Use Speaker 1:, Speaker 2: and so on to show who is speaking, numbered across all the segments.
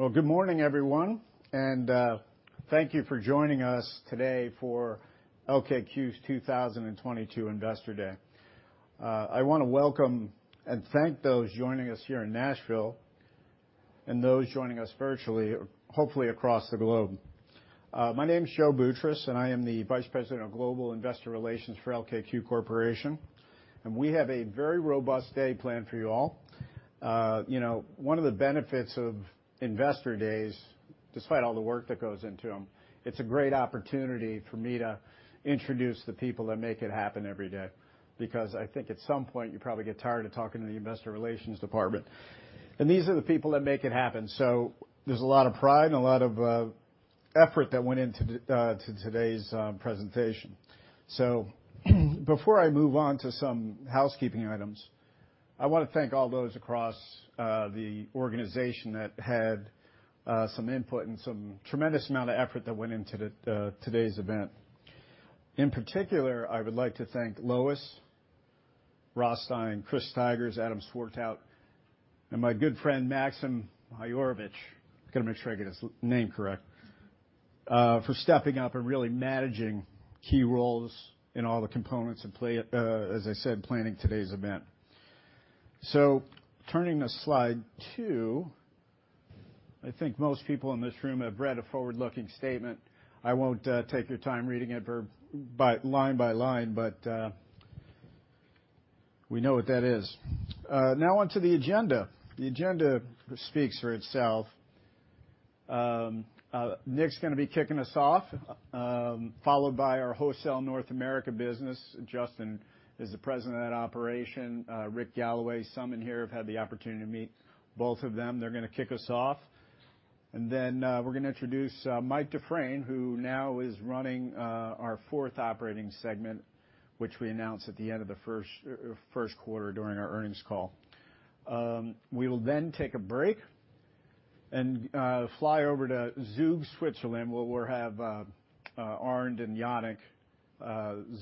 Speaker 1: Well, good morning, everyone, and thank you for joining us today for LKQ's 2022 Investor Day. I wanna welcome and thank those joining us here in Nashville and those joining us virtually, hopefully across the globe. My name's Joe Boutross, and I am the Vice President of Global Investor Relations for LKQ Corporation. We have a very robust day planned for you all. You know, one of the benefits of investor days, despite all the work that goes into them, it's a great opportunity for me to introduce the people that make it happen every day because I think at some point, you probably get tired of talking to the investor relations department. These are the people that make it happen. There's a lot of pride and a lot of effort that went into today's presentation. Before I move on to some housekeeping items, I wanna thank all those across the organization that had some input and some tremendous amount of effort that went into today's event. In particular, I would like to thank Lois Rostine, Chris Stigers, Adam Swartout, and my good friend, Maksim Mayarovich, gotta make sure I get his name correct, for stepping up and really managing key roles in all the components at play, as I said, planning today's event. Turning to slide two, I think most people in this room have read a forward-looking statement. I won't take your time reading it by line by line, but we know what that is. Now on to the agenda. The agenda speaks for itself. Nick's gonna be kicking us off, followed by our Wholesale North America business. Justin is the President of that operation, Rick Galloway. Some in here have had the opportunity to meet both of them. They're gonna kick us off. We're gonna introduce Mike Dufresne, who now is running our fourth operating segment, which we announced at the end of the first quarter during our earnings call. We will then take a break and fly over to Zug, Switzerland, where we'll have Arnd and Yanik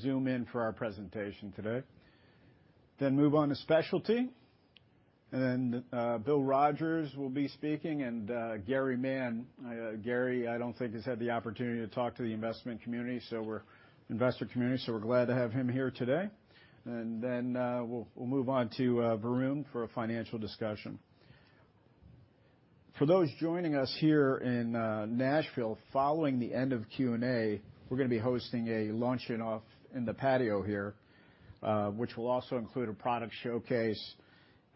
Speaker 1: Zoom in for our presentation today. Move on to Specialty, and then Bill Rogers will be speaking and Gary Mann. Gary Mann, I don't think has had the opportunity to talk to the investment community, so we're glad to have him here today. We'll move on to Varun Laroyia for a financial discussion. For those joining us here in Nashville, following the end of Q&A, we're gonna be hosting a luncheon out in the patio here, which will also include a product showcase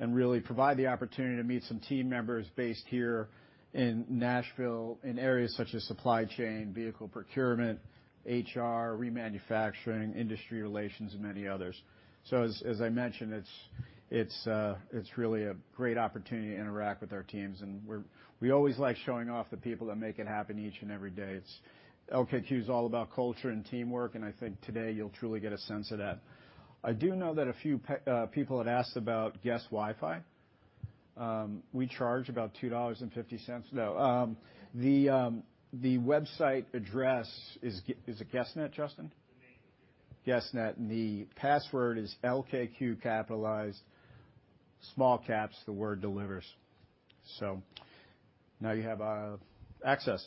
Speaker 1: and really provide the opportunity to meet some team members based here in Nashville in areas such as supply chain, vehicle procurement, HR, remanufacturing, industry relations, and many others. As I mentioned, it's really a great opportunity to interact with our teams, and we always like showing off the people that make it happen each and every day. LKQ is all about culture and teamwork, and I think today you'll truly get a sense of that. I do know that a few people had asked about guest Wi-Fi. We charge about $2.50. No, the website address is. Is it guestnet, Justin?
Speaker 2: I think.
Speaker 1: guestnet. The password is LKQ capitalized, small caps, the word delivers. Now you have access.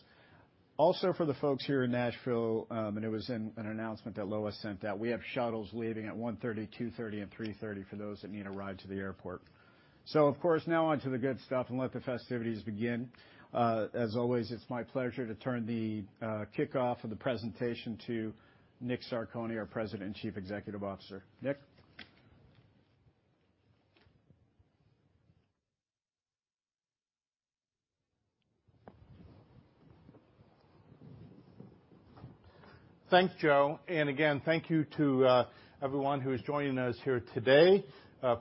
Speaker 1: Also, for the folks here in Nashville, it was in an announcement that Lois sent out. We have shuttles leaving at 1:30 P.M., 2:30 P.M., and 3:30 P.M. for those that need a ride to the airport. Of course, now on to the good stuff and let the festivities begin. As always, it's my pleasure to turn the kickoff of the presentation to Nick Zarcone, our president and chief executive officer. Nick.
Speaker 3: Thanks, Joe. Again, thank you to everyone who is joining us here today.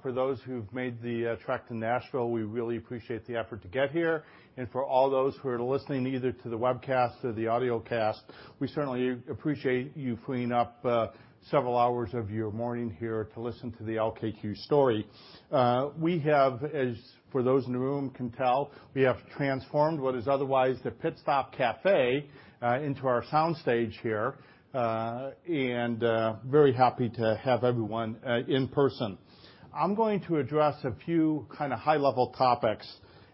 Speaker 3: For those who've made the trek to Nashville, we really appreciate the effort to get here. For all those who are listening either to the webcast or the audiocast, we certainly appreciate you freeing up several hours of your morning here to listen to the LKQ story. We have, as for those in the room can tell, transformed what is otherwise the Pit Stop Cafe into our soundstage here, and very happy to have everyone in person. I'm going to address a few kinda high-level topics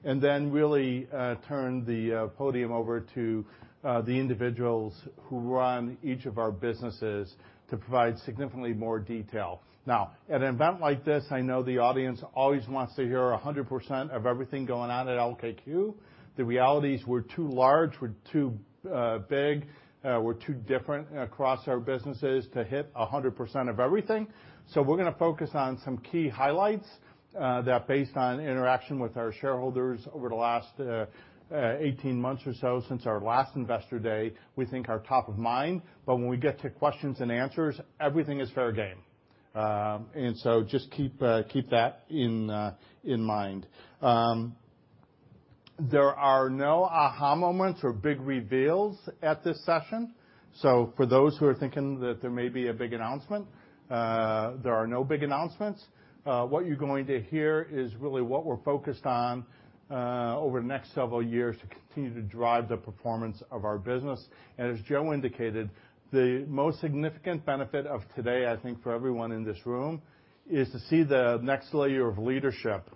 Speaker 3: and then really turn the podium over to the individuals who run each of our businesses to provide significantly more detail. Now, at an event like this, I know the audience always wants to hear 100% of everything going on at LKQ. The reality is we're too large, we're too big, we're too different across our businesses to hit 100% of everything. We're gonna focus on some key highlights that based on interaction with our shareholders over the last 18 months or so since our last investor day, we think are top of mind, but when we get to questions and answers, everything is fair game. Just keep that in mind. There are no aha moments or big reveals at this session. For those who are thinking that there may be a big announcement, there are no big announcements. What you're going to hear is really what we're focused on over the next several years to continue to drive the performance of our business. As Joe indicated, the most significant benefit of today, I think, for everyone in this room, is to see the next layer of leadership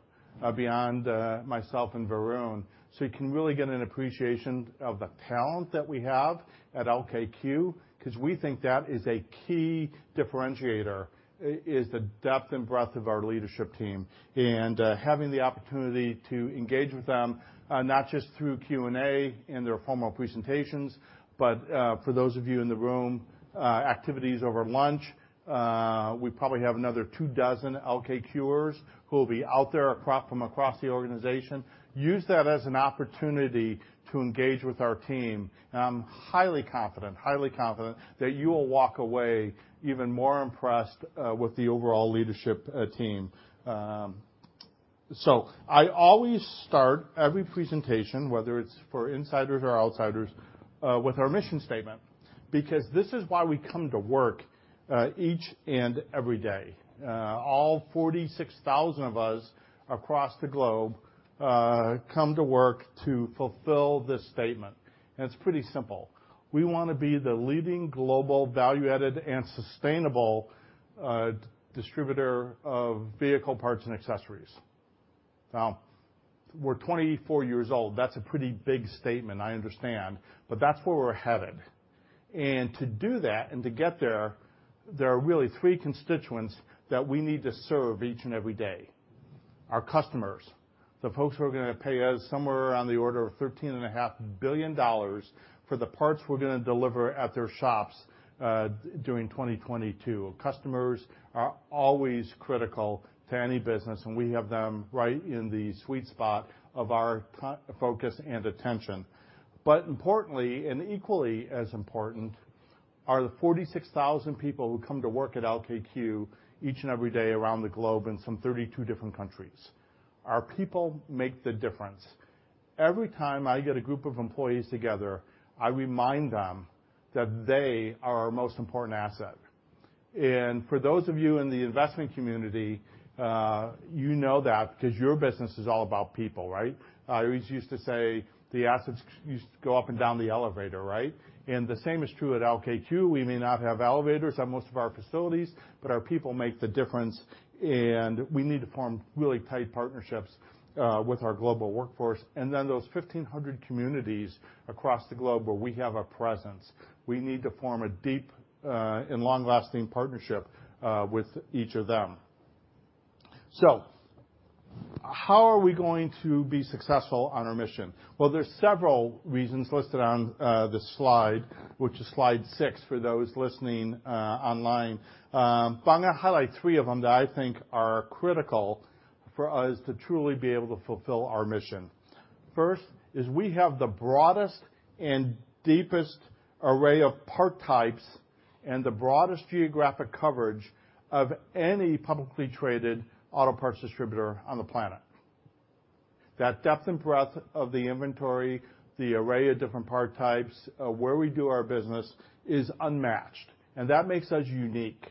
Speaker 3: beyond myself and Varun. You can really get an appreciation of the talent that we have at LKQ, 'cause we think that is a key differentiator, is the depth and breadth of our leadership team. Having the opportunity to engage with them, not just through Q&A in their formal presentations, but, for those of you in the room, activities over lunch, we probably have another two dozen LKQ-ers who will be out there from across the organization. Use that as an opportunity to engage with our team. I'm highly confident that you will walk away even more impressed with the overall leadership team. I always start every presentation, whether it's for insiders or outsiders, with our mission statement, because this is why we come to work each and every day. All 46,000 of us across the globe come to work to fulfill this statement, and it's pretty simple. We wanna be the leading global value-added and sustainable distributor of vehicle parts and accessories. Now, we're 24 years old. That's a pretty big statement, I understand, but that's where we're headed. To do that and to get there are really three constituents that we need to serve each and every day. Our customers, the folks who are gonna pay us somewhere around the order of $13.5 billion for the parts we're gonna deliver at their shops, during 2022. Customers are always critical to any business, and we have them right in the sweet spot of our focus and attention. Importantly, and equally as important, are the 46,000 people who come to work at LKQ each and every day around the globe in some 32 different countries. Our people make the difference. Every time I get a group of employees together, I remind them that they are our most important asset. For those of you in the investment community, you know that 'cause your business is all about people, right? I always used to say the assets used to go up and down the elevator, right? The same is true at LKQ. We may not have elevators at most of our facilities, but our people make the difference, and we need to form really tight partnerships with our global workforce. Those 1,500 communities across the globe where we have a presence, we need to form a deep and long-lasting partnership with each of them. How are we going to be successful on our mission? Well, there's several reasons listed on the slide, which is slide 6 for those listening online. I'm gonna highlight three of them that I think are critical for us to truly be able to fulfill our mission. First is we have the broadest and deepest array of part types and the broadest geographic coverage of any publicly traded auto parts distributor on the planet. That depth and breadth of the inventory, the array of different part types, where we do our business is unmatched, and that makes us unique.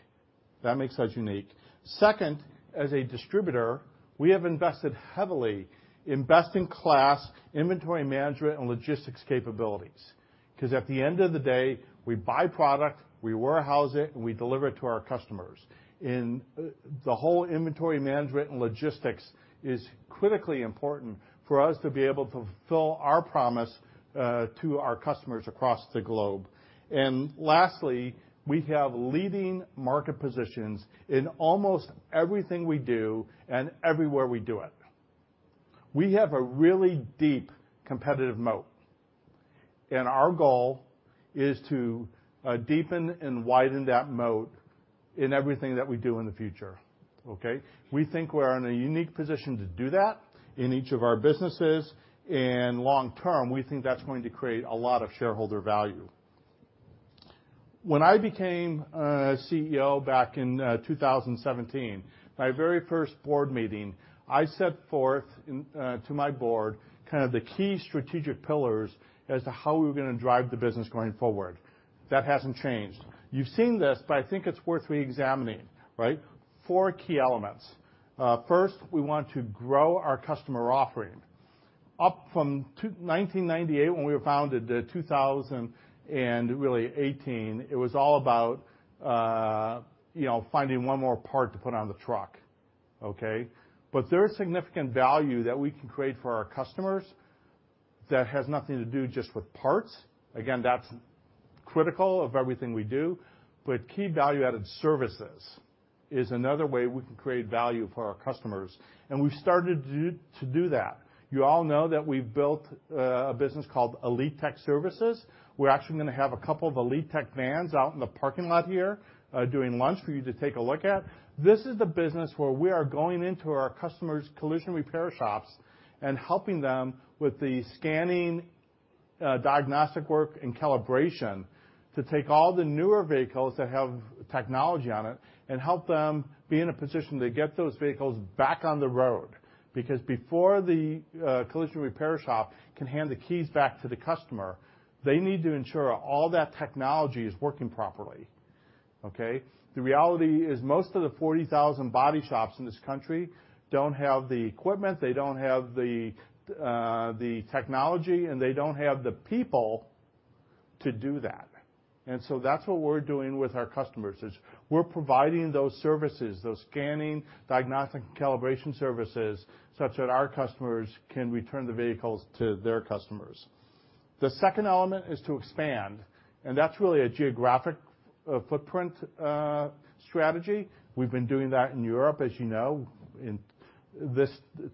Speaker 3: Second, as a distributor, we have invested heavily in best-in-class inventory management and logistics capabilities 'cause at the end of the day, we buy product, we warehouse it, and we deliver it to our customers. The whole inventory management and logistics is critically important for us to be able to fulfill our promise to our customers across the globe. Lastly, we have leading market positions in almost everything we do and everywhere we do it. We have a really deep competitive moat, and our goal is to deepen and widen that moat in everything that we do in the future, okay? We think we're in a unique position to do that in each of our businesses, and long term, we think that's going to create a lot of shareholder value. When I became CEO back in 2017, my very first board meeting, I set forth to my board kind of the key strategic pillars as to how we were gonna drive the business going forward. That hasn't changed. You've seen this, but I think it's worth reexamining, right? Four key elements. First, we want to grow our customer offering. Up from 1998 when we were founded to 2018, it was all about, you know, finding one more part to put on the truck, okay? There is significant value that we can create for our customers that has nothing to do just with parts. Again, that's critical of everything we do, but key value-added services is another way we can create value for our customers, and we've started to do that. You all know that we've built a business called Elitek Vehicle Services. We're actually gonna have a couple of Elitek vans out in the parking lot here during lunch for you to take a look at. This is the business where we are going into our customers' collision repair shops and helping them with the scanning, diagnostic work, and calibration to take all the newer vehicles that have technology on it and help them be in a position to get those vehicles back on the road. Because before the collision repair shop can hand the keys back to the customer, they need to ensure all that technology is working properly, okay? The reality is most of the 40,000 body shops in this country don't have the equipment, they don't have the technology, and they don't have the people to do that. That's what we're doing with our customers, is we're providing those services, those scanning, diagnostic, and calibration services, such that our customers can return the vehicles to their customers. The second element is to expand, and that's really a geographic footprint strategy. We've been doing that in Europe, as you know. In this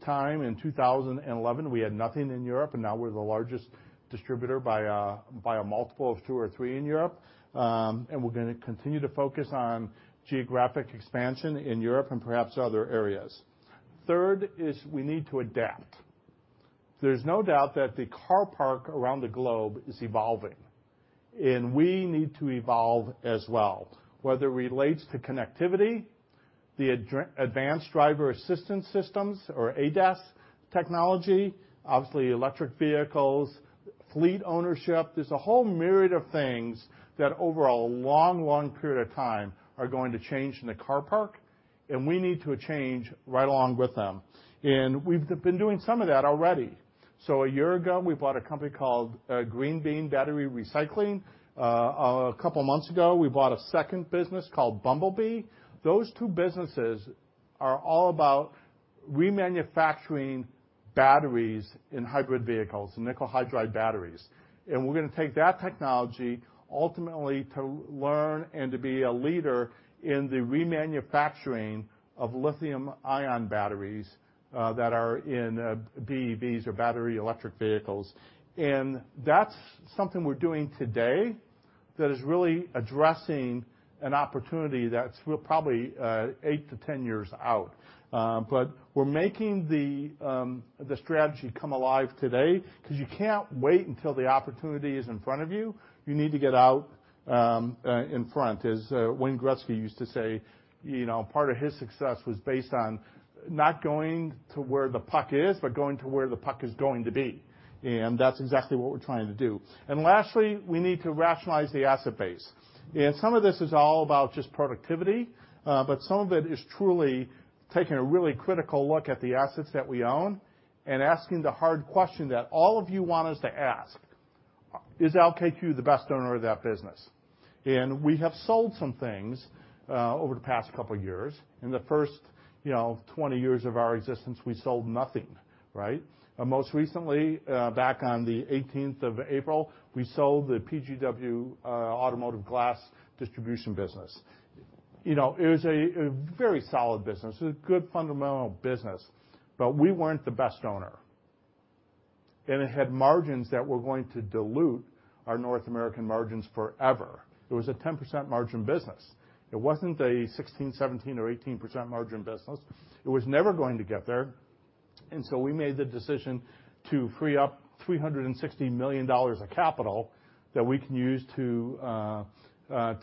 Speaker 3: time, in 2011, we had nothing in Europe, and now we're the largest distributor by a multiple of two or three in Europe. We're gonna continue to focus on geographic expansion in Europe and perhaps other areas. Third is we need to adapt. There's no doubt that the car park around the globe is evolving, and we need to evolve as well, whether it relates to connectivity, the advanced driver assistance systems or ADAS technology, obviously electric vehicles, fleet ownership. There's a whole myriad of things that over a long period of time are going to change in the car park, and we need to change right along with them. We've been doing some of that already. A year ago, we bought a company called Green Bean Battery. A couple months ago, we bought a second business called Bumblebee Batteries. Those two businesses are all about remanufacturing batteries in hybrid vehicles, nickel-metal hydride batteries. We're gonna take that technology ultimately to learn and to be a leader in the remanufacturing of lithium-ion batteries that are in BEVs or battery electric vehicles. That's something we're doing today that is really addressing an opportunity that's probably 8-10 years out. But we're making the strategy come alive today 'cause you can't wait until the opportunity is in front of you. You need to get out in front. As Wayne Gretzky used to say, you know, part of his success was based on not going to where the puck is but going to where the puck is going to be. That's exactly what we're trying to do. Lastly, we need to rationalize the asset base. Some of this is all about just productivity, but some of it is truly taking a really critical look at the assets that we own and asking the hard question that all of you want us to ask, "Is LKQ the best owner of that business?" We have sold some things over the past couple of years. In the first 20 years of our existence, we sold nothing, right? Most recently, back on the eighteenth of April, we sold the PGW automotive glass distribution business. You know, it was a very solid business, a good fundamental business, but we weren't the best owner. It had margins that were going to dilute our North American margins forever. It was a 10% margin business. It wasn't a 16%, 17%, or 18% margin business. It was never going to get there, so we made the decision to free up $360 million of capital that we can use to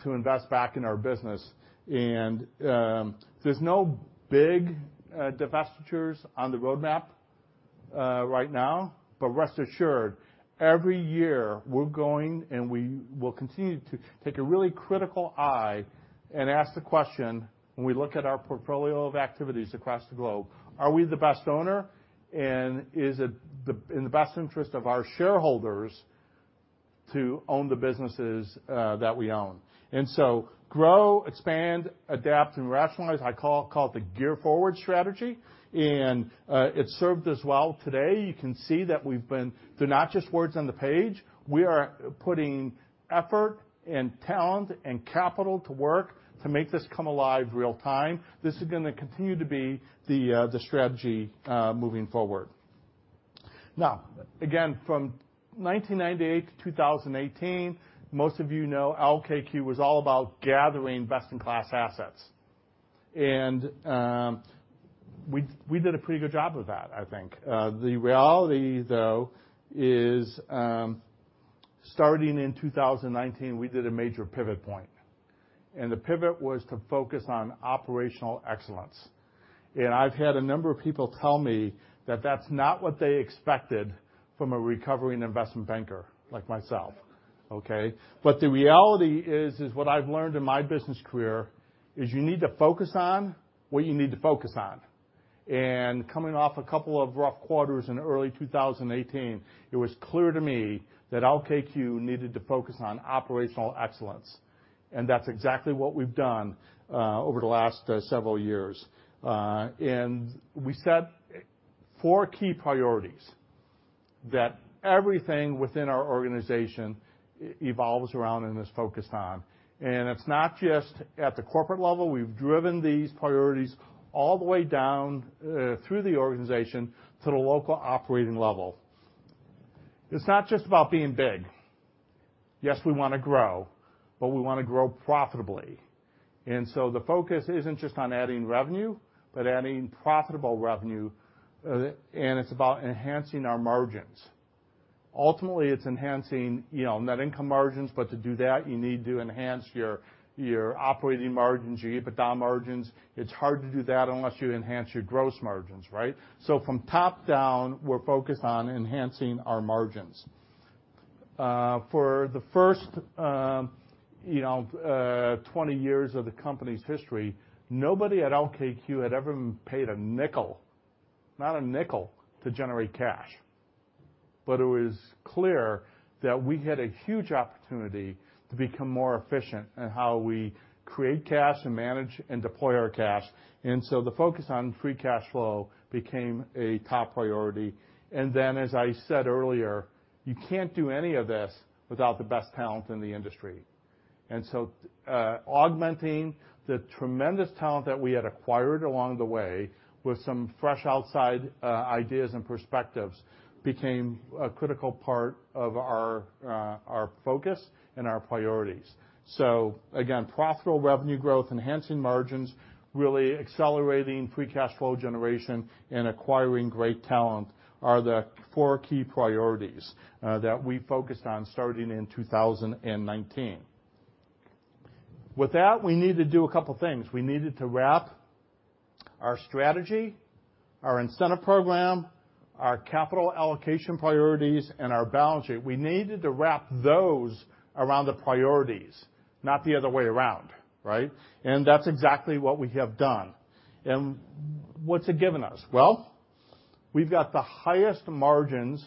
Speaker 3: invest back in our business. There's no big divestitures on the roadmap right now, but rest assured, every year we're going and we will continue to take a really critical eye and ask the question when we look at our portfolio of activities across the globe, "Are we the best owner, and is it in the best interest of our shareholders to own the businesses that we own?" Grow, expand, adapt, and rationalize, I call it the gear forward strategy, and it's served us well today. You can see that they're not just words on the page. We are putting effort and talent and capital to work to make this come alive real-time. This is gonna continue to be the strategy moving forward. Now, again, from 1998 to 2018, most of you know LKQ was all about gathering best-in-class assets. We did a pretty good job of that, I think. The reality though is, starting in 2019, we did a major pivot point, and the pivot was to focus on operational excellence. I've had a number of people tell me that that's not what they expected from a recovering investment banker like myself, okay. The reality is what I've learned in my business career is you need to focus on what you need to focus on. Coming off a couple of rough quarters in early 2018, it was clear to me that LKQ needed to focus on operational excellence, and that's exactly what we've done over the last several years. We set four key priorities that everything within our organization evolves around and is focused on. It's not just at the corporate level. We've driven these priorities all the way down through the organization to the local operating level. It's not just about being big. Yes, we wanna grow, but we wanna grow profitably. The focus isn't just on adding revenue but adding profitable revenue, and it's about enhancing our margins. Ultimately, it's enhancing, you know, net income margins, but to do that, you need to enhance your operating margins, your EBITDA margins. It's hard to do that unless you enhance your gross margins, right? From top down, we're focused on enhancing our margins. For the first 20 years of the company's history, nobody at LKQ had ever paid a nickel, not a nickel, to generate cash. It was clear that we had a huge opportunity to become more efficient in how we create cash and manage and deploy our cash. The focus on free cash flow became a top priority. As I said earlier, you can't do any of this without the best talent in the industry. Augmenting the tremendous talent that we had acquired along the way with some fresh outside ideas and perspectives became a critical part of our focus and our priorities. Again, profitable revenue growth, enhancing margins, really accelerating free cash flow generation, and acquiring great talent are the four key priorities that we focused on starting in 2019. With that, we need to do a couple things. We needed to wrap our strategy, our incentive program, our capital allocation priorities, and our balance sheet. We needed to wrap those around the priorities, not the other way around, right? That's exactly what we have done. What's it given us? Well, we've got the highest margins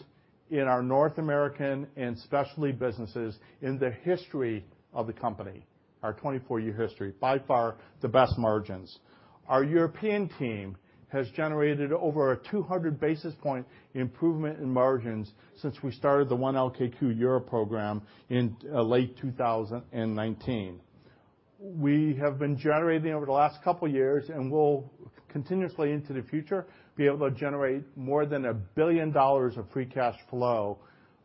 Speaker 3: in our North American and specialty businesses in the history of the company, our 24-year history. By far, the best margins. Our European team has generated over a 200 basis point improvement in margins since we started the One LKQ Europe program in late 2019. We have been generating over the last couple years, and will continuously into the future, be able to generate more than $1 billion of free cash flow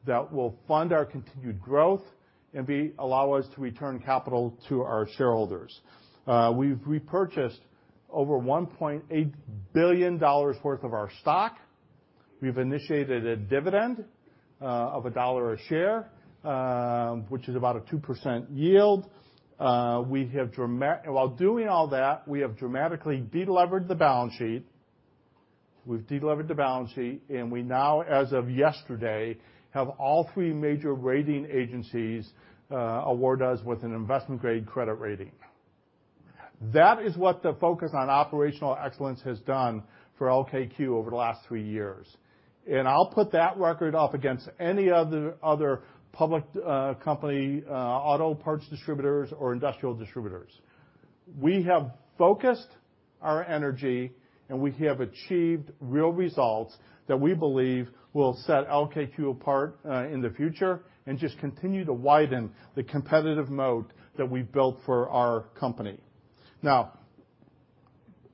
Speaker 3: that will fund our continued growth and allow us to return capital to our shareholders. We've repurchased over $1.8 billion worth of our stock. We've initiated a dividend of $1 a share, which is about a 2% yield. While doing all that, we have dramatically delevered the balance sheet. We've delevered the balance sheet, and we now, as of yesterday, have all three major rating agencies award us with an investment-grade credit rating. That is what the focus on operational excellence has done for LKQ over the last three years. I'll put that record up against any other public company, auto parts distributors or industrial distributors. We have focused our energy, and we have achieved real results that we believe will set LKQ apart, in the future and just continue to widen the competitive moat that we've built for our company. Now,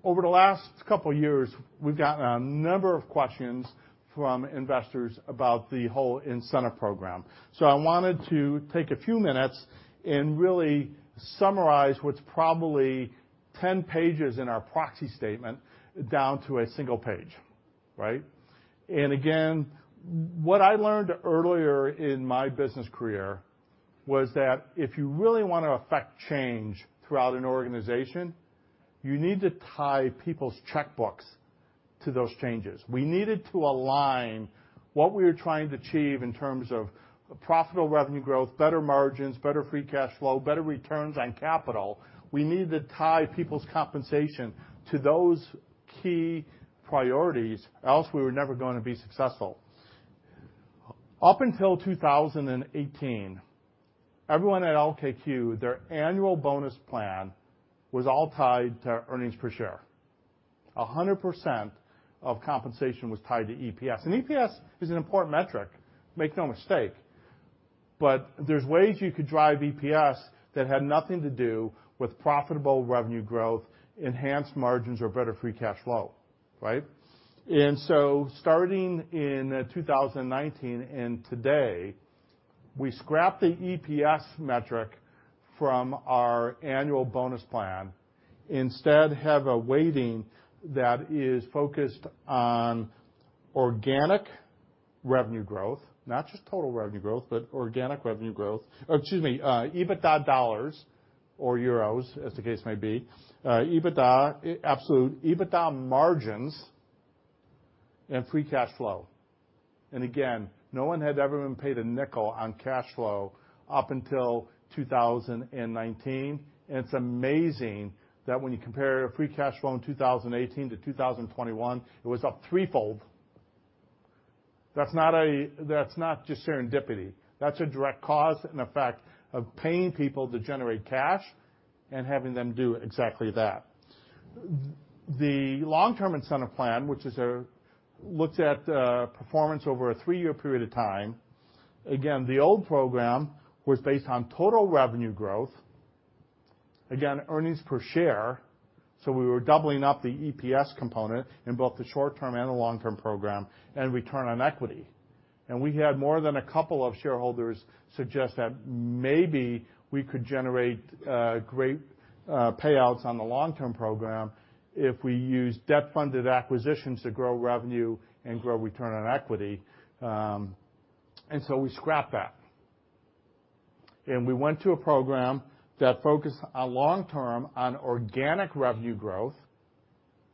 Speaker 3: over the last couple years, we've gotten a number of questions from investors about the whole incentive program. I wanted to take a few minutes and really summarize what's probably ten pages in our proxy statement down to a single page, right? Again, what I learned earlier in my business career was that if you really wanna affect change throughout an organization, you need to tie people's checkbooks to those changes. We needed to align what we were trying to achieve in terms of profitable revenue growth, better margins, better free cash flow, better returns on capital. We needed to tie people's compensation to those key priorities, else we were never gonna be successful. Up until 2018, everyone at LKQ, their annual bonus plan was all tied to earnings per share. 100% of compensation was tied to EPS. EPS is an important metric, make no mistake. There's ways you could drive EPS that had nothing to do with profitable revenue growth, enhanced margins, or better free cash flow, right? Starting in 2019 and today, we scrapped the EPS metric from our annual bonus plan, instead have a weighting that is focused on organic revenue growth. Not just total revenue growth, but organic revenue growth. Excuse me, EBITDA dollars or euros, as the case may be. EBITDA, absolute EBITDA margins and free cash flow. No one had ever been paid a nickel on cash flow up until 2019. It's amazing that when you compare free cash flow in 2018 to 2021, it was up threefold. That's not just serendipity. That's a direct cause and effect of paying people to generate cash and having them do exactly that. The long-term incentive plan, which looks at performance over a three-year period of time. Again, the old program was based on total revenue growth. Again, earnings per share, so we were doubling up the EPS component in both the short-term and the long-term program, and return on equity. We had more than a couple of shareholders suggest that maybe we could generate great payouts on the long-term program if we used debt-funded acquisitions to grow revenue and grow return on equity. We scrapped that. We went to a program that focused on long-term organic revenue growth,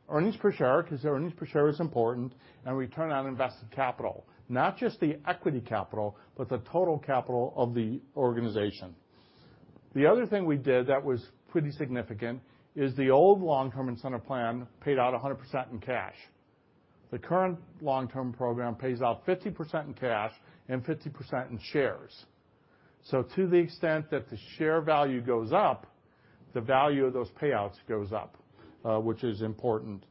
Speaker 3: earnings per share, 'cause there earnings per share is important, and return on invested capital. Not just the equity capital, but the total capital of the organization. The other thing we did that was pretty significant is the old long-term incentive plan paid out 100% in cash. The current long-term program pays out 50% in cash and 50% in shares. To the extent that the share value goes up, the value of those payouts goes up, which is important.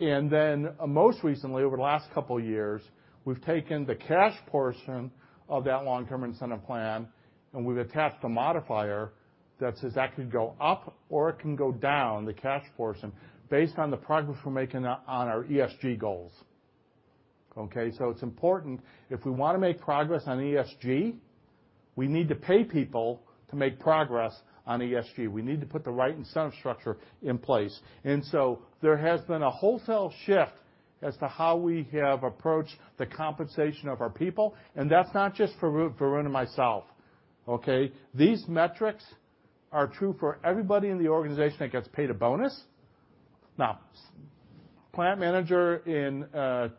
Speaker 3: Most recently, over the last couple years, we've taken the cash portion of that long-term incentive plan, and we've attached a modifier that says that could go up or it can go down, the cash portion, based on the progress we're making on our ESG goals. Okay, so it's important if we wanna make progress on ESG. We need to pay people to make progress on ESG. We need to put the right incentive structure in place. There has been a wholesale shift as to how we have approached the compensation of our people, and that's not just for Varun and myself, okay? These metrics are true for everybody in the organization that gets paid a bonus. Now, plant manager in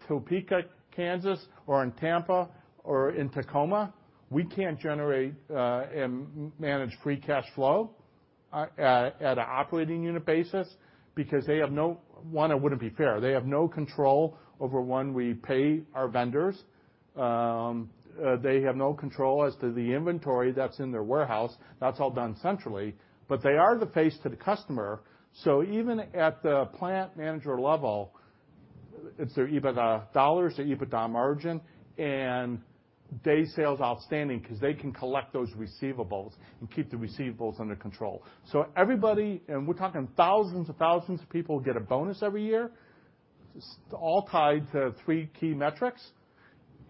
Speaker 3: Topeka, Kansas, or in Tampa or in Tacoma, we can't generate and manage free cash flow at a operating unit basis because they have no control over when we pay our vendors. It wouldn't be fair. They have no control as to the inventory that's in their warehouse. That's all done centrally. They are the face to the customer. Even at the plant manager level, it's their EBITDA dollars, their EBITDA margin, and days sales outstanding 'cause they can collect those receivables and keep the receivables under control. Everybody, and we're talking thousands and thousands of people, get a bonus every year all tied to three key metrics.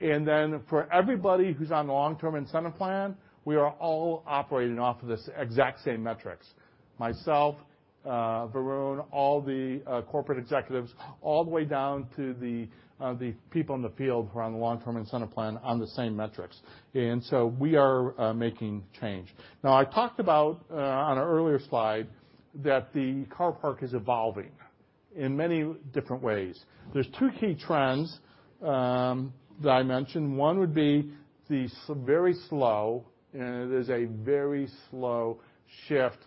Speaker 3: Then for everybody who's on the long-term incentive plan, we are all operating off of this exact same metrics. Myself, Varun, all the corporate executives, all the way down to the people in the field who are on the long-term incentive plan on the same metrics. We are making change. Now I talked about on an earlier slide that the car park is evolving in many different ways. There's two key trends that I mentioned. One would be very slow, and it is a very slow shift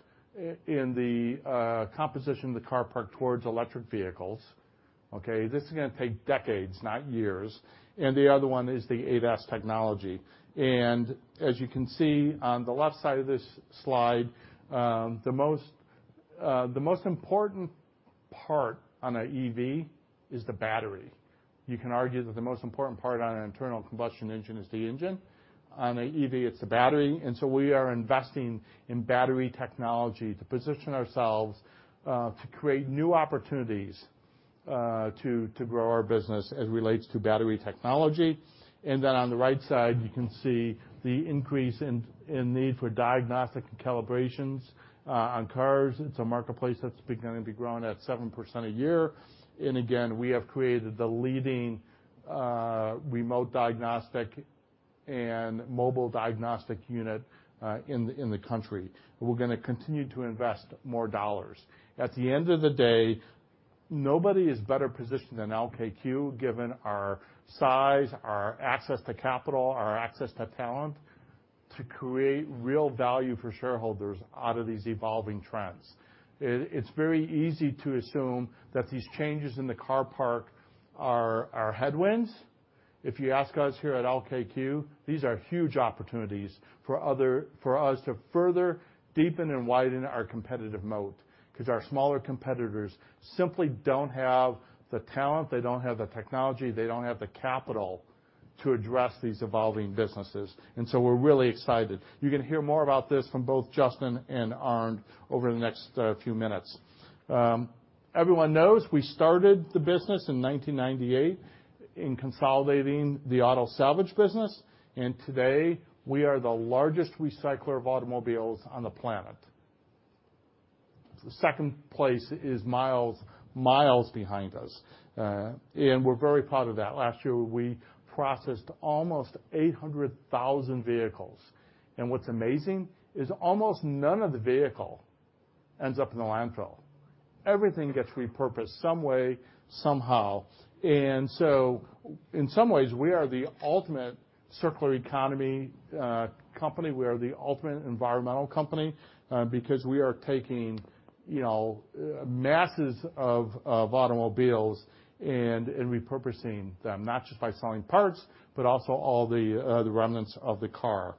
Speaker 3: in the composition of the car park towards electric vehicles, okay? This is gonna take decades, not years. The other one is the ADAS technology. As you can see on the left side of this slide, the most important part on an EV is the battery. You can argue that the most important part on an internal combustion engine is the engine. On an EV, it's the battery. We are investing in battery technology to position ourselves to create new opportunities to grow our business as relates to battery technology. On the right side, you can see the increase in need for diagnostic and calibrations on cars. It's a marketplace that's gonna be growing at 7% a year. We have created the leading remote diagnostic and mobile diagnostic unit in the country. We're gonna continue to invest more dollars. At the end of the day, nobody is better positioned than LKQ, given our size, our access to capital, our access to talent, to create real value for shareholders out of these evolving trends. It's very easy to assume that these changes in the car park are headwinds. If you ask us here at LKQ, these are huge opportunities for us to further deepen and widen our competitive moat, 'cause our smaller competitors simply don't have the talent, they don't have the technology, they don't have the capital to address these evolving businesses. We're really excited. You're gonna hear more about this from both Justin and Arnd over the next few minutes. Everyone knows we started the business in 1998 in consolidating the auto salvage business, and today, we are the largest recycler of automobiles on the planet. Second place is miles behind us, and we're very proud of that. Last year, we processed almost 800,000 vehicles. What's amazing is almost none of the vehicle ends up in the landfill. Everything gets repurposed some way, somehow. In some ways, we are the ultimate circular economy company. We are the ultimate environmental company because we are taking, you know, masses of automobiles and repurposing them, not just by selling parts, but also all the remnants of the car.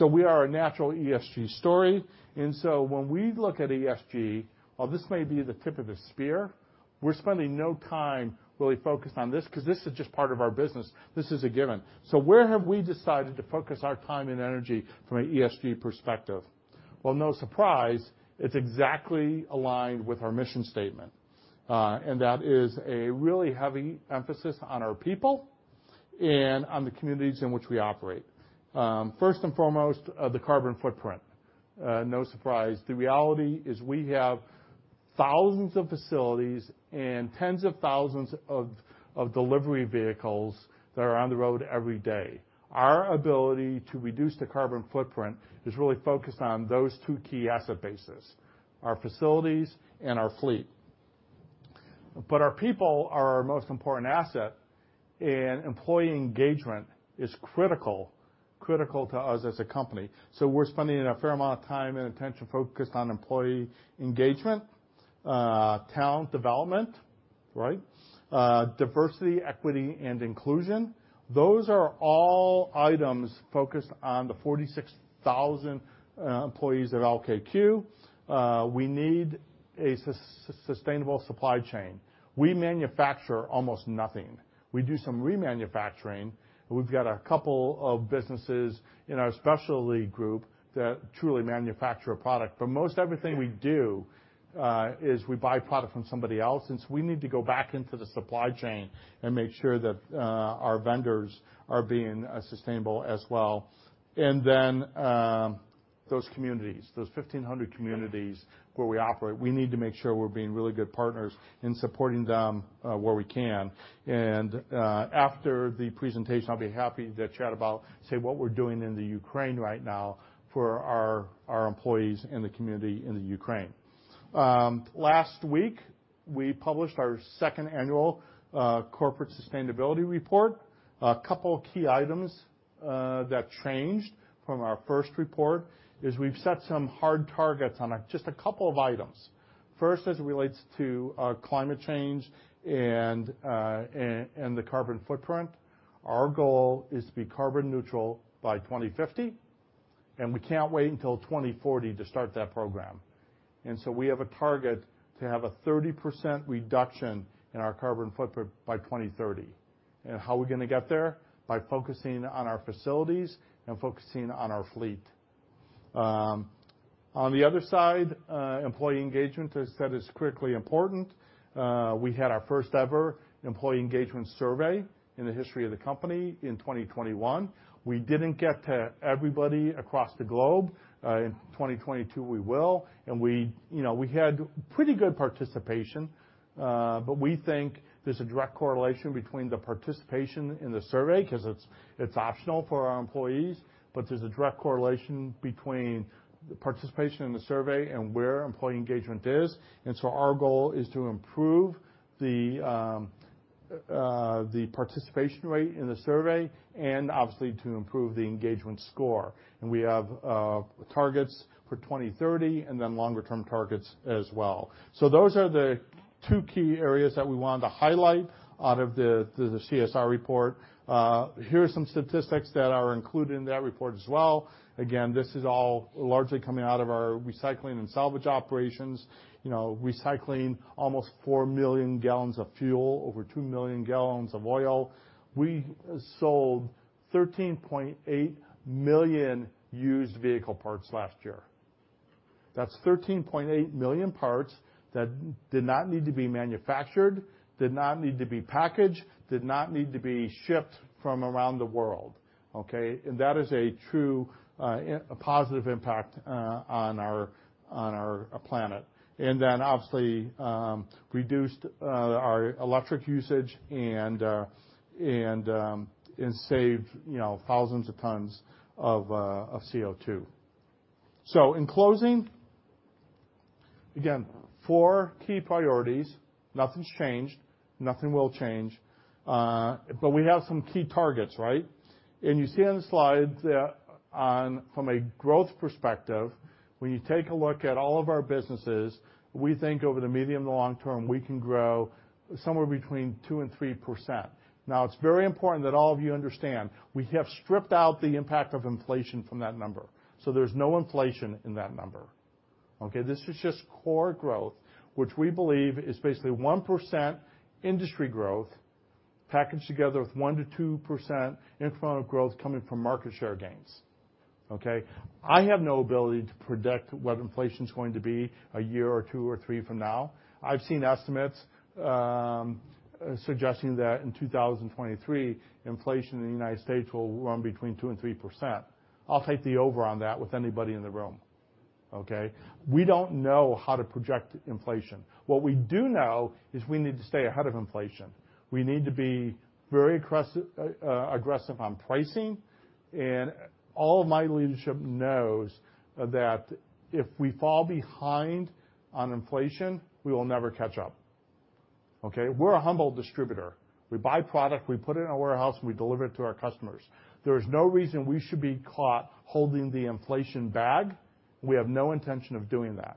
Speaker 3: We are a natural ESG story. When we look at ESG, while this may be the tip of the spear, we're spending no time really focused on this, 'cause this is just part of our business. This is a given. Where have we decided to focus our time and energy from an ESG perspective? Well, no surprise, it's exactly aligned with our mission statement, and that is a really heavy emphasis on our people and on the communities in which we operate. First and foremost, the carbon footprint. No surprise. The reality is we have thousands of facilities and tens of thousands of delivery vehicles that are on the road every day. Our ability to reduce the carbon footprint is really focused on those two key asset bases, our facilities and our fleet. Our people are our most important asset, and employee engagement is critical to us as a company. We're spending a fair amount of time and attention focused on employee engagement, talent development, right? Diversity, equity, and inclusion. Those are all items focused on the 46,000 employees at LKQ. We need a sustainable supply chain. We manufacture almost nothing. We do some remanufacturing, and we've got a couple of businesses in our specialty group that truly manufacture a product. Most everything we do is we buy product from somebody else, and so we need to go back into the supply chain and make sure that our vendors are being sustainable as well. Then those communities, those 1,500 communities where we operate, we need to make sure we're being really good partners in supporting them where we can. After the presentation, I'll be happy to chat about, say, what we're doing in the Ukraine right now for our employees and the community in the Ukraine. Last week, we published our second annual corporate sustainability report. A couple key items that changed from our first report is we've set some hard targets on just a couple of items. First, as it relates to climate change and the carbon footprint. Our goal is to be carbon neutral by 2050, and we can't wait until 2040 to start that program. We have a target to have a 30% reduction in our carbon footprint by 2030. How are we gonna get there? By focusing on our facilities and focusing on our fleet. On the other side, employee engagement, as said, is critically important. We had our first-ever employee engagement survey in the history of the company in 2021. We didn't get to everybody across the globe. In 2022 we will. We had pretty good participation, but we think there's a direct correlation between the participation in the survey, 'cause it's optional for our employees, but there's a direct correlation between the participation in the survey and where employee engagement is. Our goal is to improve the participation rate in the survey and obviously to improve the engagement score. We have targets for 2030 and then longer-term targets as well. Those are the two key areas that we wanted to highlight out of the CSR report. Here are some statistics that are included in that report as well. Again, this is all largely coming out of our recycling and salvage operations. You know, recycling almost 4 million gallons of fuel, over 2 million gallons of oil. We sold 13.8 million used vehicle parts last year. That's 13.8 million parts that did not need to be manufactured, did not need to be packaged, did not need to be shipped from around the world, okay? That is a true positive impact on our planet. Obviously reduced our electric usage and saved, you know, thousands of tons of CO2. In closing, again, four key priorities. Nothing's changed. Nothing will change. But we have some key targets, right? You see on the slide from a growth perspective, when you take a look at all of our businesses, we think over the medium to long term, we can grow somewhere between 2% and 3%. Now, it's very important that all of you understand, we have stripped out the impact of inflation from that number. There's no inflation in that number, okay? This is just core growth, which we believe is basically 1% industry growth packaged together with 1%-2% in front of growth coming from market share gains, okay? I have no ability to predict what inflation's going to be a year or two or three from now. I've seen estimates suggesting that in 2023, inflation in the United States will run between 2%-3%. I'll take the over on that with anybody in the room, okay? We don't know how to project inflation. What we do know is we need to stay ahead of inflation. We need to be very aggressive on pricing. All of my leadership knows that if we fall behind on inflation, we will never catch up, okay? We're a humble distributor. We buy product, we put it in our warehouse, and we deliver it to our customers. There is no reason we should be caught holding the inflation bag. We have no intention of doing that.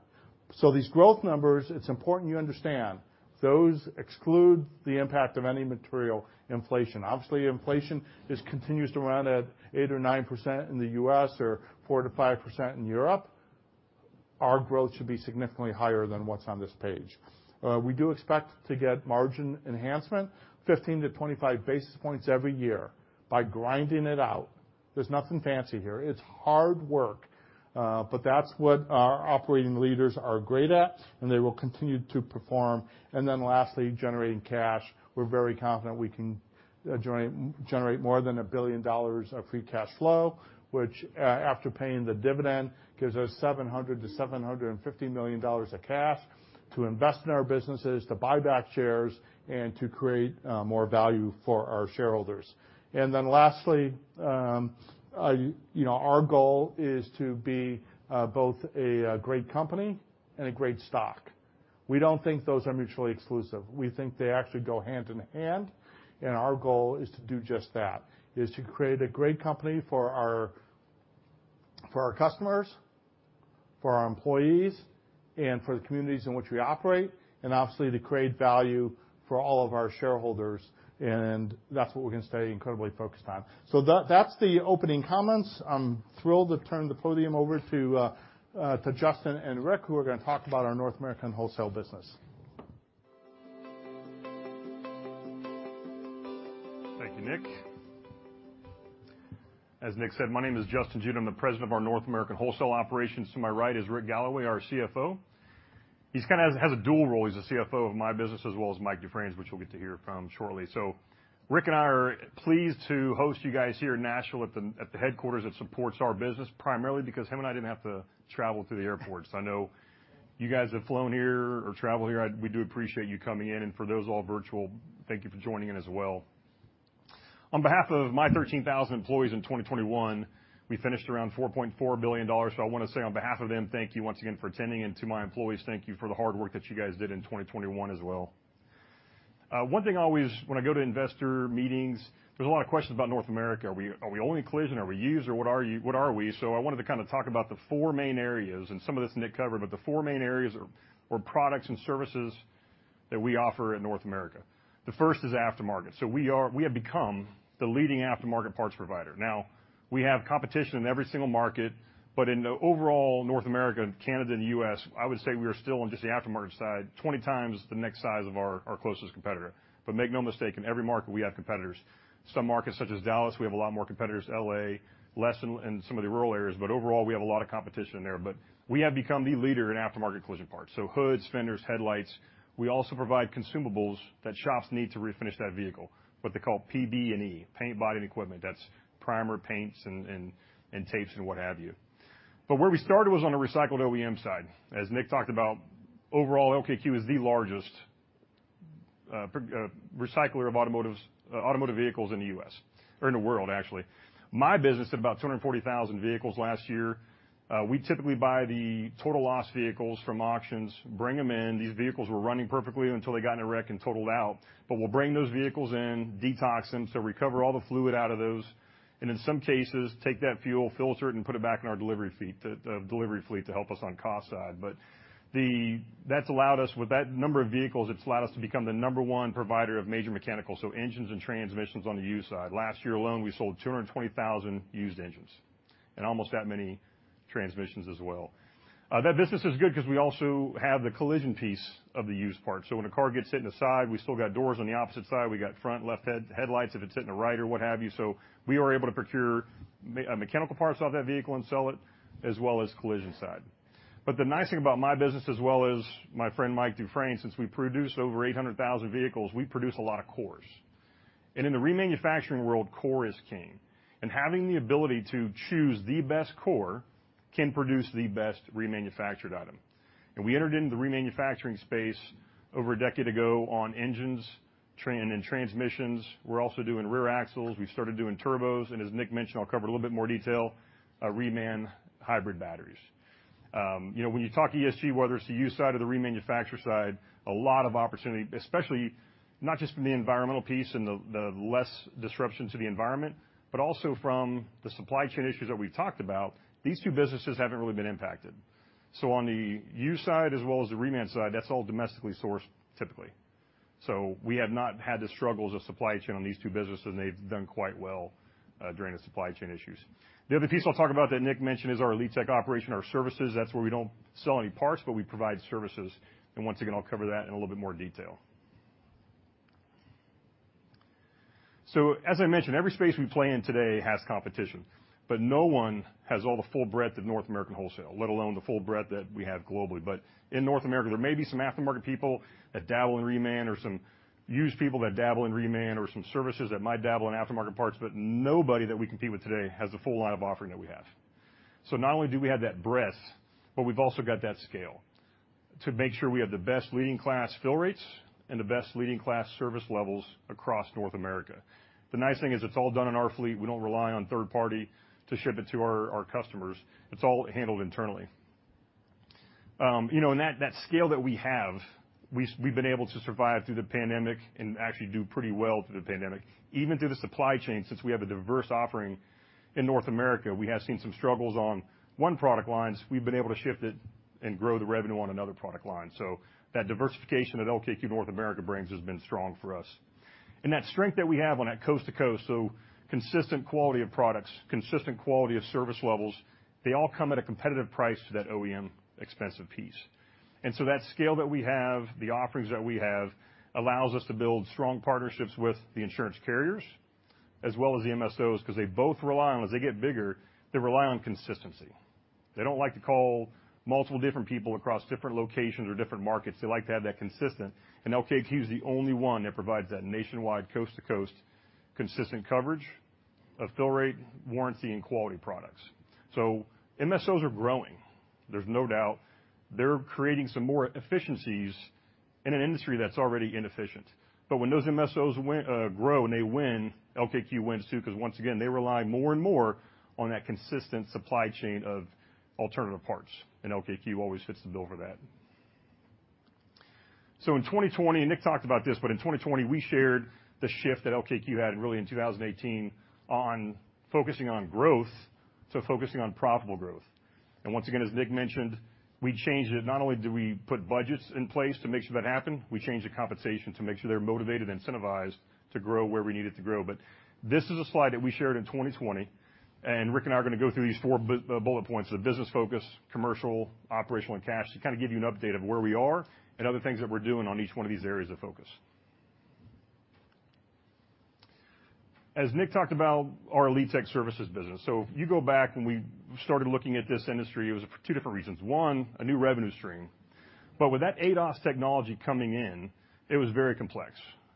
Speaker 3: These growth numbers, it's important you understand, those exclude the impact of any material inflation. Obviously, inflation just continues to run at 8% or 9% in the US or 4%-5% in Europe. Our growth should be significantly higher than what's on this page. We do expect to get margin enhancement, 15-25 basis points every year by grinding it out. There's nothing fancy here. It's hard work, but that's what our operating leaders are great at, and they will continue to perform. Lastly, generating cash. We're very confident we can generate more than $1 billion of free cash flow, which after paying the dividend, gives us $700 million-$750 million of cash to invest in our businesses, to buy back shares. To create more value for our shareholders. Then lastly, you know, our goal is to be both a great company and a great stock. We don't think those are mutually exclusive. We think they actually go hand in hand, and our goal is to do just that, is to create a great company for our customers, for our employees, and for the communities in which we operate, and obviously to create value for all of our shareholders and that's what we're gonna stay incredibly focused on. That's the opening comments. I'm thrilled to turn the podium over to Justin Jude and Rick Galloway, who are gonna talk about our North American wholesale business.
Speaker 2: Thank you, Nick. As Nick said, my name is Justin Jude. I'm the president of our North American Wholesale operations. To my right is Rick Galloway, our CFO. He's kinda has a dual role. He's the CFO of my business as well as Mike Dufresne, which you'll get to hear from shortly. Rick and I are pleased to host you guys here in Nashville at the headquarters that supports our business, primarily because him and I didn't have to travel to the airport. I know you guys have flown here or traveled here. We do appreciate you coming in, and for those all virtual, thank you for joining in as well. On behalf of my 13,000 employees in 2021, we finished around $4.4 billion, so I wanna say on behalf of them, thank you once again for attending, and to my employees, thank you for the hard work that you guys did in 2021 as well. One thing always when I go to investor meetings, there's a lot of questions about North America. Are we only collision? Are we used, or what are we? I wanted to kinda talk about the four main areas, and some of this Nick covered, but the four main areas are, or products and services that we offer in North America. The first is aftermarket. We have become the leading aftermarket parts provider. Now, we have competition in every single market, but in the overall North America, Canada, and the US, I would say we are still on just the aftermarket side, 20x the next size of our closest competitor. Make no mistake, in every market we have competitors. Some markets, such as Dallas, we have a lot more competitors, L.A., less in some of the rural areas, but overall, we have a lot of competition there. We have become the leader in aftermarket collision parts, so hoods, fenders, headlights. We also provide consumables that shops need to refinish that vehicle, what they call PBE, paint, body, and equipment. That's primer paints and tapes and what have you. Where we started was on the recycled OEM side. As Nick talked about, overall, LKQ is the largest recycler of automotives, automotive vehicles in the U.S., or in the world actually. My business did about 240,000 vehicles last year. We typically buy the total loss vehicles from auctions, bring them in. These vehicles were running perfectly until they got in a wreck and totaled out, but we'll bring those vehicles in, detox them, so recover all the fluid out of those, and in some cases, take that fuel, filter it, and put it back in our delivery fleet to help us on the cost side. That's allowed us, with that number of vehicles, it's allowed us to become the number one provider of major mechanicals, so engines and transmissions on the used side. Last year alone, we sold 220,000 used engines and almost that many transmissions as well. That business is good 'cause we also have the collision piece of the used parts. When a car gets hit in the side, we still got doors on the opposite side, we got front left head, headlights, if it's hit in the right or what have you. We are able to procure mechanical parts off that vehicle and sell it, as well as collision side. The nice thing about my business as well is my friend Mike Dufresne, since we produce over 800,000 vehicles, we produce a lot of cores. In the remanufacturing world, core is king. Having the ability to choose the best core can produce the best remanufactured item. We entered into the remanufacturing space over a decade ago on engines and transmissions. We're also doing rear axles. We've started doing turbos, and as Nick mentioned, I'll cover a little bit more detail, reman hybrid batteries. You know, when you talk ESG, whether it's the used side or the remanufacture side, a lot of opportunity, especially not just from the environmental piece and the less disruption to the environment, but also from the supply chain issues that we've talked about, these two businesses haven't really been impacted. On the used side as well as the reman side, that's all domestically sourced typically. We have not had the struggles of supply chain on these two businesses, and they've done quite well during the supply chain issues. The other piece I'll talk about that Nick mentioned is our Elitek operation, our services. That's where we don't sell any parts, but we provide services. Once again, I'll cover that in a little bit more detail. As I mentioned, every space we play in today has competition, but no one has all the full breadth of North American wholesale, let alone the full breadth that we have globally. In North America, there may be some aftermarket people that dabble in reman or some used people that dabble in reman or some services that might dabble in aftermarket parts, but nobody that we compete with today has the full line of offering that we have. Not only do we have that breadth, but we've also got that scale to make sure we have the best leading class fill rates and the best leading class service levels across North America. The nice thing is it's all done in our fleet. We don't rely on third party to ship it to our customers. It's all handled internally. That scale that we have, we've been able to survive through the pandemic and actually do pretty well through the pandemic. Even through the supply chain, since we have a diverse offering in North America, we have seen some struggles on one product lines. We've been able to shift it and grow the revenue on another product line. That diversification that LKQ North America brings has been strong for us. That strength that we have on that coast to coast, so consistent quality of products, consistent quality of service levels, they all come at a competitive price to that OEM expensive piece. That scale that we have, the offerings that we have, allows us to build strong partnerships with the insurance carriers as well as the MSOs, 'cause they both rely on, as they get bigger, they rely on consistency. They don't like to call multiple different people across different locations or different markets. They like to have that consistent, and LKQ is the only one that provides that nationwide, coast-to-coast consistent coverage of fill rate, warranty, and quality products. MSOs are growing. There's no doubt. They're creating some more efficiencies in an industry that's already inefficient. When those MSOs grow and they win, LKQ wins, too, because once again, they rely more and more on that consistent supply chain of alternative parts, and LKQ always fits the bill for that. In 2020, Nick talked about this, but in 2020, we shared the shift that LKQ had really in 2018 on focusing on growth to focusing on profitable growth. Once again, as Nick mentioned, we changed it. Not only did we put budgets in place to make sure that happened, we changed the compensation to make sure they're motivated and incentivized to grow where we need it to grow. This is a slide that we shared in 2020, and Rick and I are gonna go through these four bullet points, the business focus, commercial, operational, and cash, to kind of give you an update of where we are and other things that we're doing on each one of these areas of focus. As Nick talked about our Elitek services business. You go back when we started looking at this industry, it was for two different reasons. One, a new revenue stream. With that ADAS technology coming in, it was very complex.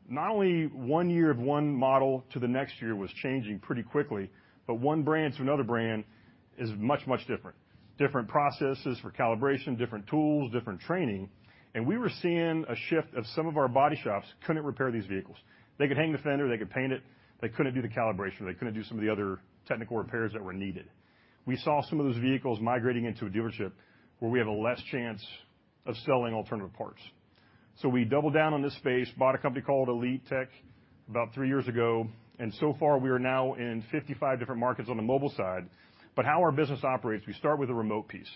Speaker 2: Not only one year of one model to the next year was changing pretty quickly, but one brand to another brand is much, much different. Different processes for calibration, different tools, different training. We were seeing a shift of some of our body shops couldn't repair these vehicles. They could hang the fender, they could paint it, they couldn't do the calibration, or they couldn't do some of the other technical repairs that were needed. We saw some of those vehicles migrating into a dealership where we have a less chance of selling alternative parts. We doubled down on this space, bought a company called Elitek about three years ago, and so far, we are now in 55 different markets on the mobile side. How our business operates, we start with a remote piece,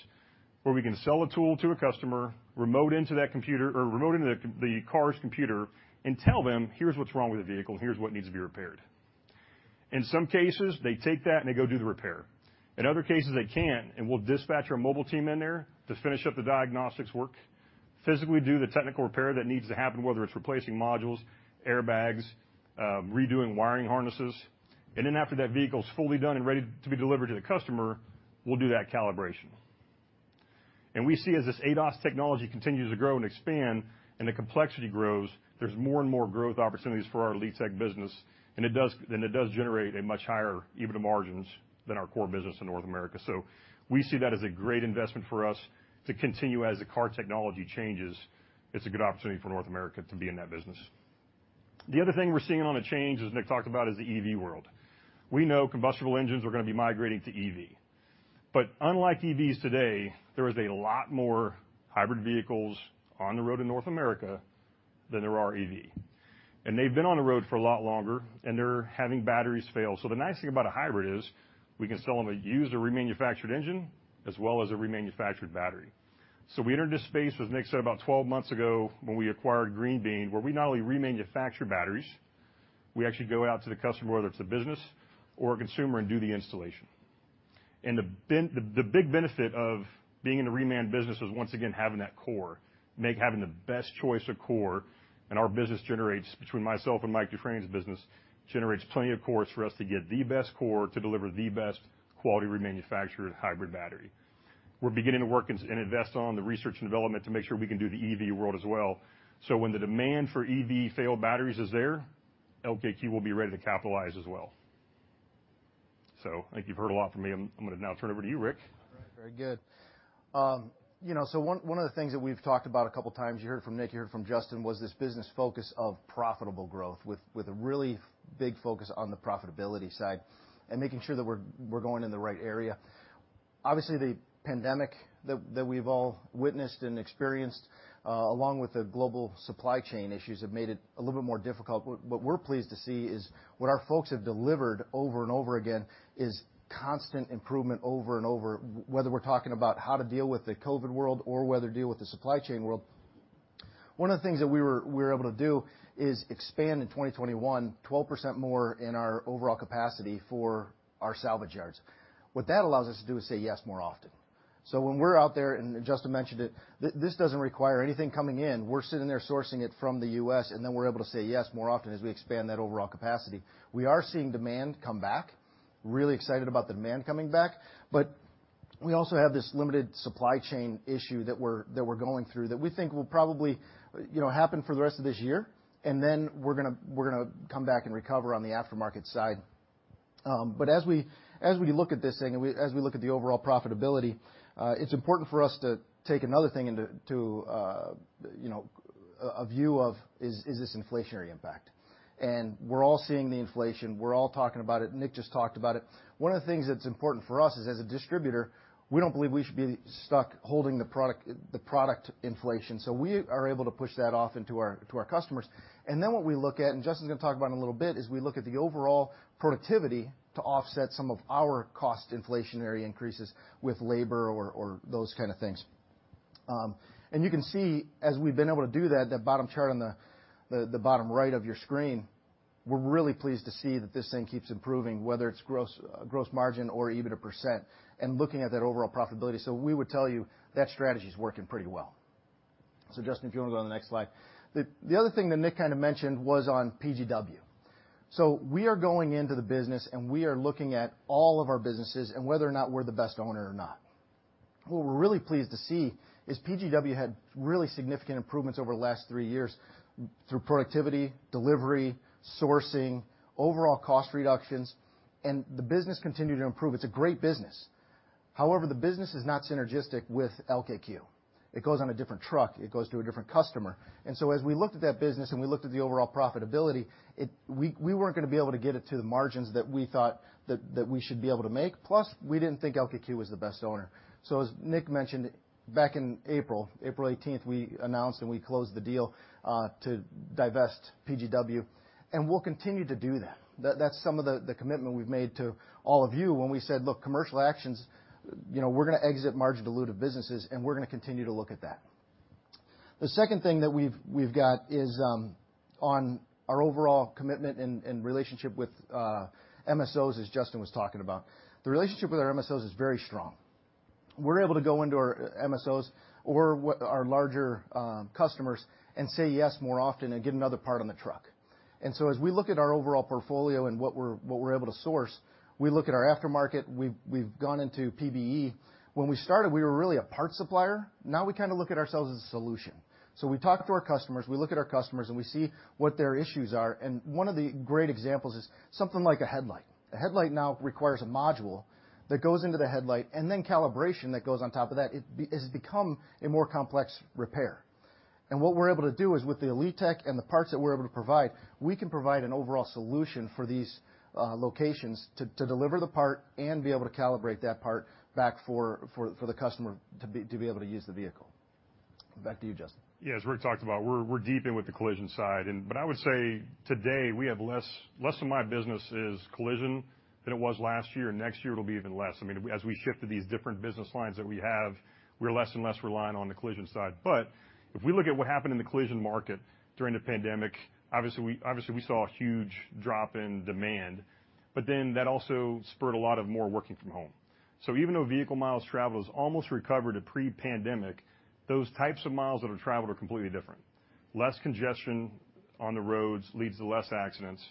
Speaker 2: where we can sell a tool to a customer, remote into the car's computer and tell them, "Here's what's wrong with the vehicle. Here's what needs to be repaired." In some cases, they take that, and they go do the repair. In other cases, they can't, and we'll dispatch our mobile team in there to finish up the diagnostics work, physically do the technical repair that needs to happen, whether it's replacing modules, airbags, redoing wiring harnesses. Then after that vehicle's fully done and ready to be delivered to the customer, we'll do that calibration. We see as this ADAS technology continues to grow and expand and the complexity grows, there's more and more growth opportunities for our Elitek business, and it does generate a much higher EBITDA margins than our core business in North America. We see that as a great investment for us to continue as the car technology changes. It's a good opportunity for North America to be in that business. The other thing we're seeing on the change, as Nick talked about, is the EV world. We know combustion engines are gonna be migrating to EVs. Unlike EVs today, there is a lot more hybrid vehicles on the road in North America than there are EVs. They've been on the road for a lot longer, and they're having batteries fail. The nice thing about a hybrid is we can sell them a used or remanufactured engine as well as a remanufactured battery. We entered this space, as Nick said, about 12 months ago when we acquired Green Bean, where we not only remanufacture batteries, we actually go out to the customer, whether it's a business or a consumer, and do the installation. The big benefit of being in the reman business is, once again, having that core, having the best choice of core . Our business, between myself and Mike Dufresne's business, generates plenty of cores for us to get the best core to deliver the best quality remanufactured hybrid battery. We're beginning to work and invest on the research and development to make sure we can do the EV world as well. When the demand for EV failed batteries is there, LKQ will be ready to capitalize as well. I think you've heard a lot from me. I'm gonna now turn it over to you, Rick.
Speaker 4: All right. Very good. You know, one of the things that we've talked about a couple times, you heard it from Nick, you heard it from Justin, was this business focus of profitable growth with a really big focus on the profitability side and making sure that we're going in the right area. Obviously, the pandemic that we've all witnessed and experienced, along with the global supply chain issues have made it a little bit more difficult. What we're pleased to see is what our folks have delivered over and over again is constant improvement over and over, whether we're talking about how to deal with the COVID world or whether to deal with the supply chain world. One of the things that we were able to do is expand in 2021 12% more in our overall capacity for our salvage yards. What that allows us to do is say yes more often. When we're out there, and Justin mentioned it, this doesn't require anything coming in. We're sitting there sourcing it from the US, and then we're able to say yes more often as we expand that overall capacity. We are seeing demand come back. Really excited about demand coming back, but we also have this limited supply chain issue that we're going through that we think will probably, you know, happen for the rest of this year, and then we're gonna come back and recover on the aftermarket side. As we look at the overall profitability, it's important for us to take another thing into account, you know. Is this inflationary impact? We're all seeing the inflation. We're all talking about it. Nick just talked about it. One of the things that's important for us is, as a distributor, we don't believe we should be stuck holding the product inflation. We are able to push that off onto our customers. What we look at, and Justin's gonna talk about in a little bit, is we look at the overall productivity to offset some of our cost inflationary increases with labor or those kinda things. You can see, as we've been able to do that bottom chart on the bottom right of your screen, we're really pleased to see that this thing keeps improving, whether it's gross gross margin or EBITDA %, and looking at that overall profitability. We would tell you that strategy's working pretty well. Justin, if you wanna go to the next slide. The other thing that Nick kind of mentioned was on PGW. We are going into the business, and we are looking at all of our businesses and whether or not we're the best owner or not. What we're really pleased to see is PGW had really significant improvements over the last three years through productivity, delivery, sourcing, overall cost reductions, and the business continued to improve. It's a great business. However, the business is not synergistic with LKQ. It goes on a different truck, it goes to a different customer. As we looked at that business and we looked at the overall profitability, we weren't gonna be able to get it to the margins that we thought we should be able to make. Plus, we didn't think LKQ was the best owner. As Nick mentioned, back in April 18th, we announced and we closed the deal to divest PGW, and we'll continue to do that. That's some of the commitment we've made to all of you when we said, "Look, commercial actions, you know, we're gonna exit margin dilutive businesses, and we're gonna continue to look at that." The second thing that we've got is on our overall commitment and relationship with MSOs, as Justin was talking about. The relationship with our MSOs is very strong. We're able to go into our MSOs or our larger customers and say yes more often and get another part on the truck. As we look at our overall portfolio and what we're able to source, we look at our aftermarket. We've gone into PBE. When we started, we were really a part supplier. Now we kinda look at ourselves as a solution. We talk to our customers, we look at our customers, and we see what their issues are. One of the great examples is something like a headlight. A headlight now requires a module that goes into the headlight, and then calibration that goes on top of that. It's become a more complex repair. What we're able to do is, with the Elitek and the parts that we're able to provide, we can provide an overall solution for these locations to deliver the part and be able to calibrate that part back for the customer to be able to use the vehicle. Back to you, Justin.
Speaker 2: Yeah. As Rick talked about, we're deep in with the collision side, but I would say today we have less of my business is collision than it was last year, and next year it'll be even less. I mean, as we shift to these different business lines that we have, we're less and less reliant on the collision side. If we look at what happened in the collision market during the pandemic, obviously we saw a huge drop in demand, but then that also spurred a lot more working from home. Even though vehicle miles traveled has almost recovered to pre-pandemic, those types of miles that are traveled are completely different. Less congestion on the roads leads to less accidents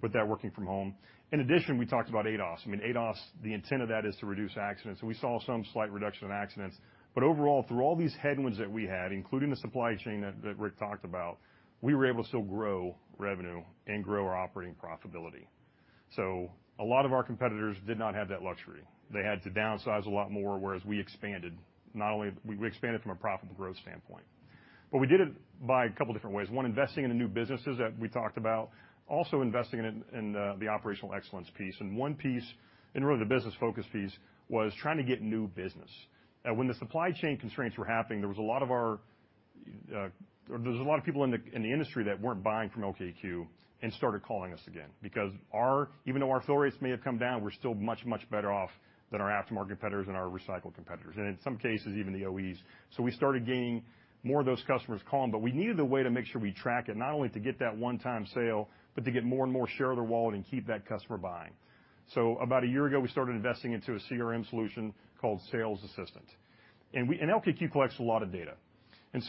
Speaker 2: with that working from home. In addition, we talked about ADAS. I mean, ADAS, the intent of that is to reduce accidents. We saw some slight reduction in accidents. Overall, through all these headwinds that we had, including the supply chain that Rick talked about, we were able to still grow revenue and grow our operating profitability. A lot of our competitors did not have that luxury. They had to downsize a lot more, whereas we expanded. We expanded from a profitable growth standpoint. We did it by a couple different ways. One, investing in the new businesses that we talked about. Also investing in the operational excellence piece. One piece, and really the business focus piece, was trying to get new business. When the supply chain constraints were happening, there was a lot of people in the industry that weren't buying from LKQ and started calling us again because, even though our fill rates may have come down, we're still much, much better off than our aftermarket competitors and our recycled competitors, and in some cases, even the OEs. We started gaining more of those customers calling. We needed a way to make sure we track it, not only to get that one-time sale, but to get more and more share of their wallet and keep that customer buying. About a year ago, we started investing into a CRM solution called Sales Assistant. LKQ collects a lot of data.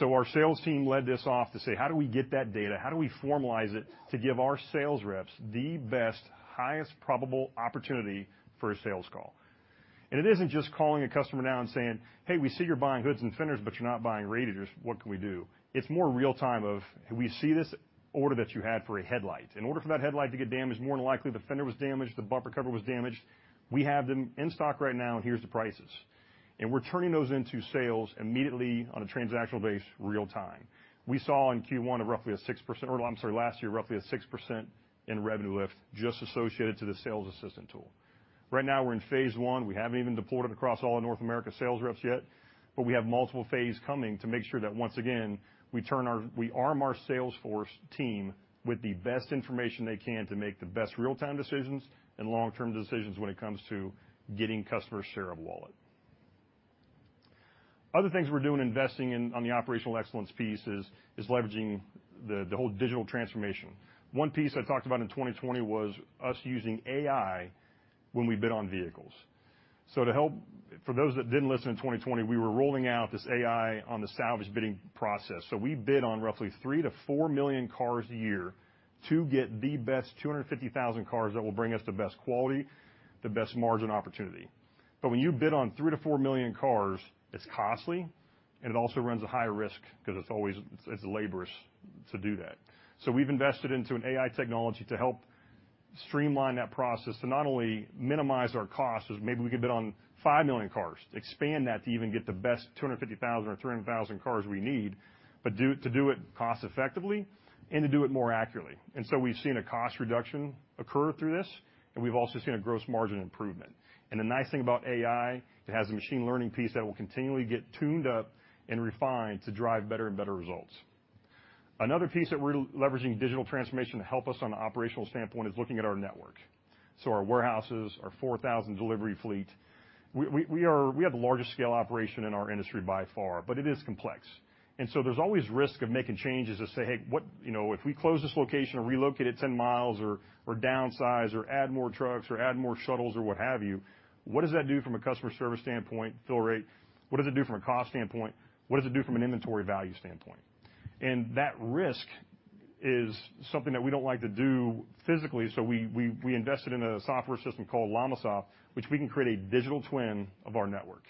Speaker 2: Our sales team led this off to say, "How do we get that data? How do we formalize it to give our sales reps the best, highest probable opportunity for a sales call?" It isn't just calling a customer now and saying, "Hey, we see you're buying hoods and fenders, but you're not buying radiators. What can we do?" It's more real time of, "We see this order that you had for a headlight. In order for that headlight to get damaged, more than likely the fender was damaged, the bumper cover was damaged. We have them in stock right now. Here's the prices." We're turning those into sales immediately on a transactional base real time. We saw in Q1 a roughly 6% or I'm sorry, last year, roughly 6% revenue lift just associated to the Sales Assistant tool. Right now we're in phase one. We haven't even deployed it across all of North America sales reps yet, but we have multiple phase coming to make sure that, once again, we arm our sales force team with the best information they can to make the best real-time decisions and long-term decisions when it comes to getting customer share of wallet. Other things we're doing, investing in on the operational excellence piece is leveraging the whole digital transformation. One piece I talked about in 2020 was us using AI when we bid on vehicles. For those that didn't listen in 2020, we were rolling out this AI on the salvage bidding process. We bid on roughly 3-4 million cars a year to get the best 250,000 cars that will bring us the best quality, the best margin opportunity. But when you bid on 3-4 million cars, it's costly, and it also runs a higher risk 'cause it's laborious to do that. We've invested into an AI technology to help streamline that process to not only minimize our costs, 'cause maybe we could bid on 5 million cars, expand that to even get the best 250,000 or 300,000 cars we need, but to do it cost effectively and to do it more accurately. We've seen a cost reduction occur through this, and we've also seen a gross margin improvement. The nice thing about AI, it has a machine learning piece that will continually get tuned up and refined to drive better and better results. Another piece that we're leveraging digital transformation to help us on the operational standpoint is looking at our network, our warehouses, our 4,000 delivery fleet. We have the largest scale operation in our industry by far, but it is complex. There's always risk of making changes to say, "Hey, what, you know, if we close this location or relocate it 10 miles or downsize or add more trucks or add more shuttles or what have you, what does that do from a customer service standpoint, fill rate? What does it do from a cost standpoint? What does it do from an inventory value standpoint?" That risk is something that we don't like to do physically, so we invested in a software system called LLamasoft, which we can create a digital twin of our network.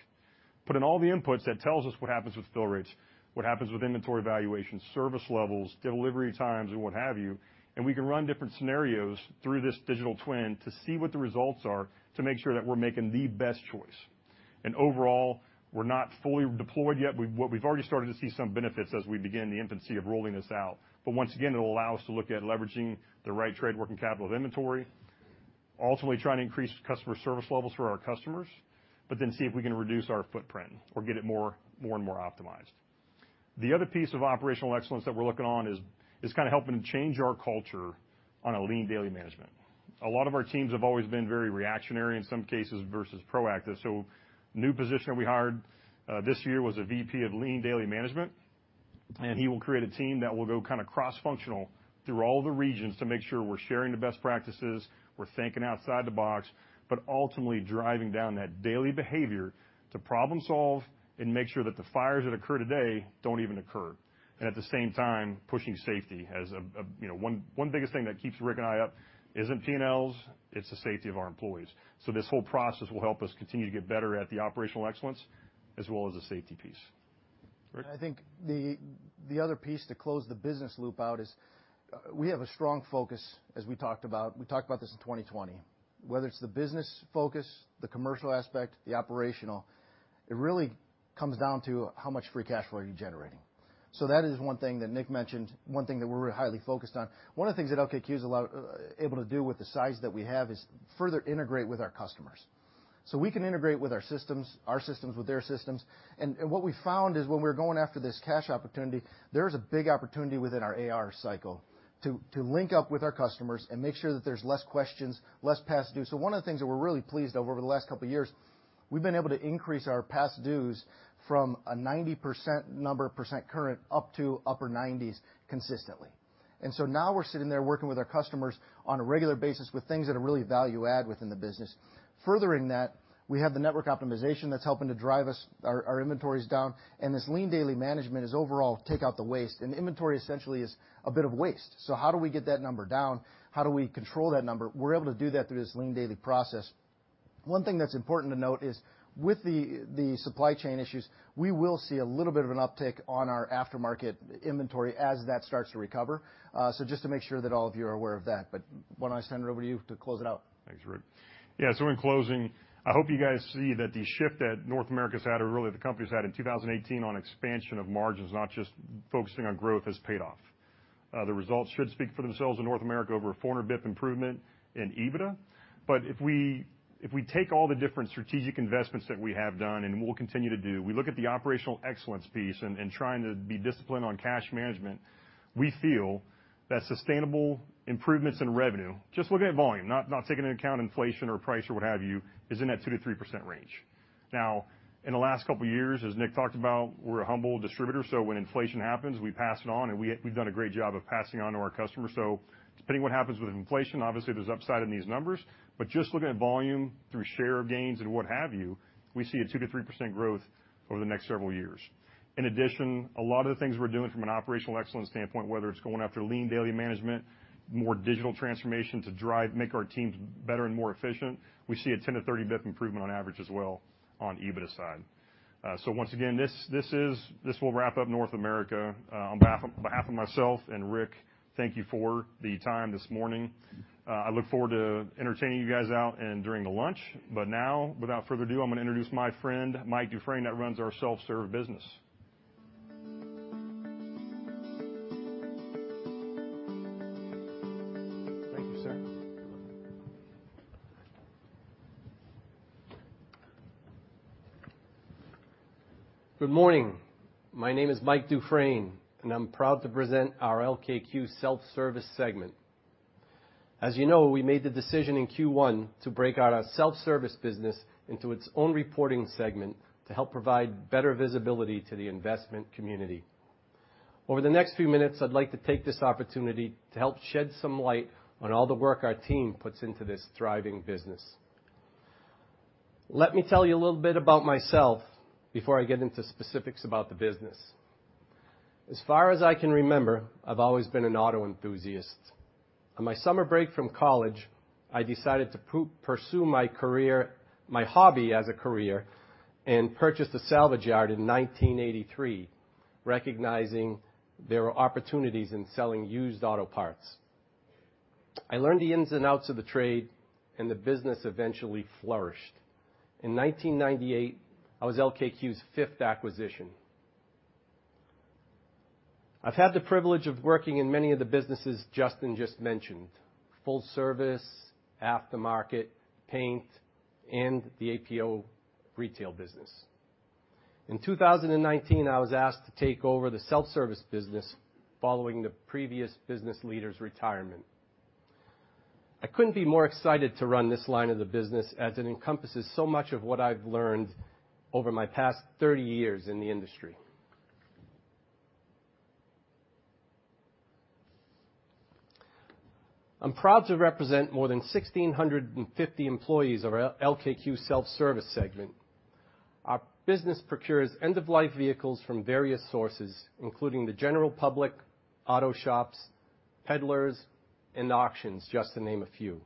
Speaker 2: Put in all the inputs, that tells us what happens with fill rates, what happens with inventory valuation, service levels, delivery times, and what have you, and we can run different scenarios through this digital twin to see what the results are to make sure that we're making the best choice. Overall, we're not fully deployed yet. We've already started to see some benefits as we begin the infancy of rolling this out. Once again, it'll allow us to look at leveraging the right trade working capital of inventory, ultimately trying to increase customer service levels for our customers, but then see if we can reduce our footprint or get it more and more optimized. The other piece of operational excellence that we're looking on is kinda helping to change our culture on a Lean Daily Management. A lot of our teams have always been very reactionary in some cases, versus proactive. New position that we hired this year was a VP of Lean Daily Management. He will create a team that will go kind of cross-functional through all the regions to make sure we're sharing the best practices, we're thinking outside the box, but ultimately driving down that daily behavior to problem solve and make sure that the fires that occur today don't even occur. At the same time, pushing safety as a you know one biggest thing that keeps Rick and I up isn't P&Ls, it's the safety of our employees. This whole process will help us continue to get better at the operational excellence as well as the safety piece. Rick?
Speaker 4: I think the other piece to close the business loop out is we have a strong focus, as we talked about this in 2020, whether it's the business focus, the commercial aspect, the operational, it really comes down to how much free cash flow are you generating. That is one thing that Nick mentioned, one thing that we're really highly focused on. One of the things that LKQ's able to do with the size that we have is further integrate with our customers. We can integrate with our systems, our systems with their systems. What we found is when we're going after this cash opportunity, there is a big opportunity within our AR cycle to link up with our customers and make sure that there's less questions, less past due. One of the things that we're really pleased of over the last couple of years, we've been able to increase our past dues from a 90% number percent current up to upper 90s consistently. Now we're sitting there working with our customers on a regular basis with things that are really value add within the business. Furthering that, we have the network optimization that's helping to drive our inventories down, and this lean daily management is overall take out the waste. Inventory essentially is a bit of waste. How do we get that number down? How do we control that number? We're able to do that through this lean daily process. One thing that's important to note is with the supply chain issues, we will see a little bit of an uptick on our aftermarket inventory as that starts to recover. Just to make sure that all of you are aware of that. Why don't I send it over to you to close it out?
Speaker 2: Thanks, Rick. Yeah, so in closing, I hope you guys see that the shift that North America's had or really the company's had in 2018 on expansion of margins, not just focusing on growth, has paid off. The results should speak for themselves in North America over a 400 basis points improvement in EBITDA. If we take all the different strategic investments that we have done and will continue to do, we look at the operational excellence piece and trying to be disciplined on cash management, we feel that sustainable improvements in revenue, just looking at volume, not taking into account inflation or price or what have you, is in that 2%-3% range. Now, in the last couple of years, as Nick talked about, we're a humble distributor, so when inflation happens, we pass it on, and we've done a great job of passing on to our customers. Depending what happens with inflation, obviously, there's upside in these numbers. But just looking at volume through share of gains and what have you, we see a 2%-3% growth over the next several years. In addition, a lot of the things we're doing from an operational excellence standpoint, whether it's going after lean daily management, more digital transformation to drive, make our teams better and more efficient, we see a 10-30 basis points improvement on average as well on EBITDA side. Once again, this will wrap up North America. On behalf of myself and Rick, thank you for the time this morning. I look forward to entertaining you guys out and during the lunch. Now, without further ado, I'm gonna introduce my friend, Mike Dufresne, that runs our self-serve business.
Speaker 5: Thank you, sir. Good morning. My name is Mike Dufresne, and I'm proud to present our LKQ Self Service segment. As you know, we made the decision in Q1 to break out our self-service business into its own reporting segment to help provide better visibility to the investment community. Over the next few minutes, I'd like to take this opportunity to help shed some light on all the work our team puts into this thriving business. Let me tell you a little bit about myself before I get into specifics about the business. As far as I can remember, I've always been an auto enthusiast. On my summer break from college, I decided to pursue my career, my hobby as a career, and purchased a salvage yard in 1983, recognizing there were opportunities in selling used auto parts. I learned the ins and outs of the trade, and the business eventually flourished. In 1998, I was LKQ's fifth acquisition. I've had the privilege of working in many of the businesses Justin just mentioned: full service, aftermarket, paint, and the APU retail business. In 2019, I was asked to take over the self-service business following the previous business leader's retirement. I couldn't be more excited to run this line of the business as it encompasses so much of what I've learned over my past 30 years in the industry. I'm proud to represent more than 1,650 employees of our LKQ self-service segment. Our business procures end-of-life vehicles from various sources, including the general public, auto shops, peddlers, and auctions, just to name a few.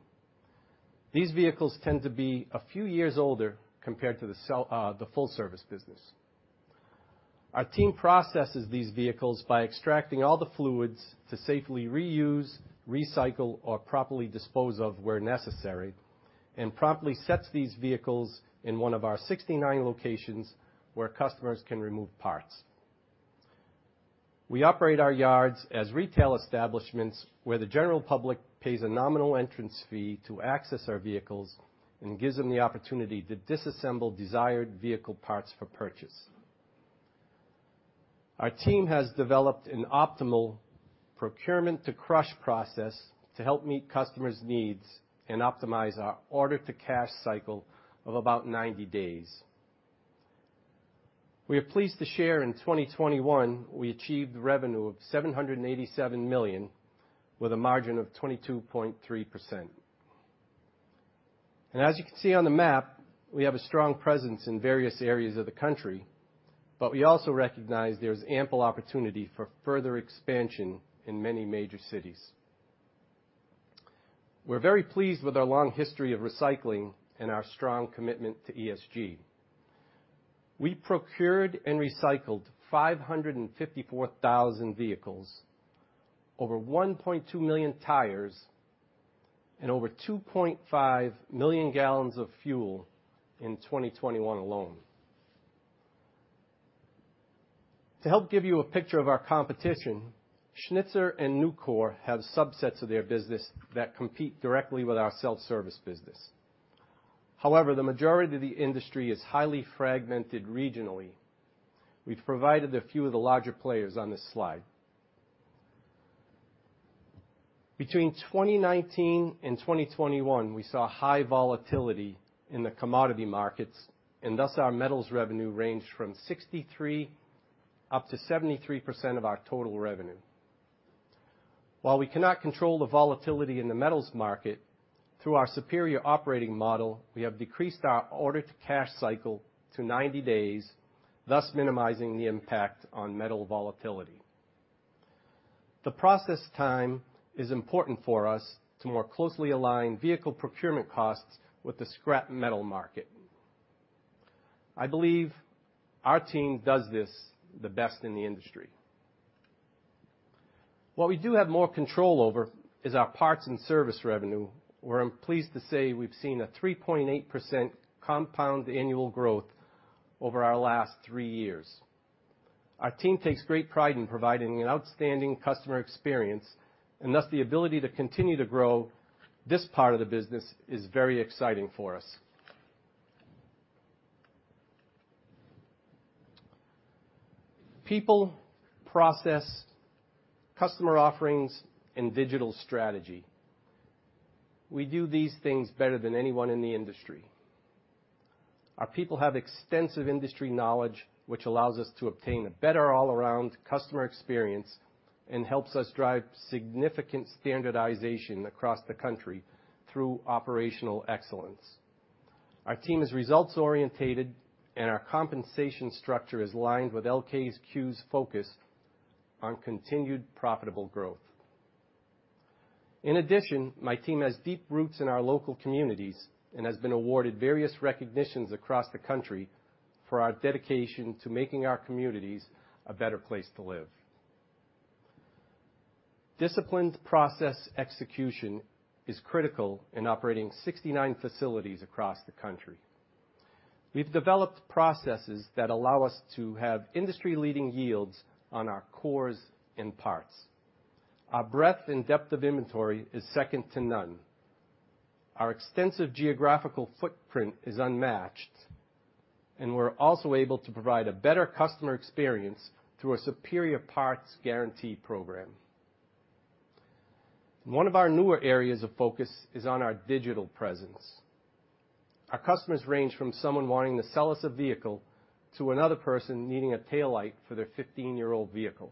Speaker 5: These vehicles tend to be a few years older compared to the full-service business. Our team processes these vehicles by extracting all the fluids to safely reuse, recycle, or properly dispose of where necessary, and promptly sets these vehicles in one of our 69 locations where customers can remove parts. We operate our yards as retail establishments, where the general public pays a nominal entrance fee to access our vehicles and gives them the opportunity to disassemble desired vehicle parts for purchase. Our team has developed an optimal procurement to crush process to help meet customers' needs and optimize our order to cash cycle of about 90 days. We are pleased to share in 2021, we achieved revenue of $787 million, with a margin of 22.3%. As you can see on the map, we have a strong presence in various areas of the country, but we also recognize there's ample opportunity for further expansion in many major cities. We're very pleased with our long history of recycling and our strong commitment to ESG. We procured and recycled 554,000 vehicles, over 1.2 million tires, and over 2.5 million gallons of fuel in 2021 alone. To help give you a picture of our competition, Schnitzer and Nucor have subsets of their business that compete directly with our self-service business. However, the majority of the industry is highly fragmented regionally. We've provided a few of the larger players on this slide. Between 2019 and 2021, we saw high volatility in the commodity markets, and thus our metals revenue ranged from 63%-73% of our total revenue. While we cannot control the volatility in the metals market, through our superior operating model, we have decreased our order to cash cycle to 90 days, thus minimizing the impact on metal volatility. The process time is important for us to more closely align vehicle procurement costs with the scrap metal market. I believe our team does this the best in the industry. What we do have more control over is our parts and service revenue, where I'm pleased to say we've seen a 3.8% compound annual growth over our last 3 years. Our team takes great pride in providing an outstanding customer experience, and thus the ability to continue to grow this part of the business is very exciting for us. People, process, customer offerings, and digital strategy. We do these things better than anyone in the industry. Our people have extensive industry knowledge, which allows us to obtain a better all-around customer experience and helps us drive significant standardization across the country through operational excellence. Our team is results-oriented, and our compensation structure is aligned with LKQ's focus on continued profitable growth. In addition, my team has deep roots in our local communities and has been awarded various recognitions across the country for our dedication to making our communities a better place to live. Disciplined process execution is critical in operating 69 facilities across the country. We've developed processes that allow us to have industry-leading yields on our cores and parts. Our breadth and depth of inventory is second to none. Our extensive geographical footprint is unmatched, and we're also able to provide a better customer experience through a superior parts guarantee program. One of our newer areas of focus is on our digital presence. Our customers range from someone wanting to sell us a vehicle to another person needing a taillight for their 15-year-old vehicle.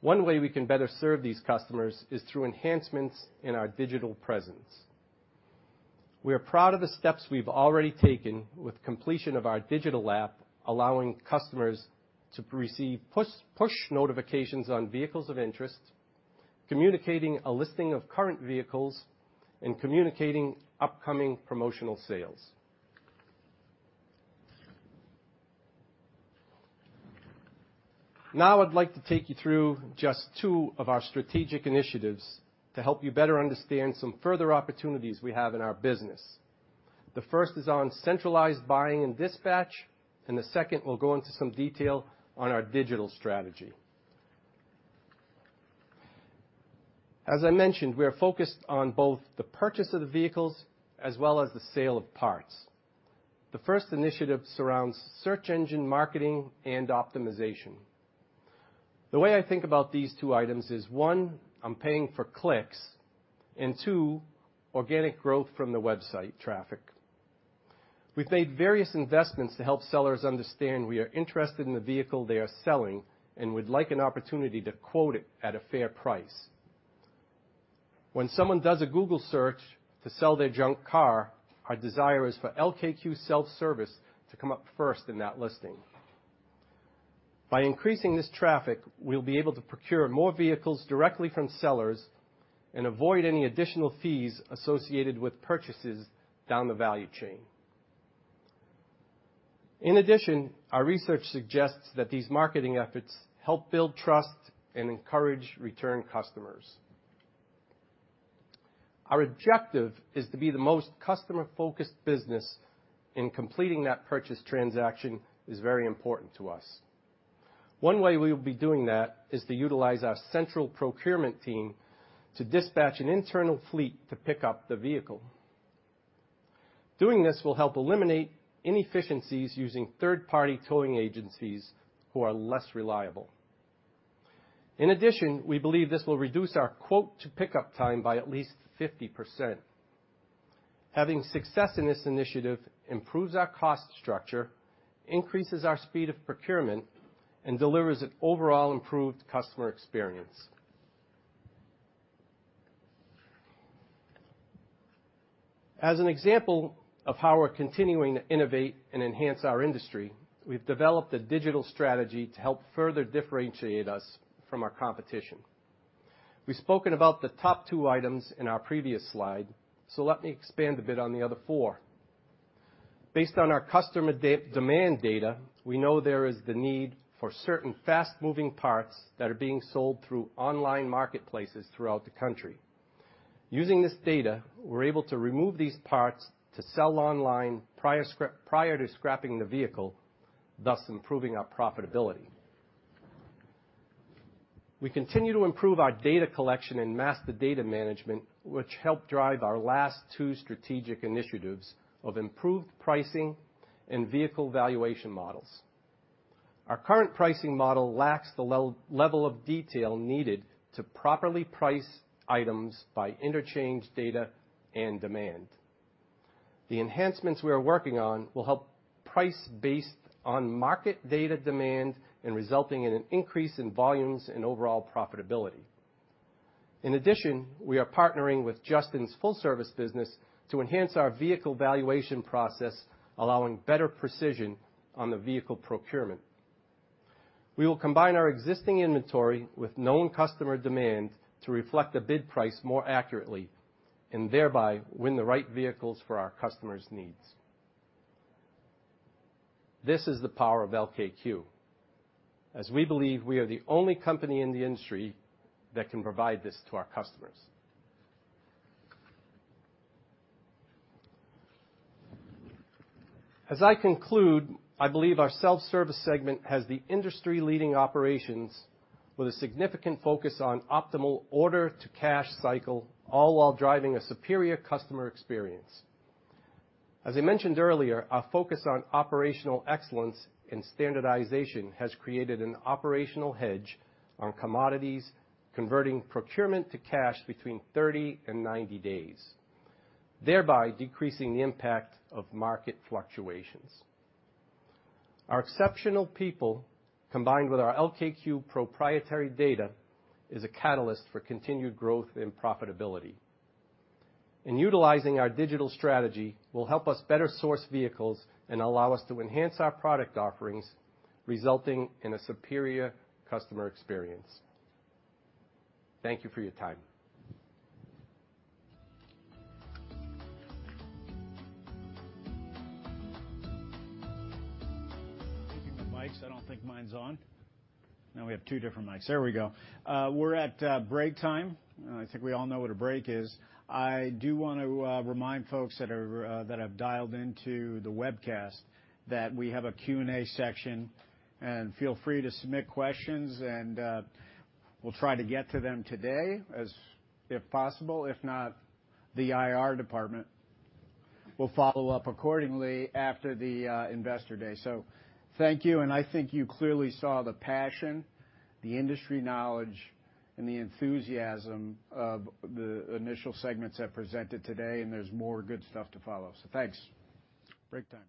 Speaker 5: One way we can better serve these customers is through enhancements in our digital presence. We are proud of the steps we've already taken with completion of our digital app, allowing customers to receive push notifications on vehicles of interest, communicating a listing of current vehicles, and communicating upcoming promotional sales. Now I'd like to take you through just two of our strategic initiatives to help you better understand some further opportunities we have in our business. The first is on centralized buying and dispatch, and the second will go into some detail on our digital strategy. As I mentioned, we are focused on both the purchase of the vehicles as well as the sale of parts. The first initiative surrounds search engine marketing and optimization. The way I think about these two items is, one, I'm paying for clicks, and two, organic growth from the website traffic. We've made various investments to help sellers understand we are interested in the vehicle they are selling and would like an opportunity to quote it at a fair price. When someone does a Google search to sell their junk car, our desire is for LKQ Self Service to come up first in that listing. By increasing this traffic, we'll be able to procure more vehicles directly from sellers and avoid any additional fees associated with purchases down the value chain. In addition, our research suggests that these marketing efforts help build trust and encourage return customers. Our objective is to be the most customer-focused business, and completing that purchase transaction is very important to us. One way we will be doing that is to utilize our central procurement team to dispatch an internal fleet to pick up the vehicle. Doing this will help eliminate inefficiencies using third-party towing agencies who are less reliable. In addition, we believe this will reduce our quote to pickup time by at least 50%. Having success in this initiative improves our cost structure, increases our speed of procurement, and delivers an overall improved customer experience. As an example of how we're continuing to innovate and enhance our industry, we've developed a digital strategy to help further differentiate us from our competition. We've spoken about the top two items in our previous slide, so let me expand a bit on the other four. Based on our customer demand data, we know there is the need for certain fast-moving parts that are being sold through online marketplaces throughout the country. Using this data, we're able to remove these parts to sell online prior to scrapping the vehicle, thus improving our profitability. We continue to improve our data collection and master data management, which help drive our last two strategic initiatives of improved pricing and vehicle valuation models. Our current pricing model lacks the level of detail needed to properly price items by interchange data and demand. The enhancements we are working on will help price based on market data demand and resulting in an increase in volumes and overall profitability. In addition, we are partnering with Justin's full service business to enhance our vehicle valuation process, allowing better precision on the vehicle procurement. We will combine our existing inventory with known customer demand to reflect the bid price more accurately and thereby win the right vehicles for our customers' needs. This is the power of LKQ, as we believe we are the only company in the industry that can provide this to our customers. As I conclude, I believe our self-service segment has the industry-leading operations with a significant focus on optimal order-to-cash cycle, all while driving a superior customer experience. As I mentioned earlier, our focus on operational excellence and standardization has created an operational hedge on commodities, converting procurement to cash between 30 and 90 days, thereby decreasing the impact of market fluctuations. Our exceptional people, combined with our LKQ proprietary data, is a catalyst for continued growth and profitability. Utilizing our digital strategy will help us better source vehicles and allow us to enhance our product offerings, resulting in a superior customer experience. Thank you for your time.
Speaker 1: Taking the mics. I don't think mine's on. Now we have two different mics. There we go. We're at break time. I think we all know what a break is. I do want to remind folks that have dialed into the webcast that we have a Q&A section, and feel free to submit questions and we'll try to get to them today as if possible. If not, the IR department will follow up accordingly after the Investor Day. Thank you. I think you clearly saw the passion, the industry knowledge, and the enthusiasm of the initial segments that presented today, and there's more good stuff to follow. Thanks. Break time.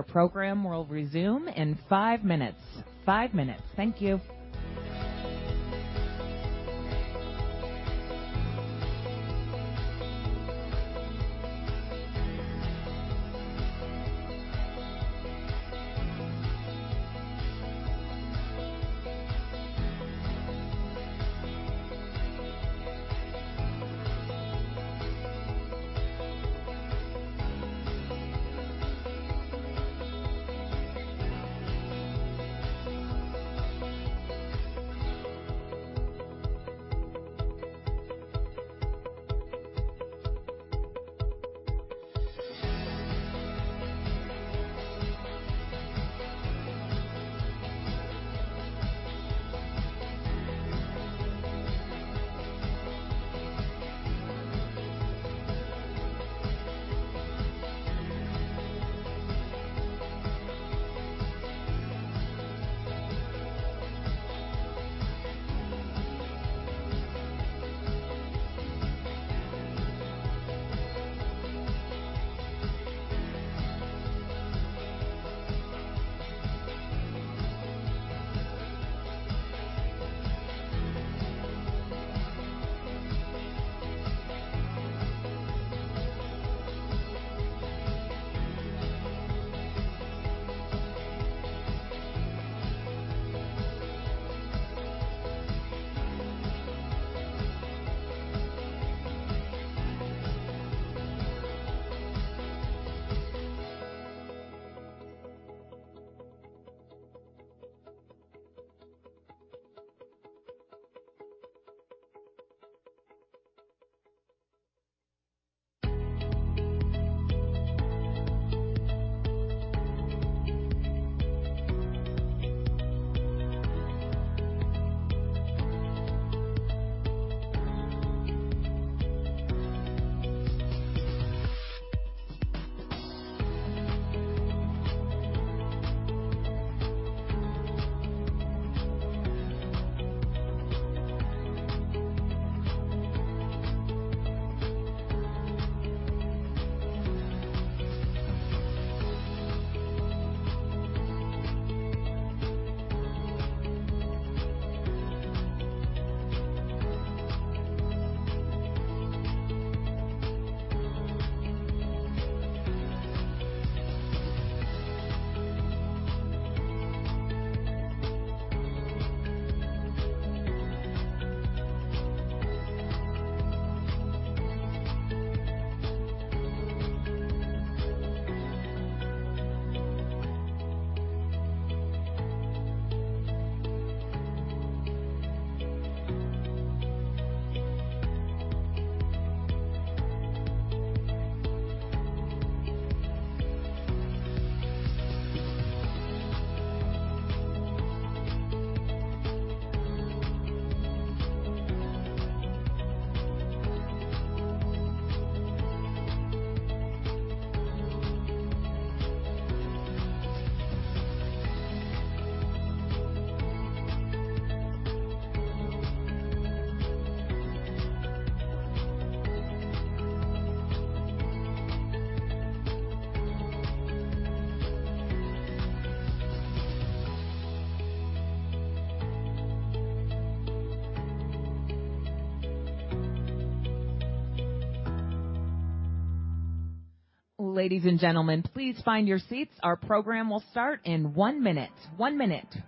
Speaker 6: Our program will resume in five minutes. Five minutes. Thank you. Ladies and gentlemen, please find your seats. Our program will start in one minute. One minute.
Speaker 1: Well, that was a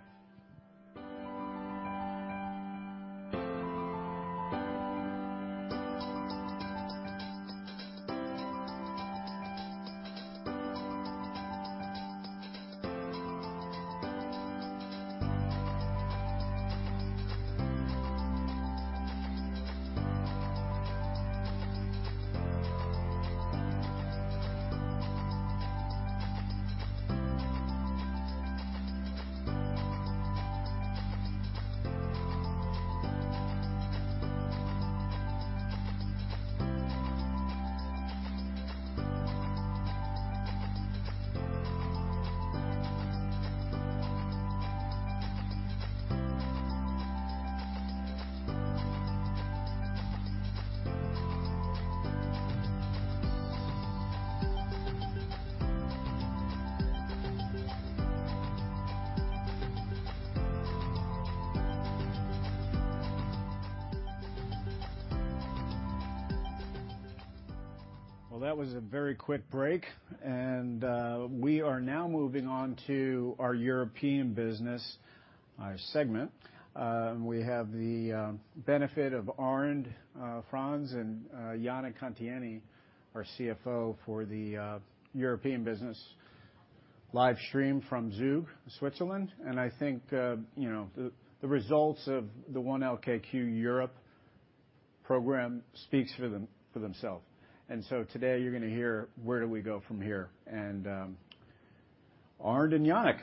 Speaker 1: very quick break, and we are now moving on to our European business segment. We have the benefit of Arnd Franz and Yanik Cantieni, our CFO for the European business live stream from Zug, Switzerland. I think, you know, the results of the One LKQ Europe program speaks for themselves. Today you're gonna hear where do we go from here, and Arnd and Yanik.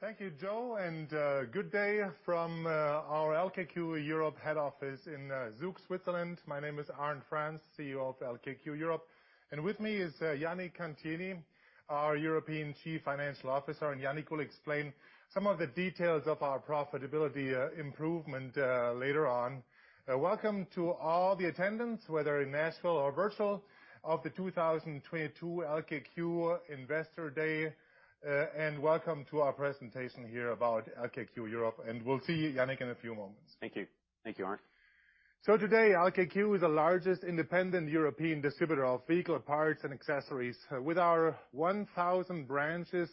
Speaker 7: Thank you, Joe, and good day from our LKQ Europe head office in Zug, Switzerland. My name is Arnd Franz, CEO of LKQ Europe. With me is Yanik Cantieni, our European Chief Financial Officer, and Yanik will explain some of the details of our profitability improvement later on. Welcome to all the attendees, whether in Nashville or virtual, of the 2022 LKQ Investor Day, and welcome to our presentation here about LKQ Europe. We'll see Yanik in a few moments.
Speaker 8: Thank you. Thank you, Arnd.
Speaker 7: Today, LKQ is the largest independent European distributor of vehicle parts and accessories. With our 1,000 branches,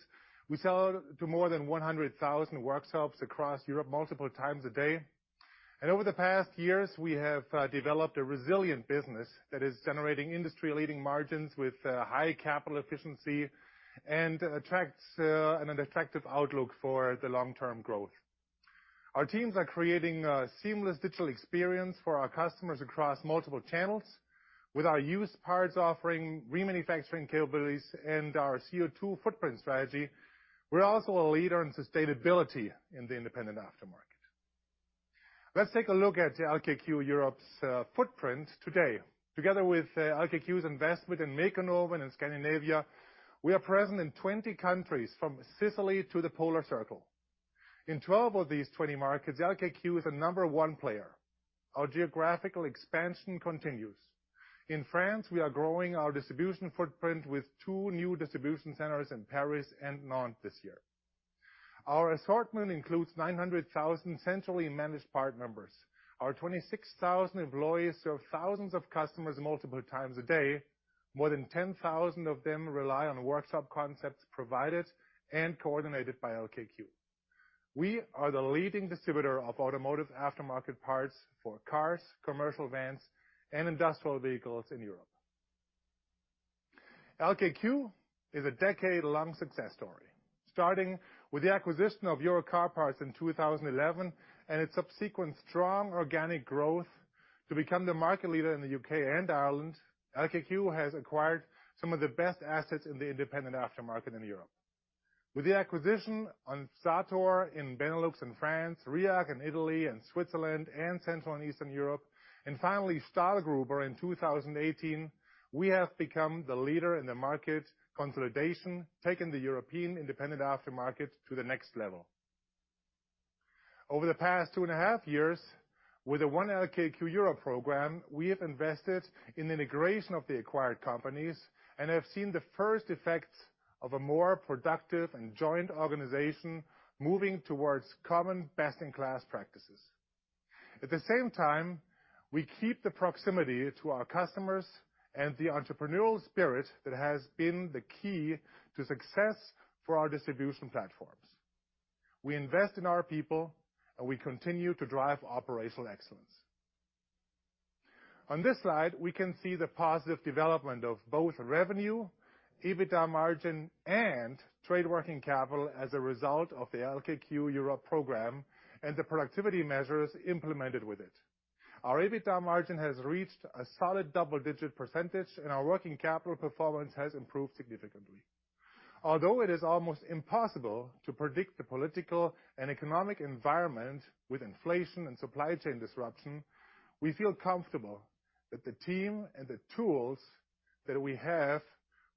Speaker 7: we sell to more than 100,000 workshops across Europe multiple times a day. Over the past years, we have developed a resilient business that is generating industry-leading margins with high capital efficiency and attracts an attractive outlook for the long-term growth. Our teams are creating a seamless digital experience for our customers across multiple channels. With our used parts offering, remanufacturing capabilities, and our CO2 footprint strategy, we're also a leader in sustainability in the independent aftermarket. Let's take a look at LKQ Europe's footprint today. Together with LKQ's investment in Mekonomen in Scandinavia, we are present in 20 countries from Sicily to the polar circle. In 12 of these 20 markets, LKQ is the number one player. Our geographical expansion continues. In France, we are growing our distribution footprint with two new distribution centers in Paris and Nantes this year. Our assortment includes 900,000 centrally managed part numbers. Our 26,000 employees serve thousands of customers multiple times a day. More than 10,000 of them rely on workshop concepts provided and coordinated by LKQ. We are the leading distributor of automotive aftermarket parts for cars, commercial vans, and industrial vehicles in Europe. LKQ is a decade-long success story. Starting with the acquisition of Euro Car Parts in 2011 and its subsequent strong organic growth to become the market leader in the UK and Ireland, LKQ has acquired some of the best assets in the independent aftermarket in Europe. With the acquisition of Sator in Benelux and France, Rhiag in Italy and Switzerland and Central and Eastern Europe, and finally, Stahlgruber in 2018, we have become the leader in the market consolidation, taking the European independent aftermarket to the next level. Over the past two and a half years, with the One LKQ Europe program, we have invested in the integration of the acquired companies and have seen the first effects of a more productive and joint organization moving towards common best-in-class practices. At the same time, we keep the proximity to our customers and the entrepreneurial spirit that has been the key to success for our distribution platforms. We invest in our people, and we continue to drive operational excellence. On this slide, we can see the positive development of both revenue, EBITDA margin, and trade working capital as a result of the LKQ Europe program and the productivity measures implemented with it. Our EBITDA margin has reached a solid double-digit percentage, and our working capital performance has improved significantly. Although it is almost impossible to predict the political and economic environment with inflation and supply chain disruption, we feel comfortable that the team and the tools that we have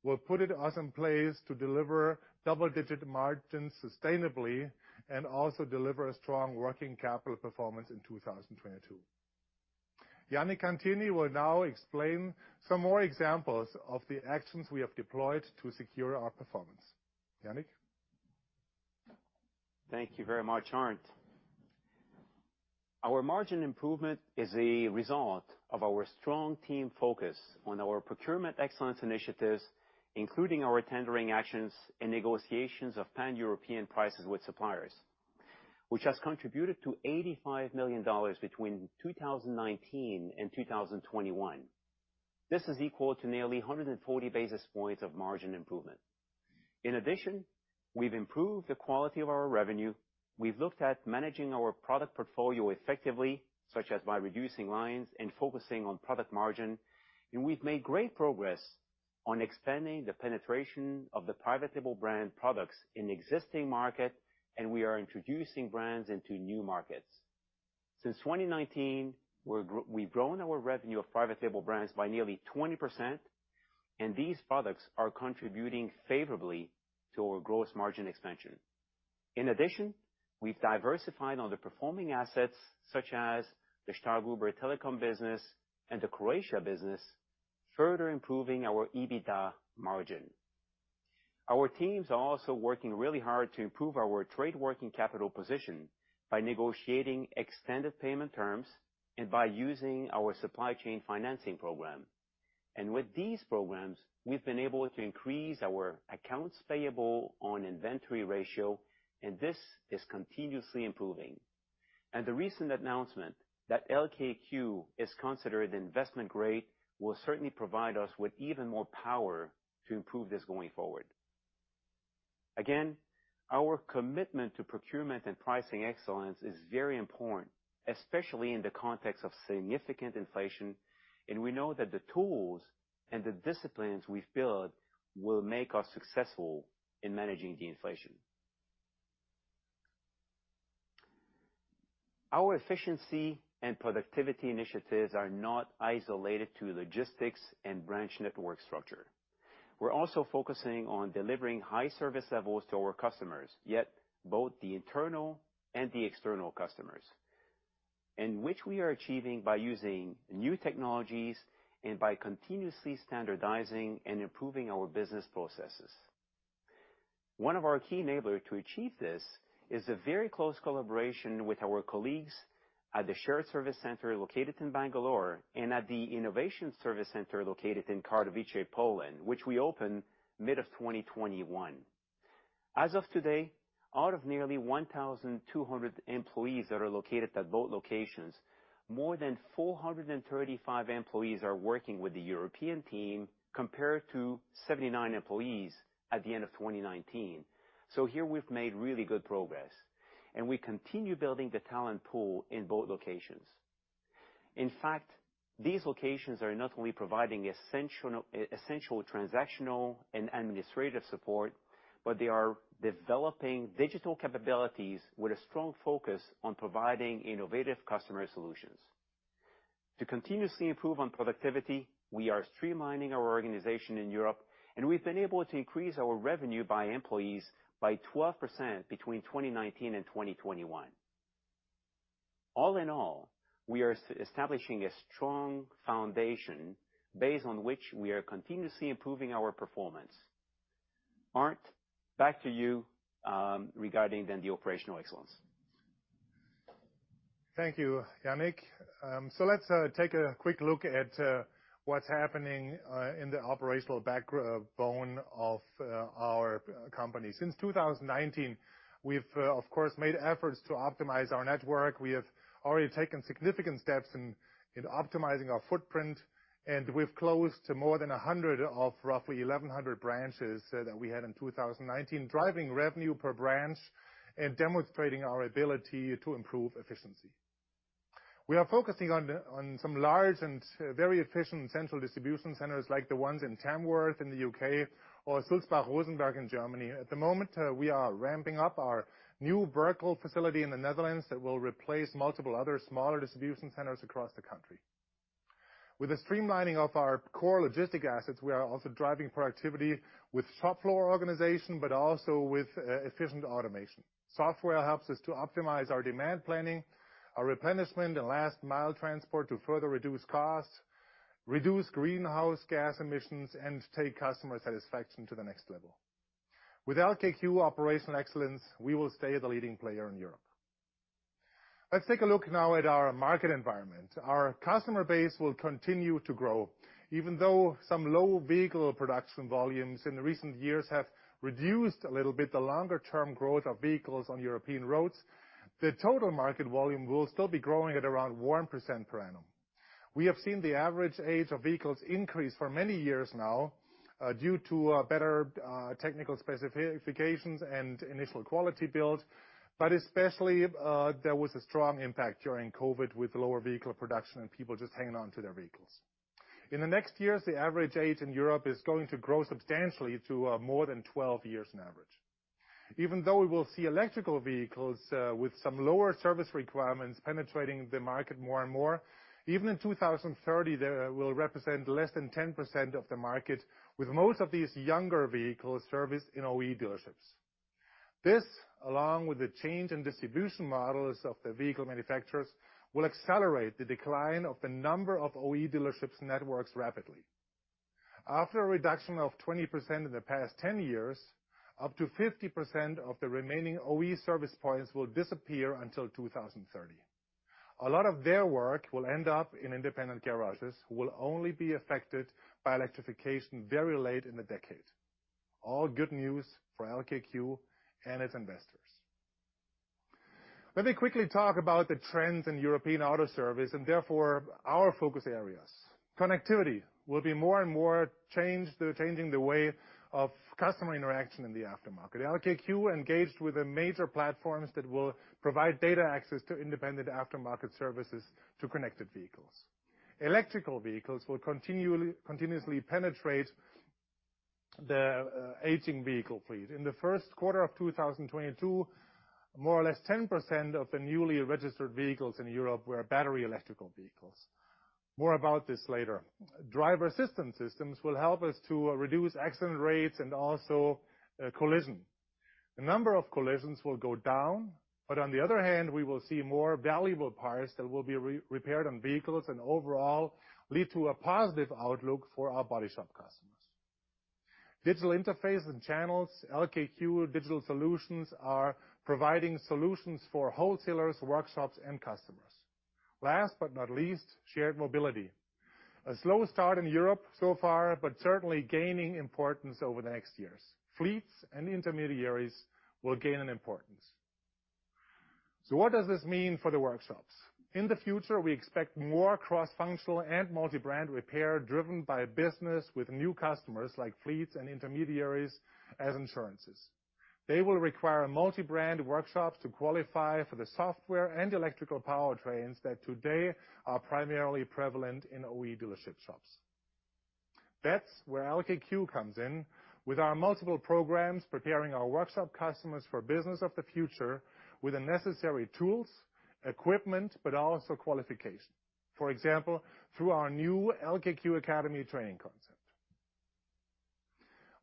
Speaker 7: will put us in place to deliver double-digit margins sustainably and also deliver a strong working capital performance in 2022. Yanik Cantieni will now explain some more examples of the actions we have deployed to secure our performance. Yanik?
Speaker 8: Thank you very much, Arnd. Our margin improvement is a result of our strong team focus on our procurement excellence initiatives, including our tendering actions and negotiations of pan-European prices with suppliers, which has contributed to $85 million between 2019 and 2021. This is equal to nearly 140 basis points of margin improvement. In addition, we've improved the quality of our revenue, we've looked at managing our product portfolio effectively, such as by reducing lines and focusing on product margin, and we've made great progress on expanding the penetration of the private label brand products in existing market, and we are introducing brands into new markets. Since 2019, we've grown our revenue of private label brands by nearly 20%, and these products are contributing favorably to our gross margin expansion. In addition, we've diversified other performing assets, such as the Starr Group or Telecom business and the Croatia business, further improving our EBITDA margin. Our teams are also working really hard to improve our trade working capital position by negotiating extended payment terms and by using our supply chain financing program. With these programs, we've been able to increase our accounts payable on inventory ratio, and this is continuously improving. The recent announcement that LKQ is considered investment grade will certainly provide us with even more power to improve this going forward. Again, our commitment to procurement and pricing excellence is very important, especially in the context of significant inflation, and we know that the tools and the disciplines we've built will make us successful in managing the inflation. Our efficiency and productivity initiatives are not isolated to logistics and branch network structure. We're also focusing on delivering high service levels to our customers, to both the internal and the external customers, which we are achieving by using new technologies and by continuously standardizing and improving our business processes. One of our key enabler to achieve this is a very close collaboration with our colleagues at the Shared Service Center located in Bangalore and at the Innovation Service Center located in Katowice, Poland, which we opened mid-2021. As of today, out of nearly 1,200 employees that are located at both locations, more than 435 employees are working with the European team, compared to 79 employees at the end of 2019. Here, we've made really good progress, and we continue building the talent pool in both locations. In fact, these locations are not only providing essential transactional and administrative support, but they are developing digital capabilities with a strong focus on providing innovative customer solutions. To continuously improve on productivity, we are streamlining our organization in Europe, and we've been able to increase our revenue per employee by 12% between 2019 and 2021. All in all, we are establishing a strong foundation based on which we are continuously improving our performance. Arnd, back to you, regarding then the operational excellence.
Speaker 7: Thank you, Yanik. Let's take a quick look at what's happening in the operational backbone of our company. Since 2019, we've of course made efforts to optimize our network. We have already taken significant steps in optimizing our footprint, and we've closed more than 100 of roughly 1,100 branches that we had in 2019, driving revenue per branch and demonstrating our ability to improve efficiency. We are focusing on some large and very efficient central distribution centers like the ones in Tamworth in the U.K. or Sulzbach-Rosenberg in Germany. At the moment, we are ramping up our new vertical facility in the Netherlands that will replace multiple other smaller distribution centers across the country. With the streamlining of our core logistic assets, we are also driving productivity with shop floor organization, but also with efficient automation. Software helps us to optimize our demand planning, our replenishment, and last mile transport to further reduce costs, reduce greenhouse gas emissions, and take customer satisfaction to the next level. With LKQ operational excellence, we will stay the leading player in Europe. Let's take a look now at our market environment. Our customer base will continue to grow. Even though some low vehicle production volumes in the recent years have reduced a little bit the longer term growth of vehicles on European roads, the total market volume will still be growing at around 1% per annum. We have seen the average age of vehicles increase for many years now, due to better technical specifications and initial quality build, but especially, there was a strong impact during COVID with lower vehicle production and people just hanging on to their vehicles. In the next years, the average age in Europe is going to grow substantially to more than 12 years on average. Even though we will see electric vehicles with some lower service requirements penetrating the market more and more, even in 2030, they will represent less than 10% of the market, with most of these younger vehicles serviced in OE dealerships. This, along with the change in distribution models of the vehicle manufacturers, will accelerate the decline of the number of OE dealership networks rapidly. After a reduction of 20% in the past 10 years, up to 50% of the remaining OE service points will disappear until 2030. A lot of their work will end up in independent garages, who will only be affected by electrification very late in the decade. All good news for LKQ and its investors. Let me quickly talk about the trends in European auto service, and therefore our focus areas. Connectivity will be more and more change, changing the way of customer interaction in the aftermarket. LKQ engaged with the major platforms that will provide data access to independent aftermarket services to connected vehicles. Electric vehicles will continuously penetrate the aging vehicle fleet. In the first quarter of 2022, more or less 10% of the newly registered vehicles in Europe were battery electric vehicles. More about this later. Driver assistance systems will help us to reduce accident rates and also collisions. The number of collisions will go down, but on the other hand, we will see more valuable parts that will be repaired on vehicles and overall lead to a positive outlook for our body shop customers. Digital interfaces and channels, LKQ digital solutions are providing solutions for wholesalers, workshops, and customers. Last but not least, shared mobility. A slow start in Europe so far, but certainly gaining importance over the next years. Fleets and intermediaries will gain in importance. What does this mean for the workshops? In the future, we expect more cross-functional and multi-brand repair driven by business with new customers, like fleets and intermediaries as insurances. They will require multi-brand workshops to qualify for the software and electrical powertrains that today are primarily prevalent in OE dealership shops. That's where LKQ comes in with our multiple programs preparing our workshop customers for business of the future with the necessary tools, equipment, but also qualification. For example, through our new LKQ Academy training concept.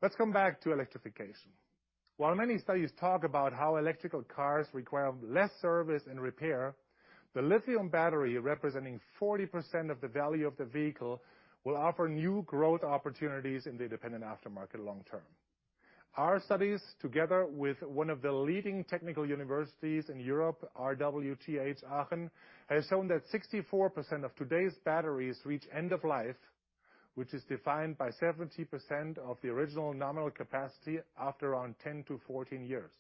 Speaker 7: Let's come back to electrification. While many studies talk about how electric cars require less service and repair, the lithium battery, representing 40% of the value of the vehicle, will offer new growth opportunities in the independent aftermarket long term. Our studies, together with one of the leading technical universities in Europe, RWTH Aachen, has shown that 64% of today's batteries reach end of life, which is defined by 70% of the original nominal capacity after around 10-14 years.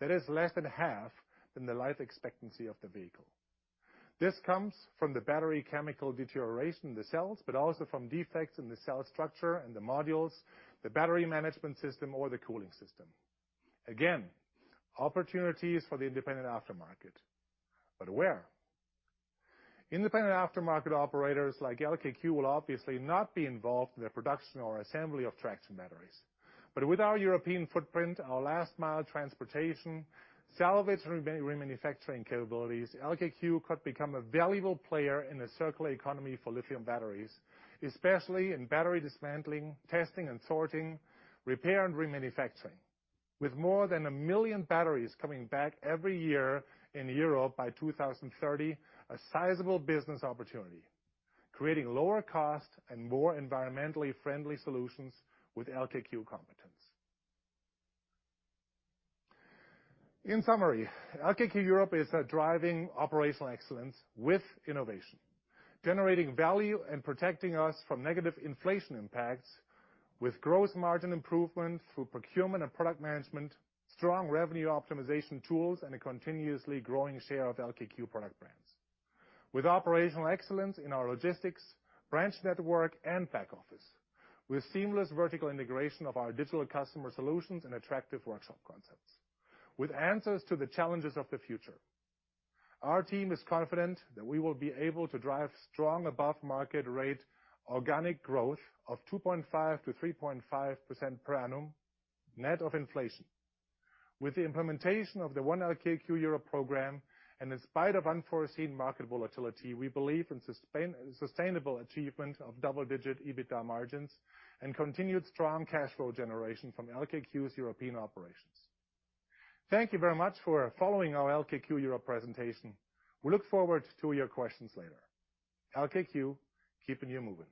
Speaker 7: That is less than half than the life expectancy of the vehicle. This comes from the battery chemical deterioration in the cells, but also from defects in the cell structure and the modules, the battery management system or the cooling system. Again, opportunities for the independent aftermarket. Where? Independent aftermarket operators like LKQ will obviously not be involved in the production or assembly of traction batteries. With our European footprint, our last mile transportation, salvage remanufacturing capabilities, LKQ could become a valuable player in the circular economy for lithium batteries, especially in battery dismantling, testing and sorting, repair and remanufacturing. With more than 1 million batteries coming back every year in Europe by 2030, a sizable business opportunity, creating lower cost and more environmentally friendly solutions with LKQ competence. In summary, LKQ Europe is driving operational excellence with innovation, generating value and protecting us from negative inflation impacts with gross margin improvement through procurement and product management, strong revenue optimization tools, and a continuously growing share of LKQ product brands. With operational excellence in our logistics, branch network and back office, with seamless vertical integration of our digital customer solutions and attractive workshop concepts, with answers to the challenges of the future, our team is confident that we will be able to drive strong above market rate organic growth of 2.5%-3.5% per annum net of inflation. With the implementation of the One LKQ Europe program, and in spite of unforeseen market volatility, we believe in sustainable achievement of double-digit EBITDA margins and continued strong cash flow generation from LKQ's European operations. Thank you very much for following our LKQ Europe presentation. We look forward to your questions later. LKQ, keeping you moving.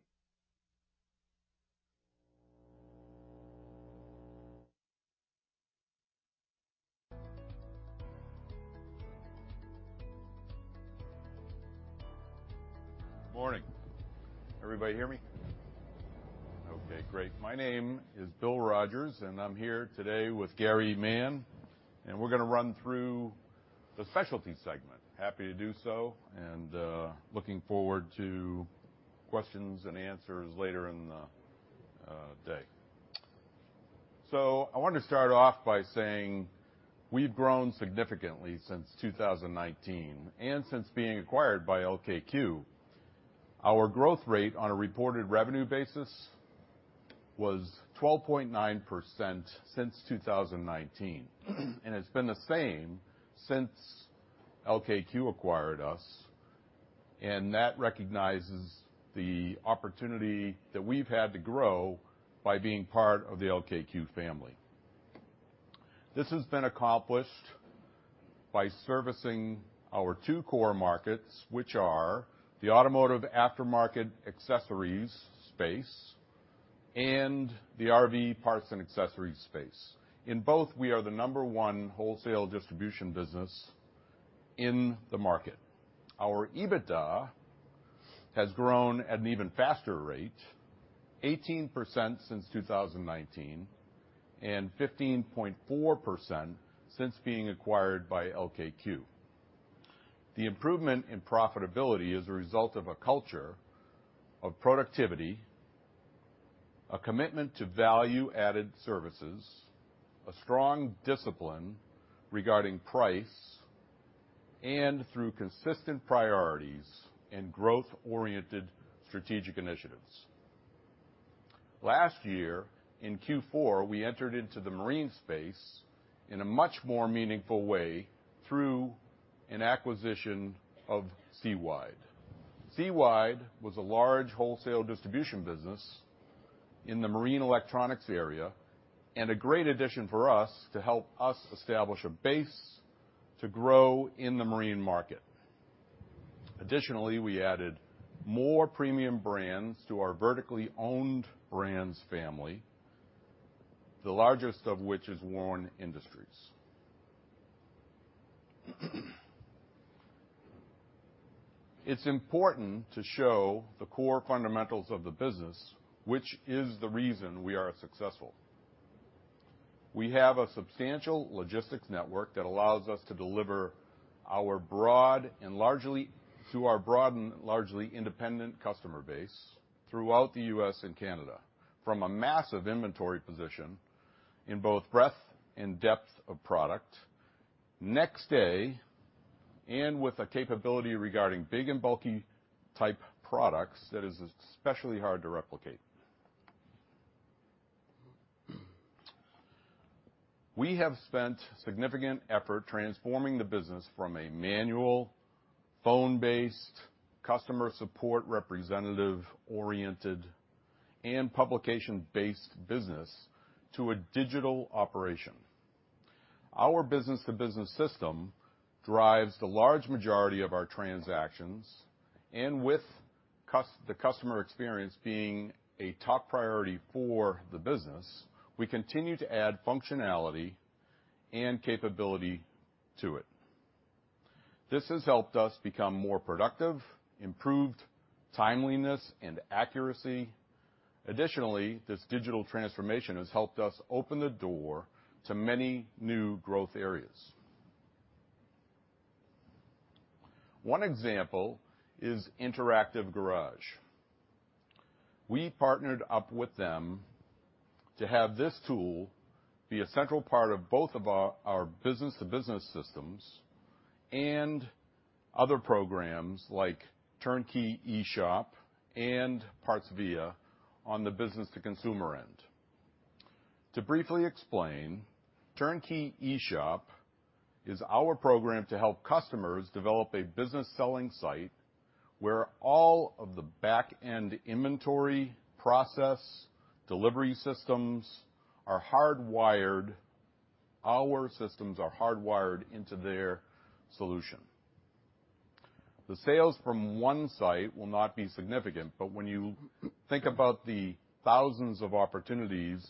Speaker 9: Morning. Everybody hear me? Okay, great. My name is Bill Rogers, and I'm here today with Gary Mann, and we're gonna run through the specialty segment. Happy to do so, and looking forward to questions and answers later in the day. I wanted to start off by saying we've grown significantly since 2019 and since being acquired by LKQ. Our growth rate on a reported revenue basis was 12.9% since 2019, and it's been the same since LKQ acquired us, and that recognizes the opportunity that we've had to grow by being part of the LKQ family. This has been accomplished by servicing our two core markets, which are the automotive aftermarket accessories space and the RV parts and accessories space. In both, we are the number one wholesale distribution business in the market. Our EBITDA has grown at an even faster rate, 18% since 2019, and 15.4% since being acquired by LKQ. The improvement in profitability is a result of a culture of productivity, a commitment to value-added services, a strong discipline regarding price, and through consistent priorities and growth-oriented strategic initiatives. Last year, in Q4, we entered into the marine space in a much more meaningful way through an acquisition of SeaWide. SeaWide was a large wholesale distribution business in the marine electronics area and a great addition for us to help us establish a base to grow in the marine market. Additionally, we added more premium brands to our vertically owned brands family, the largest of which is Warn Industries. It's important to show the core fundamentals of the business, which is the reason we are successful. We have a substantial logistics network that allows us to deliver our broad and largely independent customer base throughout the U.S. and Canada from a massive inventory position in both breadth and depth of product next day and with a capability regarding big and bulky type products that is especially hard to replicate. We have spent significant effort transforming the business from a manual, phone-based, customer support representative-oriented, and publication-based business to a digital operation. Our business-to-business system drives the large majority of our transactions, and the customer experience being a top priority for the business, we continue to add functionality and capability to it. This has helped us become more productive, improved timeliness and accuracy. Additionally, this digital transformation has helped us open the door to many new growth areas. One example is Interactive Garage. We partnered up with them to have this tool be a central part of both of our business-to-business systems and other programs like TurnKey eShop and Parts Via on the business-to-consumer end. To briefly explain, TurnKey eShop is our program to help customers develop a business selling site where all of the back-end inventory process, delivery systems are hardwired, our systems are hardwired into their solution. The sales from one site will not be significant, but when you think about the thousands of opportunities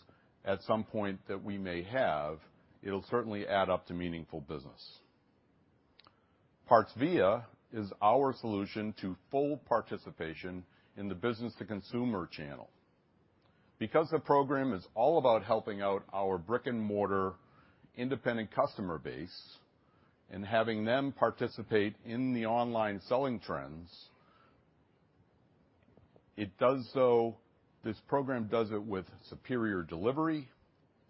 Speaker 9: at some point that we may have, it'll certainly add up to meaningful business. Parts Via is our solution to full participation in the business-to-consumer channel. Because the program is all about helping out our brick-and-mortar independent customer base and having them participate in the online selling trends, this program does it with superior delivery,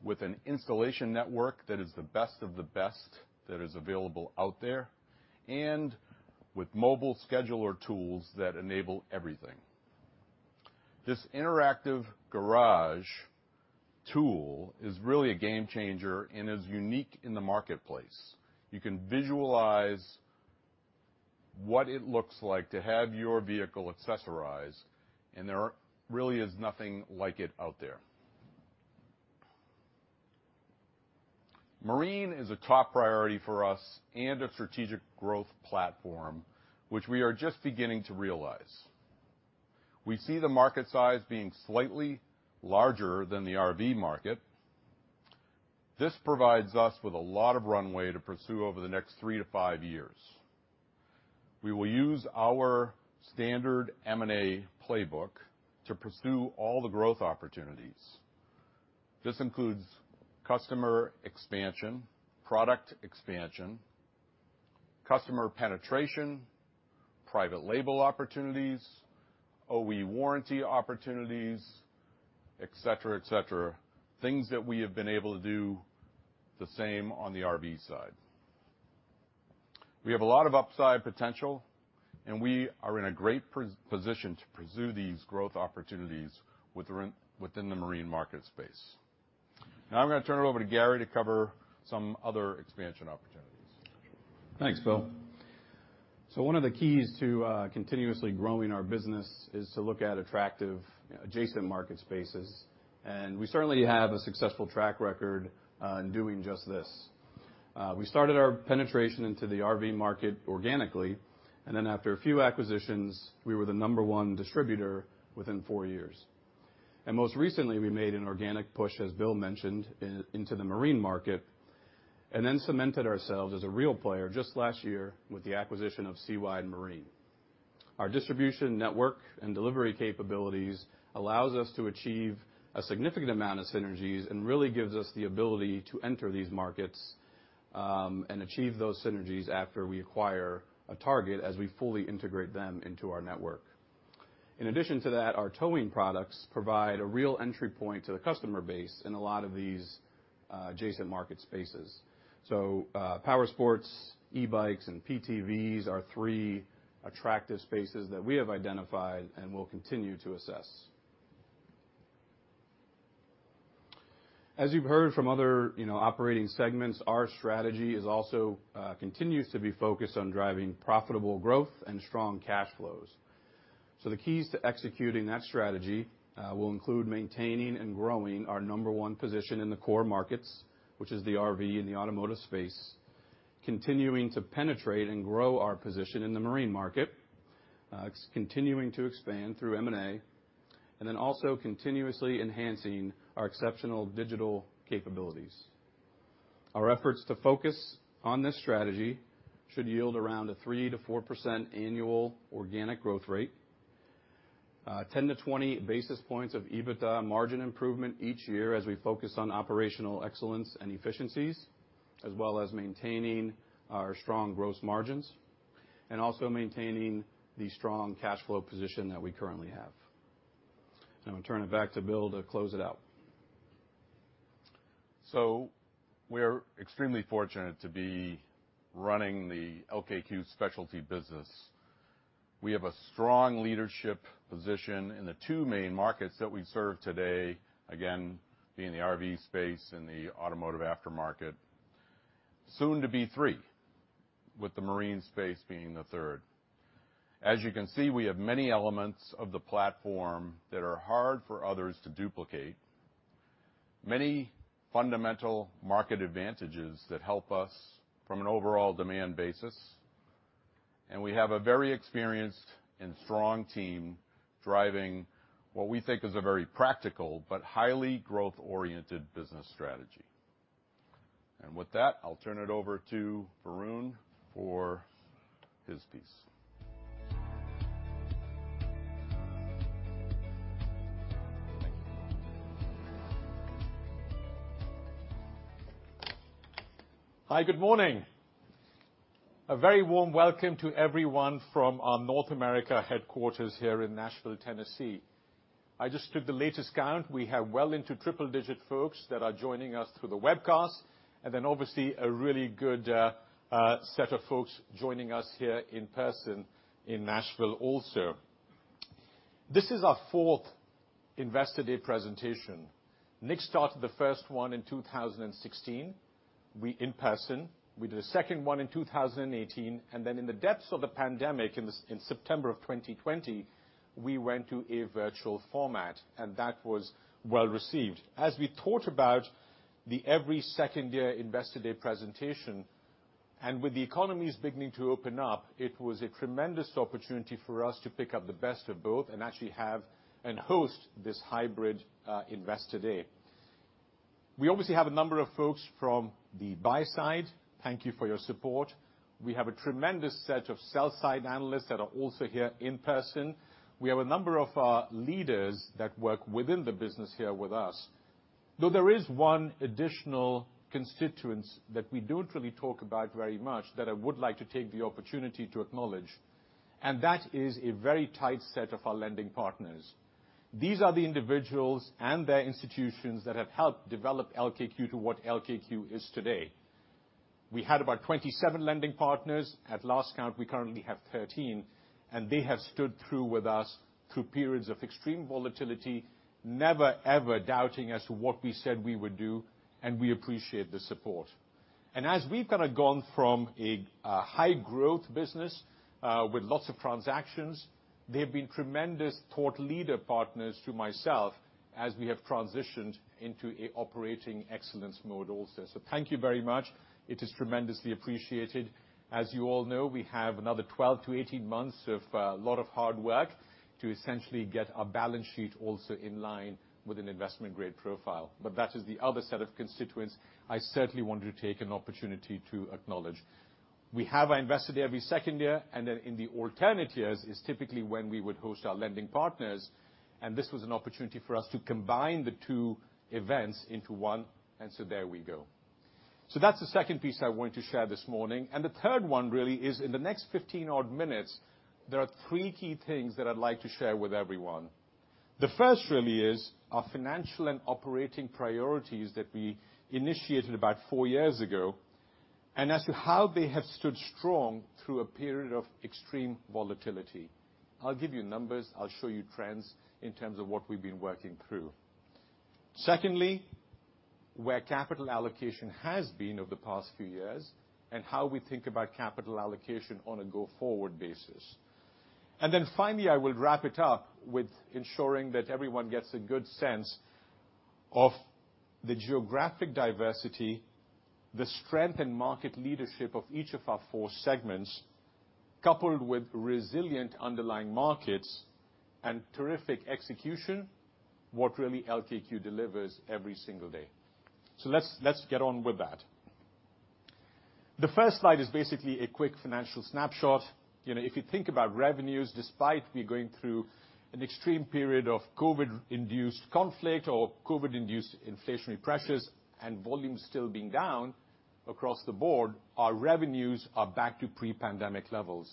Speaker 9: with an installation network that is the best of the best that is available out there, and with mobile scheduler tools that enable everything. This Interactive Garage tool is really a game changer and is unique in the marketplace. You can visualize what it looks like to have your vehicle accessorized, and there really is nothing like it out there. Marine is a top priority for us and a strategic growth platform, which we are just beginning to realize. We see the market size being slightly larger than the RV market. This provides us with a lot of runway to pursue over the next 3-5 years. We will use our standard M&A playbook to pursue all the growth opportunities. This includes customer expansion, product expansion, customer penetration, private label opportunities, OE warranty opportunities, et cetera, et cetera, things that we have been able to do the same on the RV side. We have a lot of upside potential, and we are in a great position to pursue these growth opportunities within the marine market space. Now I'm gonna turn it over to Gary to cover some other expansion opportunities.
Speaker 10: Thanks, Bill. One of the keys to continuously growing our business is to look at attractive adjacent market spaces. We certainly have a successful track record in doing just this. We started our penetration into the RV market organically, and then after a few acquisitions, we were the number one distributor within four years. Most recently, we made an organic push, as Bill mentioned, into the marine market, and then cemented ourselves as a real player just last year with the acquisition of SeaWide Marine. Our distribution network and delivery capabilities allows us to achieve a significant amount of synergies, and really gives us the ability to enter these markets, and achieve those synergies after we acquire a target as we fully integrate them into our network. In addition to that, our towing products provide a real entry point to the customer base in a lot of these adjacent market spaces. Powersports, e-bikes and PTVs are three attractive spaces that we have identified and will continue to assess. As you've heard from other, you know, operating segments, our strategy is also continues to be focused on driving profitable growth and strong cash flows. The keys to executing that strategy will include maintaining and growing our number one position in the core markets, which is the RV and the automotive space, continuing to penetrate and grow our position in the marine market, continuing to expand through M&A, and then also continuously enhancing our exceptional digital capabilities. Our efforts to focus on this strategy should yield around a 3%-4% annual organic growth rate, 10-20 basis points of EBITDA margin improvement each year as we focus on operational excellence and efficiencies, as well as maintaining our strong gross margins, and also maintaining the strong cash flow position that we currently have. I'm gonna turn it back to Bill to close it out.
Speaker 9: We're extremely fortunate to be running the LKQ Specialty business. We have a strong leadership position in the two main markets that we serve today, again, being the RV space and the automotive aftermarket. Soon to be three, with the marine space being the third. As you can see, we have many elements of the platform that are hard for others to duplicate, many fundamental market advantages that help us from an overall demand basis, and we have a very experienced and strong team driving what we think is a very practical but highly growth-oriented business strategy. With that, I'll turn it over to Varun for his piece.
Speaker 11: Thank you. Hi, good morning. A very warm welcome to everyone from our North America headquarters here in Nashville, Tennessee. I just took the latest count. We have well into triple-digit folks that are joining us through the webcast, and then obviously a really good set of folks joining us here in person in Nashville also. This is our fourth Investor Day presentation. Nick started the first one in 2016. We did a second one in 2018, and then in the depths of the pandemic in September of 2020, we went to a virtual format, and that was well received. As we thought about the every second year Investor Day presentation, and with the economies beginning to open up, it was a tremendous opportunity for us to pick up the best of both and actually have and host this hybrid Investor Day. We obviously have a number of folks from the buy side. Thank you for your support. We have a tremendous set of sell side analysts that are also here in person. We have a number of our leaders that work within the business here with us. Though there is one additional constituent that we don't really talk about very much that I would like to take the opportunity to acknowledge, and that is a very tight set of our lending partners. These are the individuals and their institutions that have helped develop LKQ to what LKQ is today. We had about 27 lending partners. At last count, we currently have 13, and they have stood through with us through periods of extreme volatility, never ever doubting as to what we said we would do, and we appreciate the support. As we've kinda gone from a high growth business with lots of transactions, they've been tremendous thought leader partners to myself as we have transitioned into a operating excellence mode also. So thank you very much. It is tremendously appreciated. As you all know, we have another 12-18 months of lot of hard work to essentially get our balance sheet also in line with an investment grade profile. That is the other set of constituents I certainly wanted to take an opportunity to acknowledge. We have our Investor Day every second year, and then in the alternate years is typically when we would host our lending partners, and this was an opportunity for us to combine the two events into one, and so there we go. That's the second piece I wanted to share this morning. The third one really is in the next 15-odd minutes, there are three key things that I'd like to share with everyone. The first really is our financial and operating priorities that we initiated about 4 years ago, and as to how they have stood strong through a period of extreme volatility. I'll give you numbers, I'll show you trends in terms of what we've been working through. Secondly, where capital allocation has been over the past few years and how we think about capital allocation on a go-forward basis. Finally, I will wrap it up with ensuring that everyone gets a good sense of the geographic diversity, the strength in market leadership of each of our four segments, coupled with resilient underlying markets and terrific execution, what really LKQ delivers every single day. Let's get on with that. The first slide is basically a quick financial snapshot. You know, if you think about revenues, despite we're going through an extreme period of COVID-induced conflict or COVID-induced inflationary pressures and volumes still being down across the board, our revenues are back to pre-pandemic levels.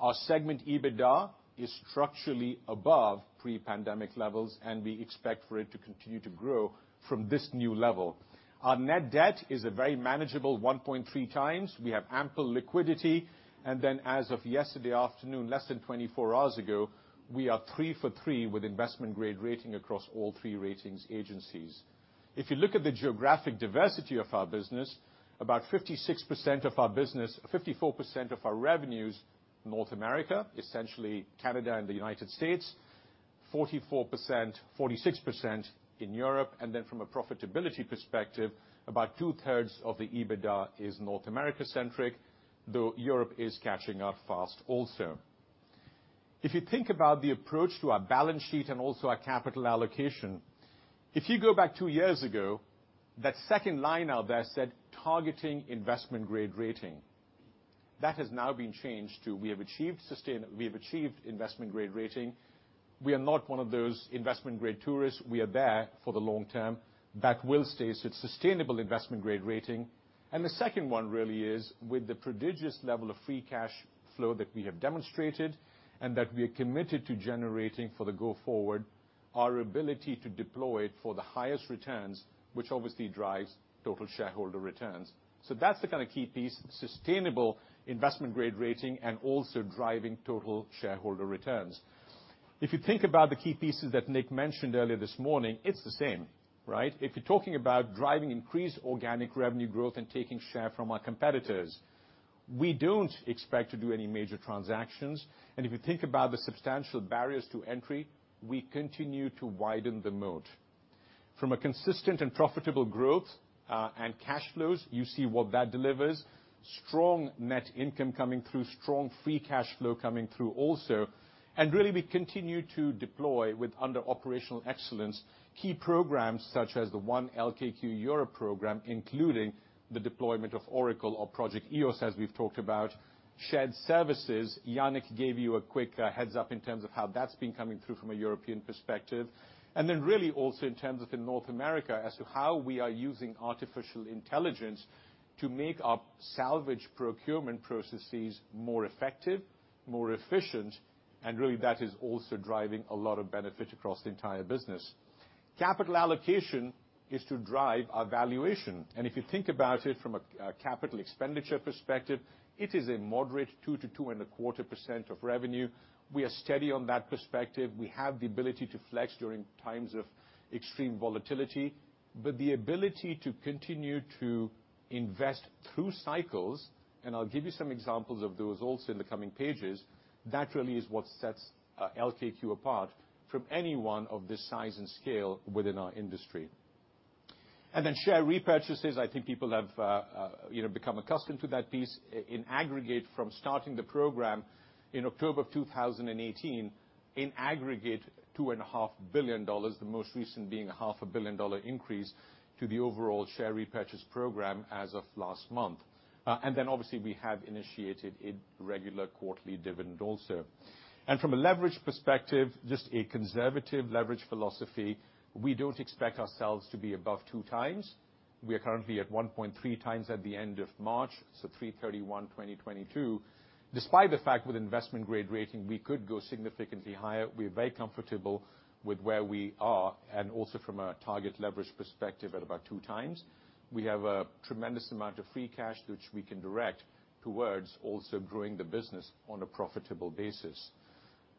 Speaker 11: Our segment EBITDA is structurally above pre-pandemic levels, and we expect for it to continue to grow from this new level. Our net debt is a very manageable 1.3x. We have ample liquidity, and then as of yesterday afternoon, less than 24 hours ago, we are three for three with investment grade rating across all three ratings agencies. If you look at the geographic diversity of our business, about 56% of our business, 54% of our revenue is North America, essentially Canada and the United States. 44%, 46% in Europe. From a profitability perspective, about 2/3 of the EBITDA is North America-centric, though Europe is catching up fast also. If you think about the approach to our balance sheet and also our capital allocation, if you go back 2 years ago, that second line out there said, "Targeting investment grade rating." That has now been changed to, "We have achieved investment grade rating." We are not one of those investment grade tourists. We are there for the long term. That will stay. It's sustainable investment grade rating. The second one really is with the prodigious level of free cash flow that we have demonstrated and that we are committed to generating going forward, our ability to deploy it for the highest returns, which obviously drives total shareholder returns. That's the kinda key piece, sustainable investment grade rating and also driving total shareholder returns. If you think about the key pieces that Nick mentioned earlier this morning, it's the same, right? If you're talking about driving increased organic revenue growth and taking share from our competitors, we don't expect to do any major transactions. If you think about the substantial barriers to entry, we continue to widen the moat. From a consistent and profitable growth and cash flows, you see what that delivers. Strong net income coming through. Strong free cash flow coming through also. We really continue to deploy under operational excellence key programs such as the One LKQ Europe program, including the deployment of Oracle or Project EOS, as we've talked about. Shared services, Yanik gave you a quick heads-up in terms of how that's been coming through from a European perspective. We really also in terms of in North America as to how we are using artificial intelligence to make our salvage procurement processes more effective, more efficient, and really that is also driving a lot of benefit across the entire business. Capital allocation is to drive our valuation. If you think about it from a capital expenditure perspective, it is a moderate 2%-2.25% of revenue. We are steady on that perspective. We have the ability to flex during times of extreme volatility, but the ability to continue to invest through cycles, and I'll give you some examples of those also in the coming pages, that really is what sets LKQ apart from anyone of this size and scale within our industry. Share repurchases, I think people have you know become accustomed to that piece. In aggregate, from starting the program in October of 2018, in aggregate, $2.5 billion, the most recent being $500 million increase to the overall share repurchase program as of last month. Obviously we have initiated a regular quarterly dividend also. From a leverage perspective, just a conservative leverage philosophy, we don't expect ourselves to be above 2x. We are currently at 1.3x at the end of March, so 3/31/2022. Despite the fact with investment grade rating, we could go significantly higher, we're very comfortable with where we are and also from a target leverage perspective at about 2x. We have a tremendous amount of free cash which we can direct towards also growing the business on a profitable basis.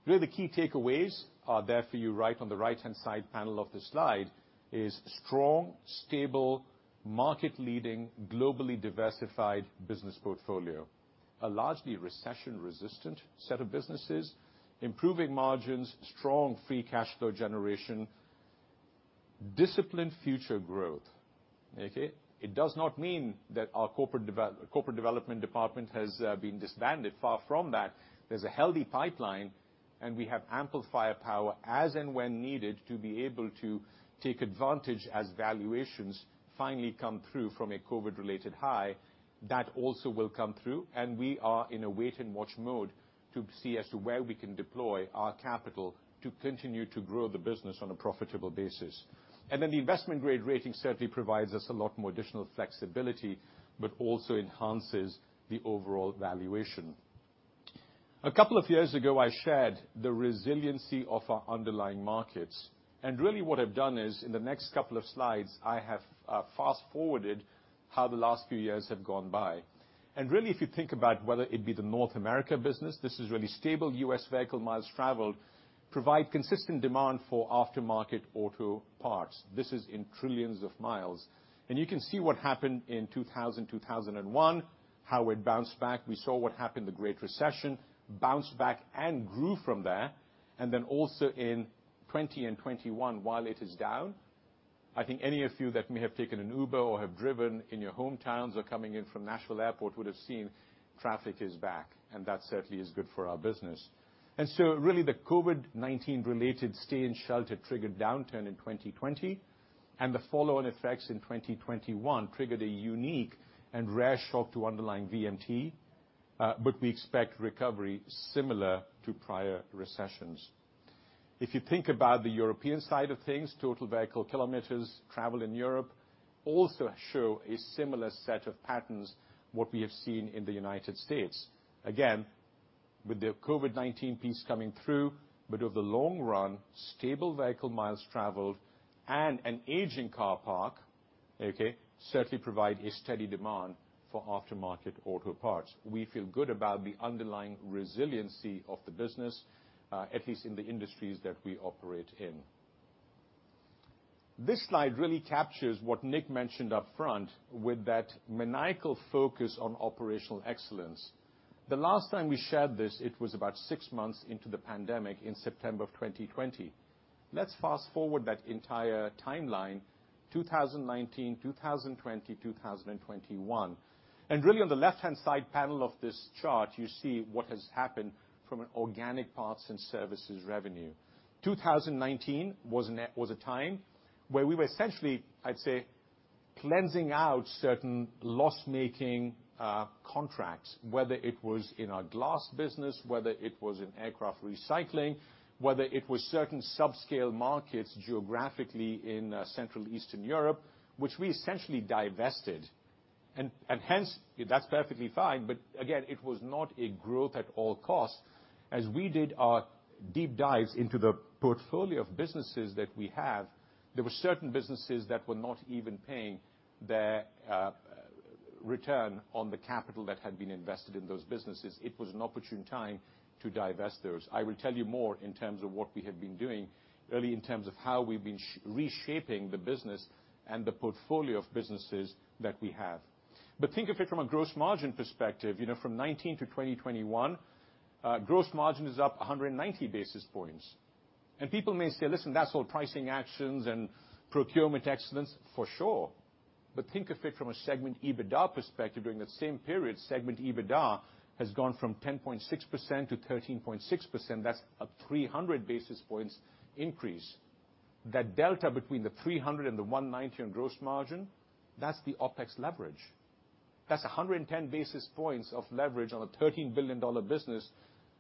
Speaker 11: Really the key takeaways are there for you right on the right-hand side panel of the slide, is strong, stable, market-leading, globally diversified business portfolio. A largely recession-resistant set of businesses, improving margins, strong free cash flow generation, disciplined future growth. Okay. It does not mean that our corporate development department has been disbanded. Far from that. There's a healthy pipeline, and we have ample firepower as and when needed to be able to take advantage as valuations finally come through from a COVID-related high. That also will come through, and we are in a wait and watch mode to see as to where we can deploy our capital to continue to grow the business on a profitable basis. The investment grade rating certainly provides us a lot more additional flexibility, but also enhances the overall valuation. A couple of years ago, I shared the resiliency of our underlying markets, and really what I've done is in the next couple of slides, I have fast-forwarded how the last few years have gone by. Really, if you think about whether it be the North America business, this is really stable U.S. vehicle miles traveled provides consistent demand for aftermarket auto parts. This is in trillions of miles. You can see what happened in 2000 and 2001, how it bounced back. We saw what happened, the Great Recession, bounced back and grew from there. In 2020 and 2021, while it is down, I think any of you that may have taken an Uber or have driven in your hometowns or coming in from Nashville Airport would have seen traffic is back, and that certainly is good for our business. Really the COVID-19 related stay-in-shelter triggered downturn in 2020, and the follow-on effects in 2021 triggered a unique and rare shock to underlying VMT, but we expect recovery similar to prior recessions. If you think about the European side of things, total vehicle kilometers traveled in Europe also show a similar set of patterns to what we have seen in the United States. Again, with the COVID-19 piece coming through, but over the long run, stable vehicle miles traveled and an aging car park, okay, certainly provide a steady demand for aftermarket auto parts. We feel good about the underlying resiliency of the business, at least in the industries that we operate in. This slide really captures what Nick mentioned up front with that maniacal focus on operational excellence. The last time we shared this, it was about six months into the pandemic in September of 2020. Let's fast-forward that entire timeline, 2019, 2020, 2021. Really on the left-hand side panel of this chart, you see what has happened from an organic parts and services revenue. 2019 was a time where we were essentially, I'd say, cleansing out certain loss-making contracts, whether it was in our glass business, whether it was in aircraft recycling, whether it was certain subscale markets geographically in Central Eastern Europe, which we essentially divested. Hence, that's perfectly fine. Again, it was not a growth at all costs. As we did our deep dives into the portfolio of businesses that we have, there were certain businesses that were not even paying their return on the capital that had been invested in those businesses. It was an opportune time to divest those. I will tell you more in terms of what we have been doing, really in terms of how we've been reshaping the business and the portfolio of businesses that we have. Think of it from a gross margin perspective. You know, from 2019 to 2021, gross margin is up 190 basis points. People may say, "Listen, that's all pricing actions and procurement excellence," for sure. Think of it from a segment EBITDA perspective. During that same period, segment EBITDA has gone from 10.6% to 13.6%. That's a 300 basis points increase. That delta between the 300 and the 190 on gross margin, that's the OpEx leverage. That's 110 basis points of leverage on a $13 billion business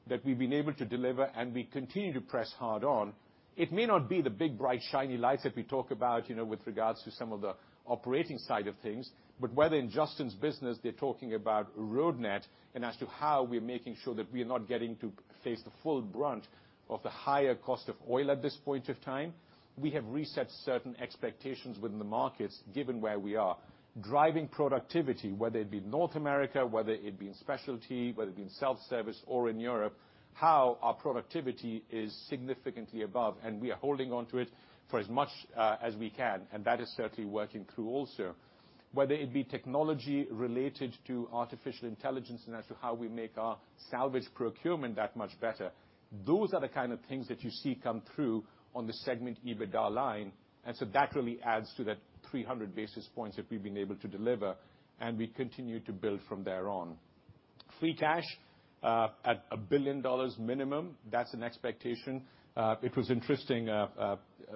Speaker 11: that we've been able to deliver and we continue to press hard on. It may not be the big, bright, shiny lights that we talk about, you know, with regards to some of the operating side of things. Whether in Justin's business, they're talking about Roadnet and as to how we're making sure that we're not getting to face the full brunt of the higher cost of oil at this point of time, we have reset certain expectations within the markets given where we are. Driving productivity, whether it be North America, whether it be in specialty, whether it be in self-service or in Europe, how our productivity is significantly above and we are holding onto it for as much, as we can. That is certainly working through also. Whether it be technology related to artificial intelligence and as to how we make our salvage procurement that much better, those are the kind of things that you see come through on the segment EBITDA line. That really adds to that 300 basis points that we've been able to deliver, and we continue to build from thereon. Free cash at $1 billion minimum. That's an expectation. It was interesting,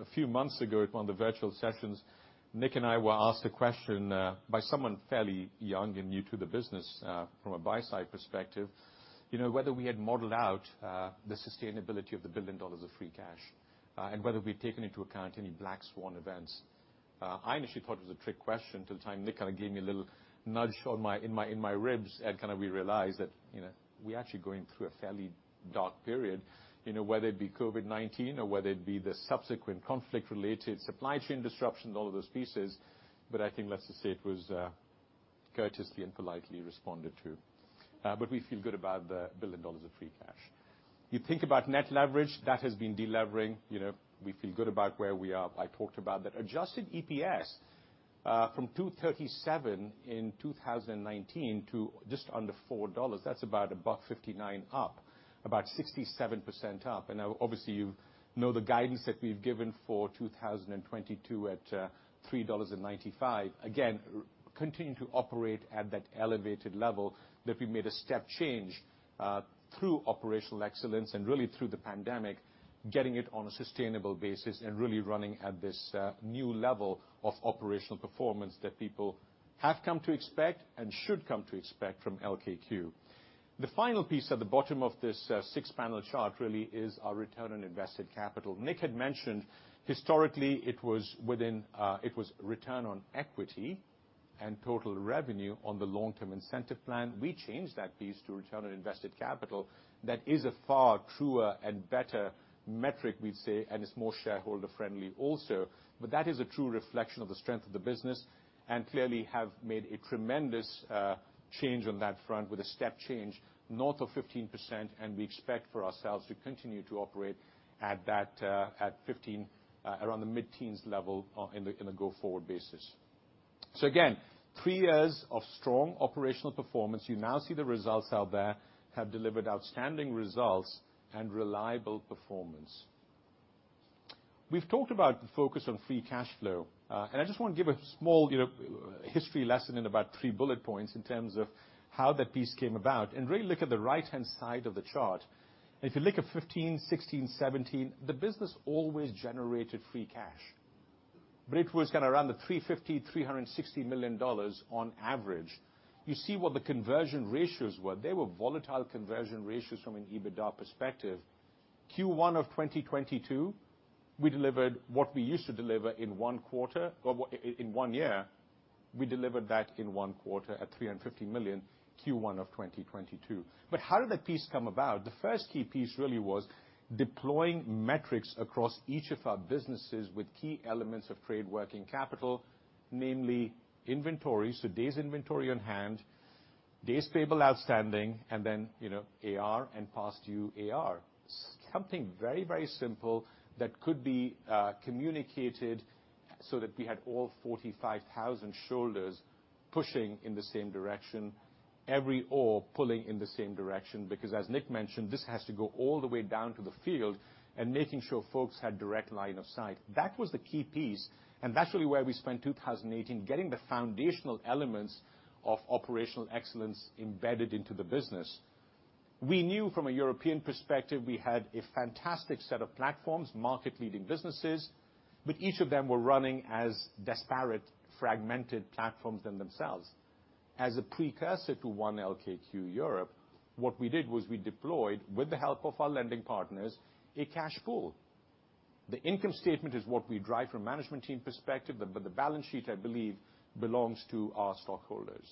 Speaker 11: a few months ago up on the virtual sessions, Nick and I were asked a question by someone fairly young and new to the business from a buy side perspective, you know, whether we had modeled out the sustainability of the $1 billion of free cash and whether we'd taken into account any black swan events. I initially thought it was a trick question till the time Nick kind of gave me a little nudge on my ribs, and we realized that, you know, we're actually going through a fairly dark period. You know, whether it be COVID-19 or whether it be the subsequent conflict related supply chain disruptions, all of those pieces. I think let's just say it was courteously and politely responded to. We feel good about the $1 billion of free cash. You think about net leverage, that has been delevering. You know, we feel good about where we are. I talked about that. Adjusted EPS from $2.37 in 2019 to just under $4, that's about $1.59 up, about 67% up. Now obviously, you know the guidance that we've given for 2022 at $3.95. Again, continuing to operate at that elevated level that we made a step change through operational excellence and really through the pandemic, getting it on a sustainable basis and really running at this new level of operational performance that people have come to expect and should come to expect from LKQ. The final piece at the bottom of this six-panel chart really is our return on invested capital. Nick had mentioned historically it was return on equity and total revenue on the long-term incentive plan, we changed that piece to return on invested capital. That is a far truer and better metric, we'd say, and it's more shareholder-friendly also. That is a true reflection of the strength of the business, and clearly have made a tremendous change on that front with a step change north of 15%, and we expect for ourselves to continue to operate at that, at 15, around the mid-teens level, in the go-forward basis. Three years of strong operational performance. You now see the results out there have delivered outstanding results and reliable performance. We've talked about the focus on free cash flow, and I just want to give a small, you know, history lesson in about three bullet points in terms of how that piece came about. Really look at the right-hand side of the chart. If you look at 2015, 2016, 2017, the business always generated free cash. It was kind of around the $350 million-$360 million on average. You see what the conversion ratios were. They were volatile conversion ratios from an EBITDA perspective. Q1 of 2022, we delivered what we used to deliver in one quarter or within one year, we delivered that in one quarter at $350 million Q1 of 2022. How did that piece come about? The first key piece really was deploying metrics across each of our businesses with key elements of trade working capital, namely inventory, so days inventory on hand, days payable outstanding, and then, you know, AR and past due AR. Something very, very simple that could be communicated so that we had all 45,000 shoulders pushing in the same direction, every oar pulling in the same direction, because as Nick mentioned, this has to go all the way down to the field and making sure folks had direct line of sight. That was the key piece, and that's really where we spent 2018 getting the foundational elements of operational excellence embedded into the business. We knew from a European perspective, we had a fantastic set of platforms, market-leading businesses, but each of them were running as disparate fragmented platforms in themselves. As a precursor to One LKQ Europe, what we did was we deployed, with the help of our lending partners, a cash pool. The income statement is what we drive from management team perspective, but the balance sheet, I believe, belongs to our stockholders.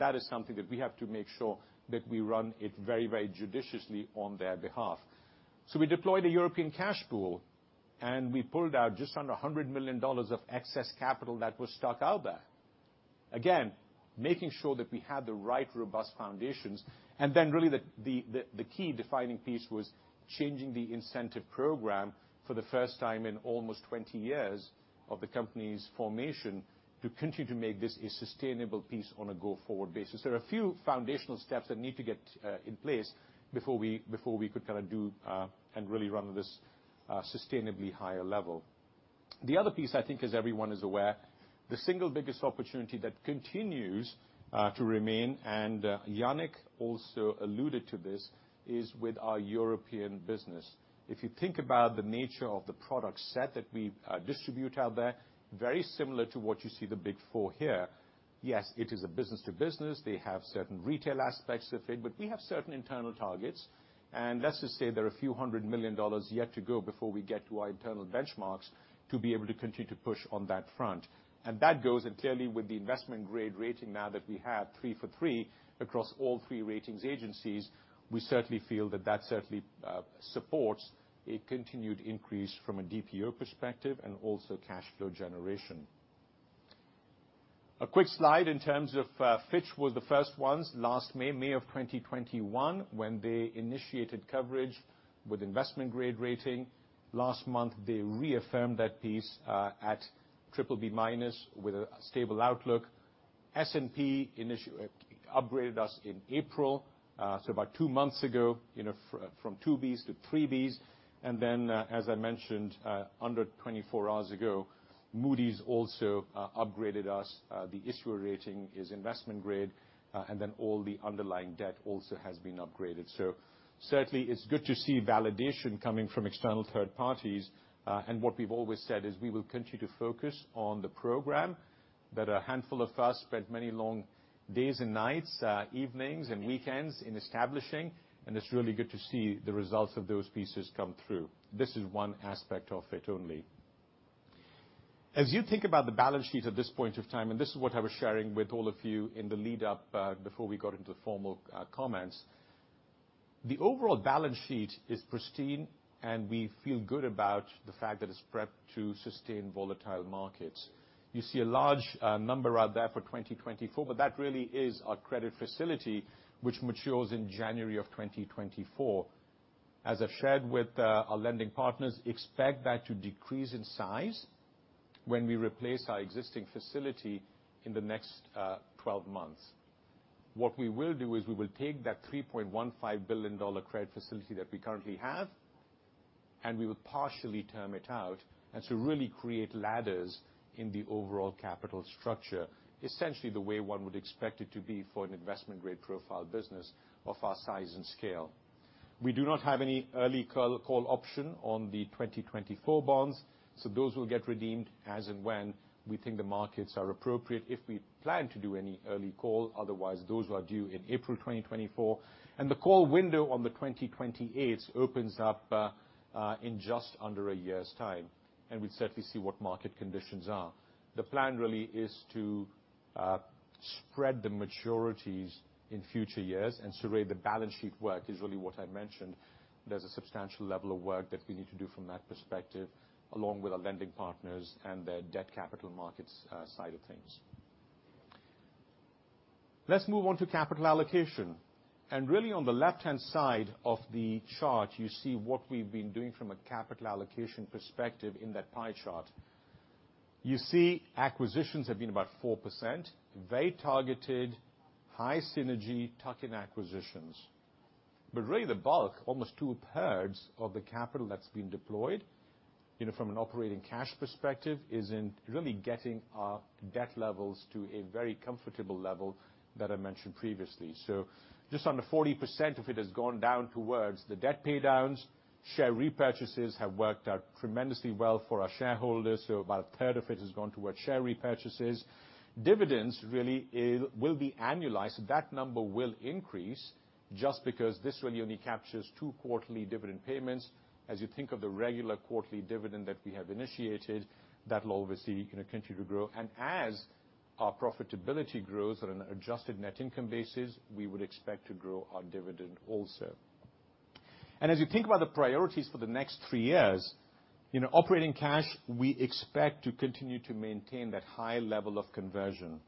Speaker 11: That is something that we have to make sure that we run it very, very judiciously on their behalf. We deployed a European cash pool, and we pulled out just under $100 million of excess capital that was stuck out there. Again, making sure that we had the right robust foundations. Then really the key defining piece was changing the incentive program for the first time in almost 20 years of the company's formation to continue to make this a sustainable piece on a go-forward basis. There are a few foundational steps that need to get in place before we could kind of do and really run this sustainably higher level. The other piece I think as everyone is aware, the single biggest opportunity that continues to remain, and Yanik also alluded to this, is with our European business. If you think about the nature of the product set that we distribute out there, very similar to what you see the big four here. Yes, it is a business to business. They have certain retail aspects to it, but we have certain internal targets. Let's just say there are a few hundred million dollars yet to go before we get to our internal benchmarks to be able to continue to push on that front. That goes in clearly with the investment grade rating now that we have three for three across all three ratings agencies. We certainly feel that that certainly supports a continued increase from a DPO perspective and also cash flow generation. A quick slide in terms of Fitch was the first ones last May of 2021, when they initiated coverage with investment grade rating. Last month, they reaffirmed that piece at BBB- with a stable outlook. S&P upgraded us in April, so about 2 months ago, you know, from two Bs to three Bs. As I mentioned, under 24 hours ago, Moody's also upgraded us. The issuer rating is investment grade, and then all the underlying debt also has been upgraded. Certainly, it's good to see validation coming from external third parties. What we've always said is we will continue to focus on the program that a handful of us spent many long days and nights, evenings and weekends in establishing, and it's really good to see the results of those pieces come through. This is one aspect of it only. As you think about the balance sheet at this point of time, and this is what I was sharing with all of you in the lead up, before we got into the formal comments, the overall balance sheet is pristine, and we feel good about the fact that it's prepped to sustain volatile markets. You see a large number out there for 2024, but that really is our credit facility which matures in January of 2024. As I've shared with our lending partners, expect that to decrease in size when we replace our existing facility in the next 12 months. What we will do is we will take that $3.15 billion credit facility that we currently have, and we will partially term it out and to really create ladders in the overall capital structure, essentially the way one would expect it to be for an investment grade profile business of our size and scale. We do not have any early call option on the 2024 bonds, so those will get redeemed as and when we think the markets are appropriate if we plan to do any early call, otherwise those are due in April 2024. The call window on the 2028s opens up in just under a year's time, and we'd certainly see what market conditions are. The plan really is to spread the maturities in future years and so review the balance sheet work is really what I mentioned. There's a substantial level of work that we need to do from that perspective, along with our lending partners and their debt capital markets side of things. Let's move on to capital allocation. Really on the left-hand side of the chart, you see what we've been doing from a capital allocation perspective in that pie chart. You see acquisitions have been about 4%. Very targeted, high synergy, tuck-in acquisitions. Really the bulk, almost 2/3 of the capital that's been deployed, you know, from an operating cash perspective, is in really getting our debt levels to a very comfortable level that I mentioned previously. Just under 40% of it has gone down towards the debt pay downs. Share repurchases have worked out tremendously well for our shareholders, so about 1/3 of it has gone toward share repurchases. Dividends really it will be annualized. That number will increase just because this really only captures two quarterly dividend payments. As you think of the regular quarterly dividend that we have initiated, that will obviously, you know, continue to grow. As our profitability grows on an adjusted net income basis, we would expect to grow our dividend also. As you think about the priorities for the next three years, you know, operating cash, we expect to continue to maintain that high level of conversion.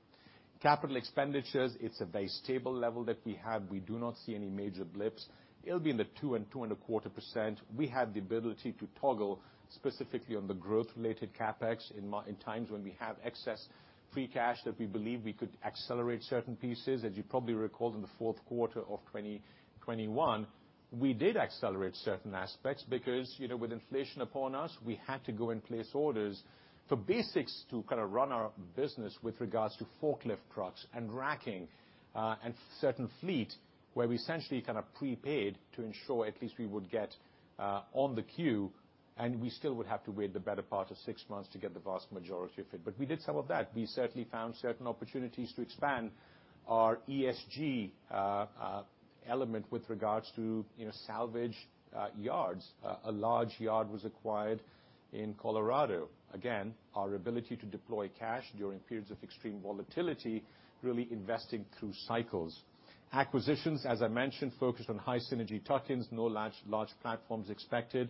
Speaker 11: Capital expenditures, it's a very stable level that we have. We do not see any major blips. It'll be in the 2%-2.25%. We have the ability to toggle specifically on the growth related CapEx in times when we have excess free cash that we believe we could accelerate certain pieces. As you probably recall, in the fourth quarter of 2021, we did accelerate certain aspects because, you know, with inflation upon us, we had to go and place orders for basics to kind of run our business with regards to forklift trucks and racking, and certain fleet, where we essentially kind of prepaid to ensure at least we would get on the queue, and we still would have to wait the better part of six months to get the vast majority of it. We did some of that. We certainly found certain opportunities to expand our ESG element with regards to, you know, salvage yards. A large yard was acquired in Colorado. Again, our ability to deploy cash during periods of extreme volatility, really investing through cycles. Acquisitions, as I mentioned, focused on high synergy tuck-ins, no large platforms expected.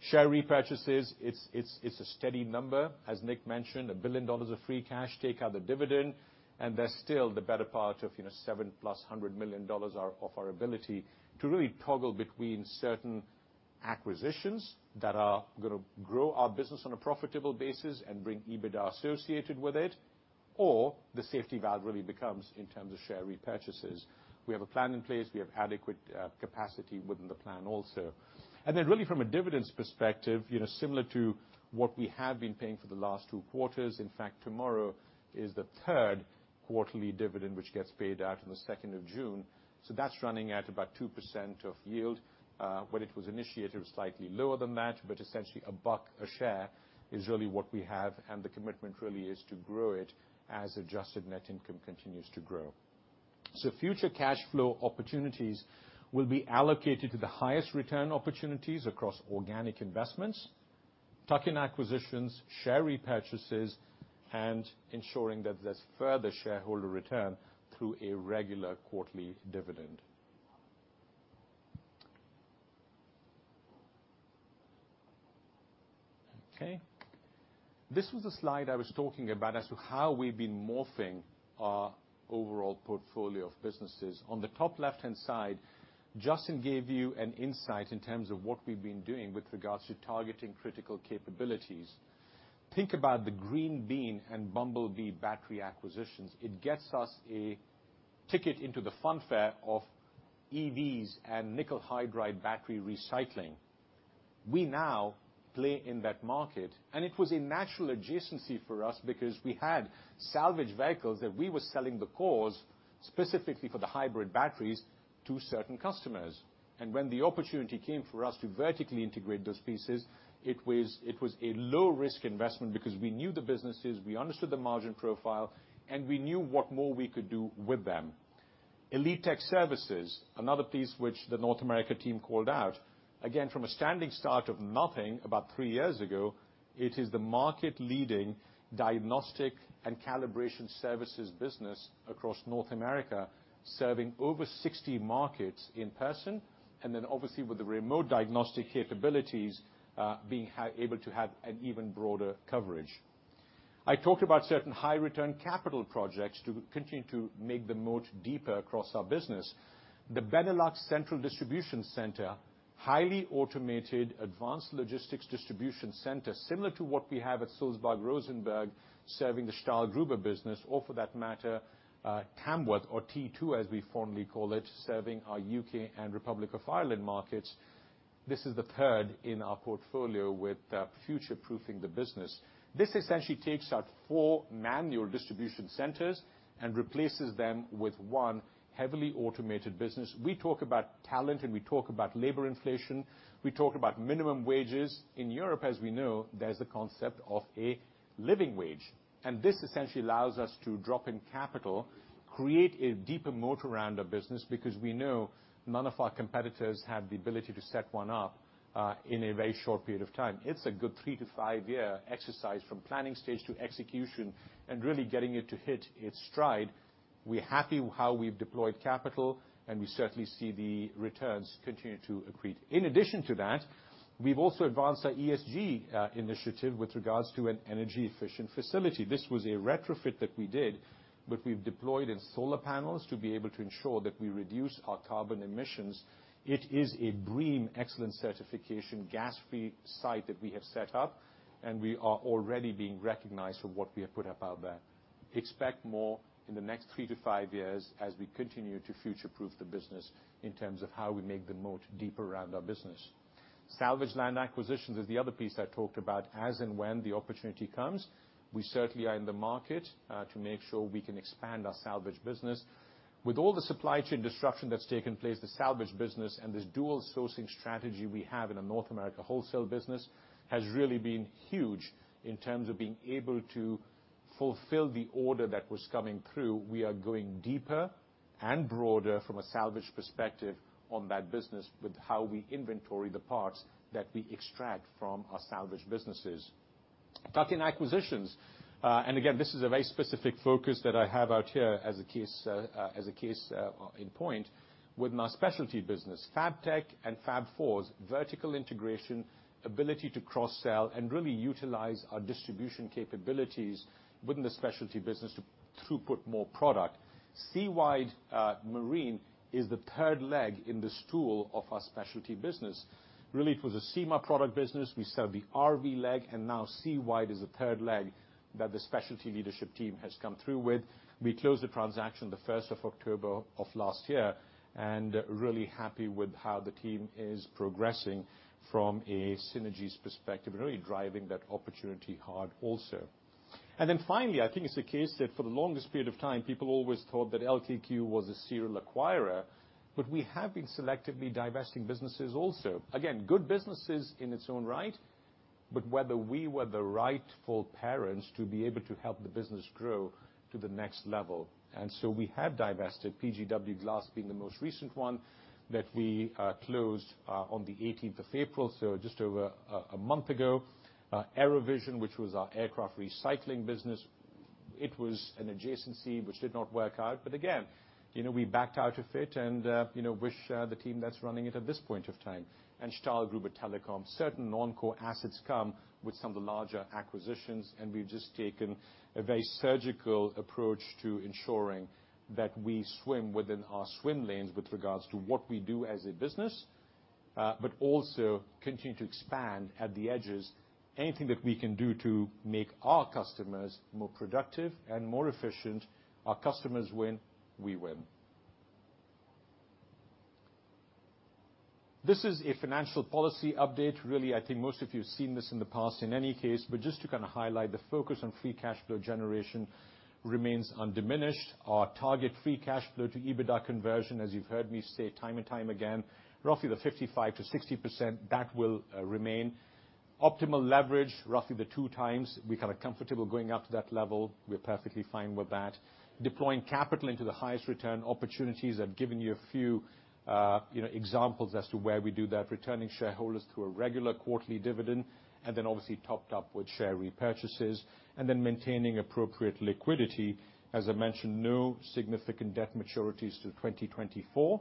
Speaker 11: Share repurchases, it's a steady number. As Nick mentioned, $1 billion of free cash, take out the dividend, and there's still the better part of, you know, $700+ million of our ability to really toggle between certain acquisitions that are gonna grow our business on a profitable basis and bring EBITDA associated with it, or the safety valve really becomes in terms of share repurchases. We have a plan in place. We have adequate capacity within the plan also. Then really from a dividends perspective, you know, similar to what we have been paying for the last two quarters, in fact, tomorrow is the third quarterly dividend, which gets paid out on the second of June. That's running at about 2% of yield. When it was initiated, it was slightly lower than that, but essentially $1 a share is really what we have, and the commitment really is to grow it as adjusted net income continues to grow. Future cash flow opportunities will be allocated to the highest return opportunities across organic investments, tuck-in acquisitions, share repurchases, and ensuring that there's further shareholder return through a regular quarterly dividend. Okay. This was a slide I was talking about as to how we've been morphing our overall portfolio of businesses. On the top left-hand side, Justin gave you an insight in terms of what we've been doing with regards to targeting critical capabilities. Think about the Green Bean Battery and Bumblebee Batteries acquisitions. It gets us a ticket into the fun fair of EVs and nickel hydride battery recycling. We now play in that market, and it was a natural adjacency for us because we had salvage vehicles that we were selling the cores, specifically for the hybrid batteries, to certain customers. When the opportunity came for us to vertically integrate those pieces, it was a low risk investment because we knew the businesses, we understood the margin profile, and we knew what more we could do with them. Elitek Vehicle Services, another piece which the North America team called out, again, from a standing start of nothing about three years ago, it is the market leading diagnostic and calibration services business across North America, serving over 60 markets in person, and then obviously with the remote diagnostic capabilities, being able to have an even broader coverage. I talked about certain high return capital projects to continue to make the moat deeper across our business. The Benelux Central Distribution Center, highly automated, advanced logistics distribution center, similar to what we have at Sulzbach-Rosenberg, serving the Stahlgruber business or for that matter, Tamworth or T2, as we formally call it, serving our UK and Republic of Ireland markets. This is the third in our portfolio with future-proofing the business. This essentially takes out four manual distribution centers and replaces them with one heavily automated business. We talk about talent, and we talk about labor inflation, we talk about minimum wages. In Europe, as we know, there's a concept of a living wage, and this essentially allows us to drop in capital, create a deeper moat around our business because we know none of our competitors have the ability to set one up in a very short period of time. It's a good 3-5-year exercise from planning stage to execution and really getting it to hit its stride. We're happy with how we've deployed capital, and we certainly see the returns continue to accrete. In addition to that, we've also advanced our ESG initiative with regards to an energy-efficient facility. This was a retrofit that we did, but we've deployed in solar panels to be able to ensure that we reduce our carbon emissions. It is a BREEAM excellent certification gas-free site that we have set up, and we are already being recognized for what we have put up out there. Expect more in the next 3-5 years as we continue to future-proof the business in terms of how we make the moat deeper around our business. Salvage line acquisitions is the other piece I talked about. As and when the opportunity comes, we certainly are in the market to make sure we can expand our salvage business. With all the supply chain disruption that's taken place, the salvage business and this dual sourcing strategy we have in our North America wholesale business has really been huge in terms of being able to fulfill the order that was coming through. We are going deeper and broader from a salvage perspective on that business with how we inventory the parts that we extract from our salvage businesses. Talking acquisitions, and again, this is a very specific focus that I have out here as a case in point with my specialty business, Fab Fours vertical integration, ability to cross-sell, and really utilize our distribution capabilities within the specialty business to throughput more product. SeaWide Marine is the third leg in the stool of our specialty business. Really, it was a SEMA product business. We sell the RV leg, and now SeaWide is the third leg that the specialty leadership team has come through with. We closed the transaction the first of October of last year, and really happy with how the team is progressing from a synergies perspective and really driving that opportunity hard also. Finally, I think it's a case that for the longest period of time, people always thought that LKQ was a serial acquirer, but we have been selectively divesting businesses also. Again, good businesses in its own right, but whether we were the rightful parents to be able to help the business grow to the next level. We have divested PGW Auto Glass being the most recent one that we closed on the eighteenth of April, so just over a month ago. AeroCycle, which was our aircraft recycling business, it was an adjacency which did not work out. Again, you know, we backed out of it and, you know, wish the team that's running it at this point of time. Stahlgruber with telecom. Certain non-core assets come with some of the larger acquisitions, and we've just taken a very surgical approach to ensuring that we swim within our swim lanes with regards to what we do as a business, but also continue to expand at the edges anything that we can do to make our customers more productive and more efficient. Our customers win, we win. This is a financial policy update. Really, I think most of you have seen this in the past in any case, but just to kind of highlight the focus on free cash flow generation remains undiminished. Our target free cash flow to EBITDA conversion, as you've heard me say time and time again, roughly the 55%-60%, that will remain. Optimal leverage, roughly the 2x. We're kind of comfortable going up to that level. We're perfectly fine with that. Deploying capital into the highest return opportunities. I've given you a few, you know, examples as to where we do that, returning to shareholders a regular quarterly dividend, and then obviously topped up with share repurchases, and then maintaining appropriate liquidity. As I mentioned, no significant debt maturities till 2024,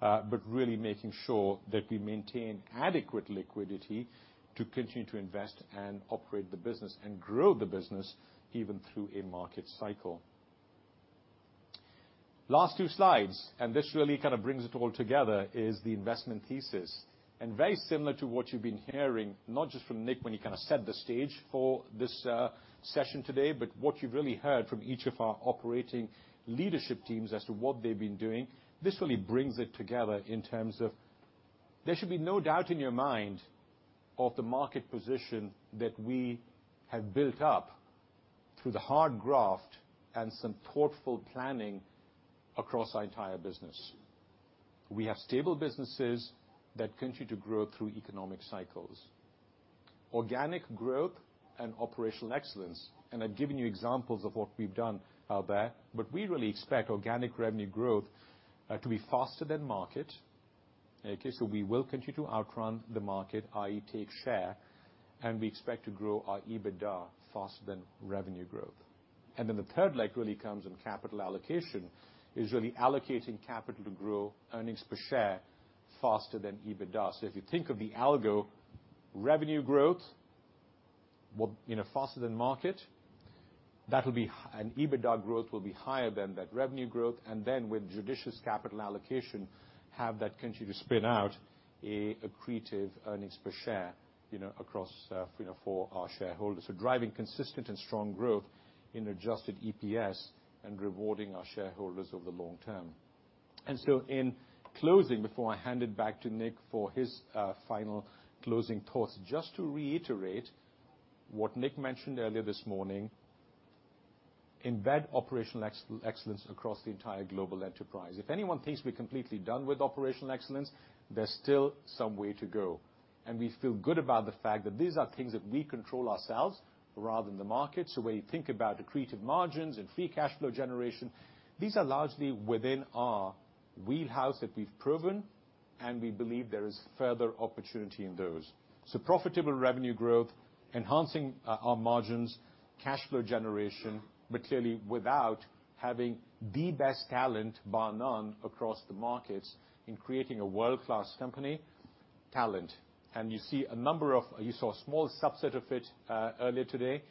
Speaker 11: but really making sure that we maintain adequate liquidity to continue to invest and operate the business and grow the business even through a market cycle. Last two slides, and this really kind of brings it all together, is the investment thesis. Very similar to what you've been hearing, not just from Nick when he kind of set the stage for this, session today, but what you've really heard from each of our operating leadership teams as to what they've been doing. This really brings it together in terms of there should be no doubt in your mind of the market position that we have built up through the hard graft and some thoughtful planning across our entire business. We have stable businesses that continue to grow through economic cycles. Organic growth and operational excellence, and I've given you examples of what we've done out there, but we really expect organic revenue growth, to be faster than market. Okay, we will continue to outrun the market, i.e. take share, and we expect to grow our EBITDA faster than revenue growth. The third leg really comes in capital allocation is really allocating capital to grow earnings per share faster than EBITDA. If you think of the algo, revenue growth will, you know, faster than market, that'll be and EBITDA growth will be higher than that revenue growth, and then with judicious capital allocation, have that continue to spin out an accretive earnings per share, you know, across, you know, for our shareholders. Driving consistent and strong growth in adjusted EPS and rewarding our shareholders over the long term. In closing, before I hand it back to Nick for his final closing thoughts, just to reiterate what Nick mentioned earlier this morning, embed operational excellence across the entire global enterprise. If anyone thinks we're completely done with operational excellence, there's still some way to go. We feel good about the fact that these are things that we control ourselves rather than the market. So when you think about accretive margins and free cash flow generation, these are largely within our wheelhouse that we've proven, and we believe there is further opportunity in those. So profitable revenue growth, enhancing our margins, cash flow generation, but clearly without having the best talent bar none across the markets in creating a world-class company, talent. You saw a small subset of it earlier today.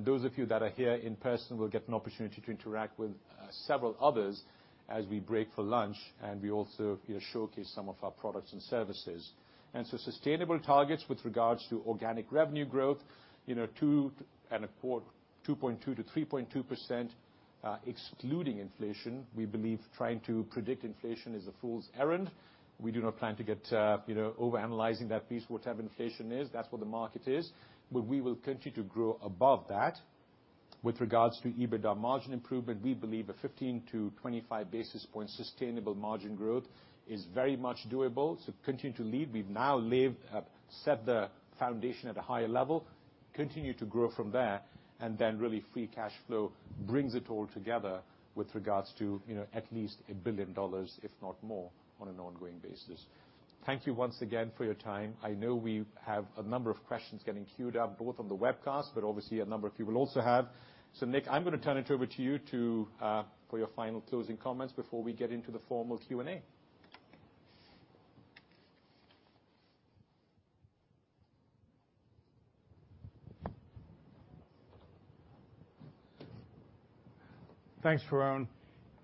Speaker 11: Those of you that are here in person will get an opportunity to interact with several others as we break for lunch, and we also, you know, showcase some of our products and services. Sustainable targets with regards to organic revenue growth, you know, 2.25%. 2.2%-3.2%, excluding inflation. We believe trying to predict inflation is a fool's errand. We do not plan to get, you know, overanalyzing that piece. Whatever inflation is, that's what the market is. We will continue to grow above that. With regards to EBITDA margin improvement, we believe a 15-25 basis point sustainable margin growth is very much doable. Continue to lead. We have now set the foundation at a higher level, continue to grow from there, and then really free cash flow brings it all together with regards to, you know, at least $1 billion, if not more on an ongoing basis. Thank you once again for your time. I know we have a number of questions getting queued up, both on the webcast, but obviously a number of people also have. Nick, I'm gonna turn it over to you to for your final closing comments before we get into the formal Q&A.
Speaker 3: Thanks,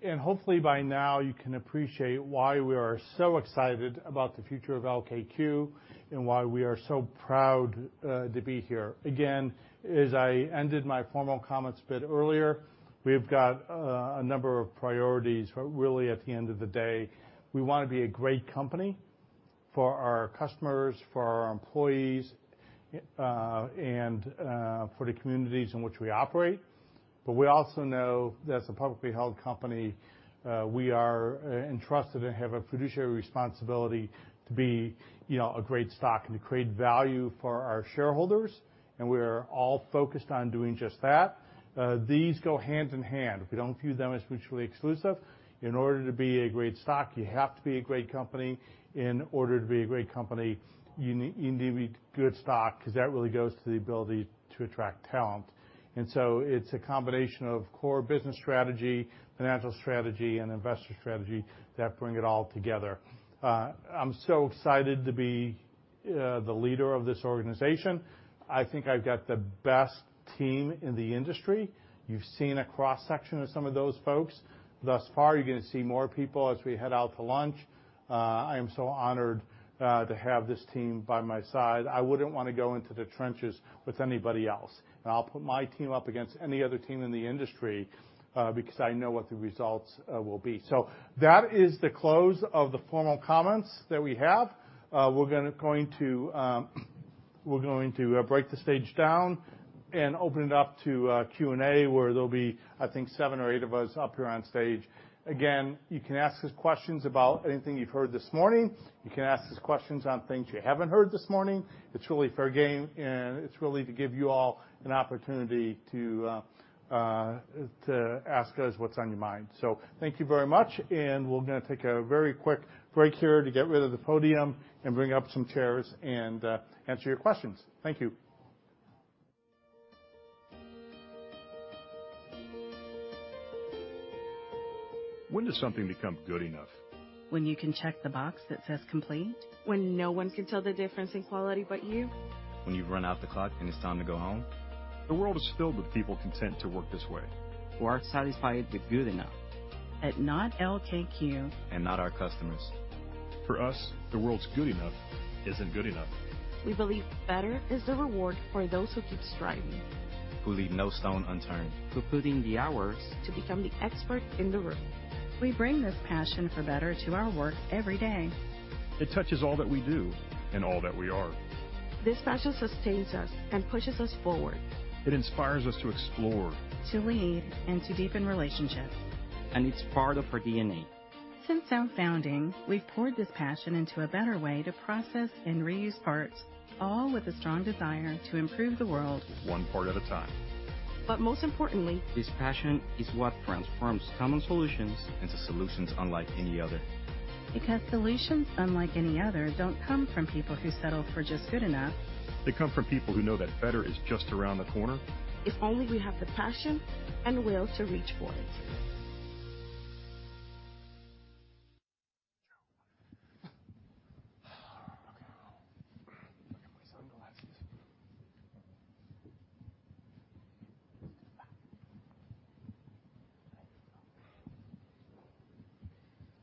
Speaker 3: Varun. Hopefully by now you can appreciate why we are so excited about the future of LKQ and why we are so proud to be here. Again, as I ended my formal comments a bit earlier, we've got a number of priorities, but really, at the end of the day, we wanna be a great company for our customers, for our employees, and for the communities in which we operate. We also know, as a publicly held company, we are entrusted and have a fiduciary responsibility to be, you know, a great stock and to create value for our shareholders, and we are all focused on doing just that. These go hand in hand. We don't view them as mutually exclusive. In order to be a great stock, you have to be a great company. In order to be a great company, you need to be good stock, 'cause that really goes to the ability to attract talent. It's a combination of core business strategy, financial strategy, and investor strategy that bring it all together. I'm so excited to be the leader of this organization. I think I've got the best team in the industry. You've seen a cross-section of some of those folks thus far. You're gonna see more people as we head out to lunch. I am so honored to have this team by my side. I wouldn't wanna go into the trenches with anybody else. I'll put my team up against any other team in the industry, because I know what the results will be. That is the close of the formal comments that we have. We're going to break the stage down and open it up to Q&A, where there'll be, I think, seven or eight of us up here on stage. Again, you can ask us questions about anything you've heard this morning. You can ask us questions on things you haven't heard this morning. It's really fair game, and it's really to give you all an opportunity to ask us what's on your mind. Thank you very much, and we're gonna take a very quick break here to get rid of the podium and bring up some chairs and answer your questions. Thank you.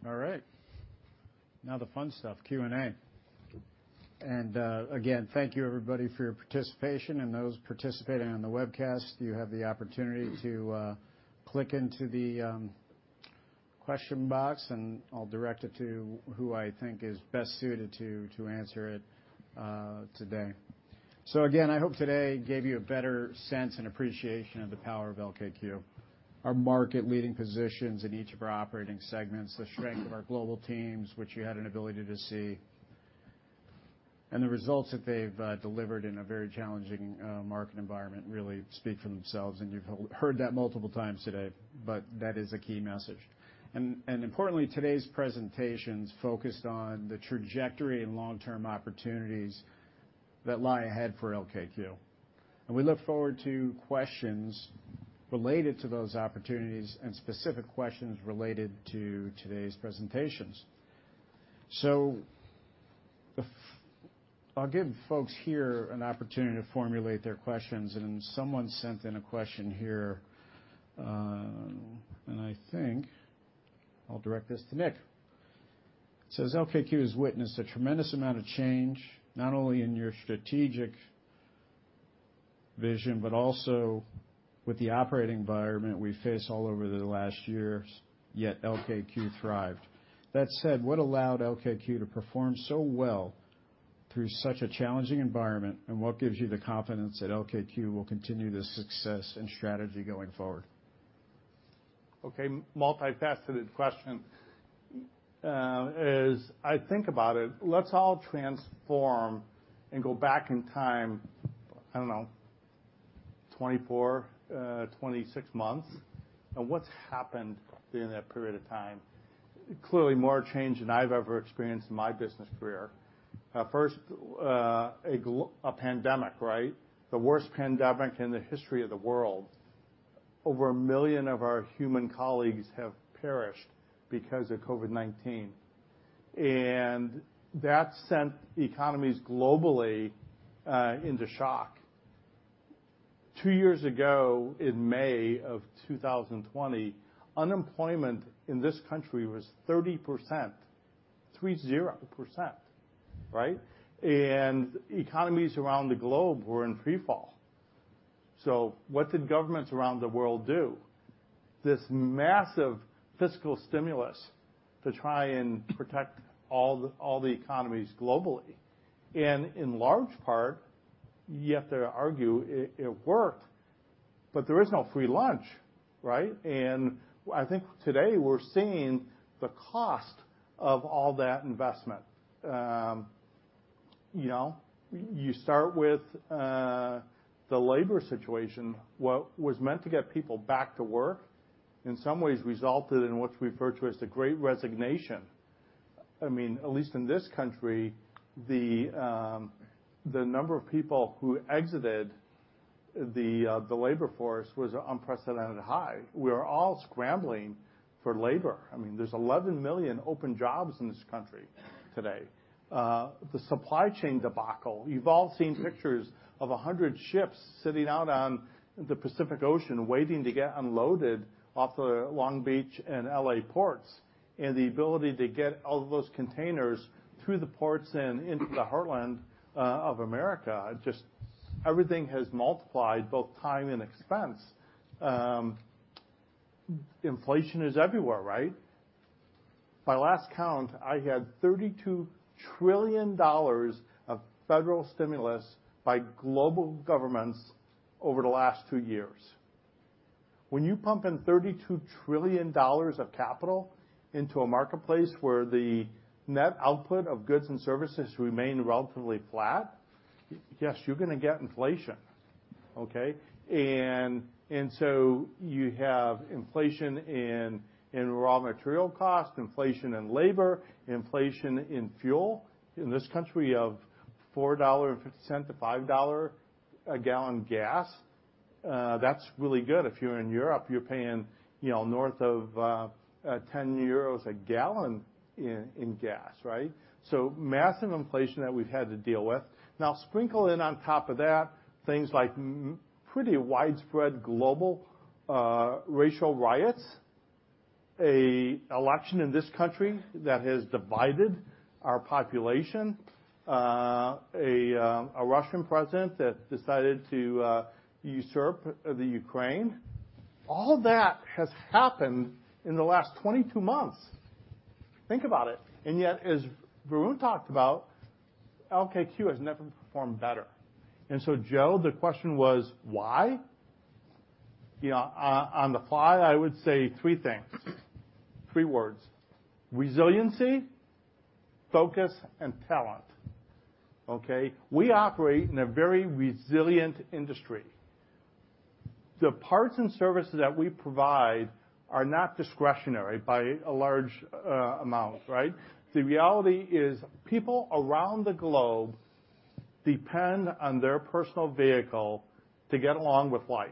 Speaker 1: Now the fun stuff, Q&A. Again, thank you everybody for your participation and those participating on the webcast. You have the opportunity to click into the question box, and I'll direct it to who I think is best suited to answer it today. Again, I hope today gave you a better sense and appreciation of the power of LKQ. Our market-leading positions in each of our operating segments, the strength of our global teams, which you had an ability to see, and the results that they've delivered in a very challenging market environment really speak for themselves, and you've heard that multiple times today. That is a key message. Importantly, today's presentations focused on the trajectory and long-term opportunities that lie ahead for LKQ. We look forward to questions related to those opportunities and specific questions related to today's presentations. I'll give folks here an opportunity to formulate their questions, and someone sent in a question here. I think I'll direct this to Nick. It says, "LKQ has witnessed a tremendous amount of change, not only in your strategic vision, but also with the operating environment we face all over the last years, yet LKQ thrived. That said, what allowed LKQ to perform so well through such a challenging environment, and what gives you the confidence that LKQ will continue this success and strategy going forward?
Speaker 3: Okay, multifaceted question. As I think about it, let's all transform and go back in time, I don't know, 24, 26 months on what's happened during that period of time. Clearly, more change than I've ever experienced in my business career. First, a pandemic, right? The worst pandemic in the history of the world. Over 1 million of our human colleagues have perished because of COVID-19. That sent economies globally into shock. Two years ago, in May of 2020, unemployment in this country was 30%, right? Economies around the globe were in freefall. What did governments around the world do? This massive fiscal stimulus to try and protect all the economies globally. In large part, you have to argue it worked, but there is no free lunch, right? I think today we're seeing the cost of all that investment. You know, you start with the labor situation. What was meant to get people back to work, in some ways resulted in what's referred to as the Great Resignation. I mean, at least in this country, the number of people who exited the labor force was unprecedented high. We are all scrambling for labor. I mean, there's 11 million open jobs in this country today. The supply chain debacle. You've all seen pictures of 100 ships sitting out on the Pacific Ocean waiting to get unloaded off the Long Beach and LA ports, and the ability to get all those containers through the ports and into the heartland of America, just everything has multiplied, both time and expense. Inflation is everywhere, right? By last count, I had $32 trillion of federal stimulus by global governments over the last two years. When you pump in $32 trillion of capital into a marketplace where the net output of goods and services remain relatively flat, yes, you're gonna get inflation. Okay. And so you have inflation in raw material cost, inflation in labor, inflation in fuel. In this country of $4.50-$5 a gallon gas, that's really good. If you're in Europe, you're paying, you know, north of 10 euros a gallon in gas, right. So massive inflation that we've had to deal with. Now, sprinkle in on top of that, things like pretty widespread global racial riots, an election in this country that has divided our population, a Russian president that decided to usurp Ukraine. All that has happened in the last 22 months. Think about it. Yet, as Varun talked about, LKQ has never performed better. Joe, the question was why? You know, on the fly, I would say three things, three words: resiliency, focus, and talent. Okay? We operate in a very resilient industry. The parts and services that we provide are not discretionary by a large amount, right? The reality is people around the globe depend on their personal vehicle to get along with life,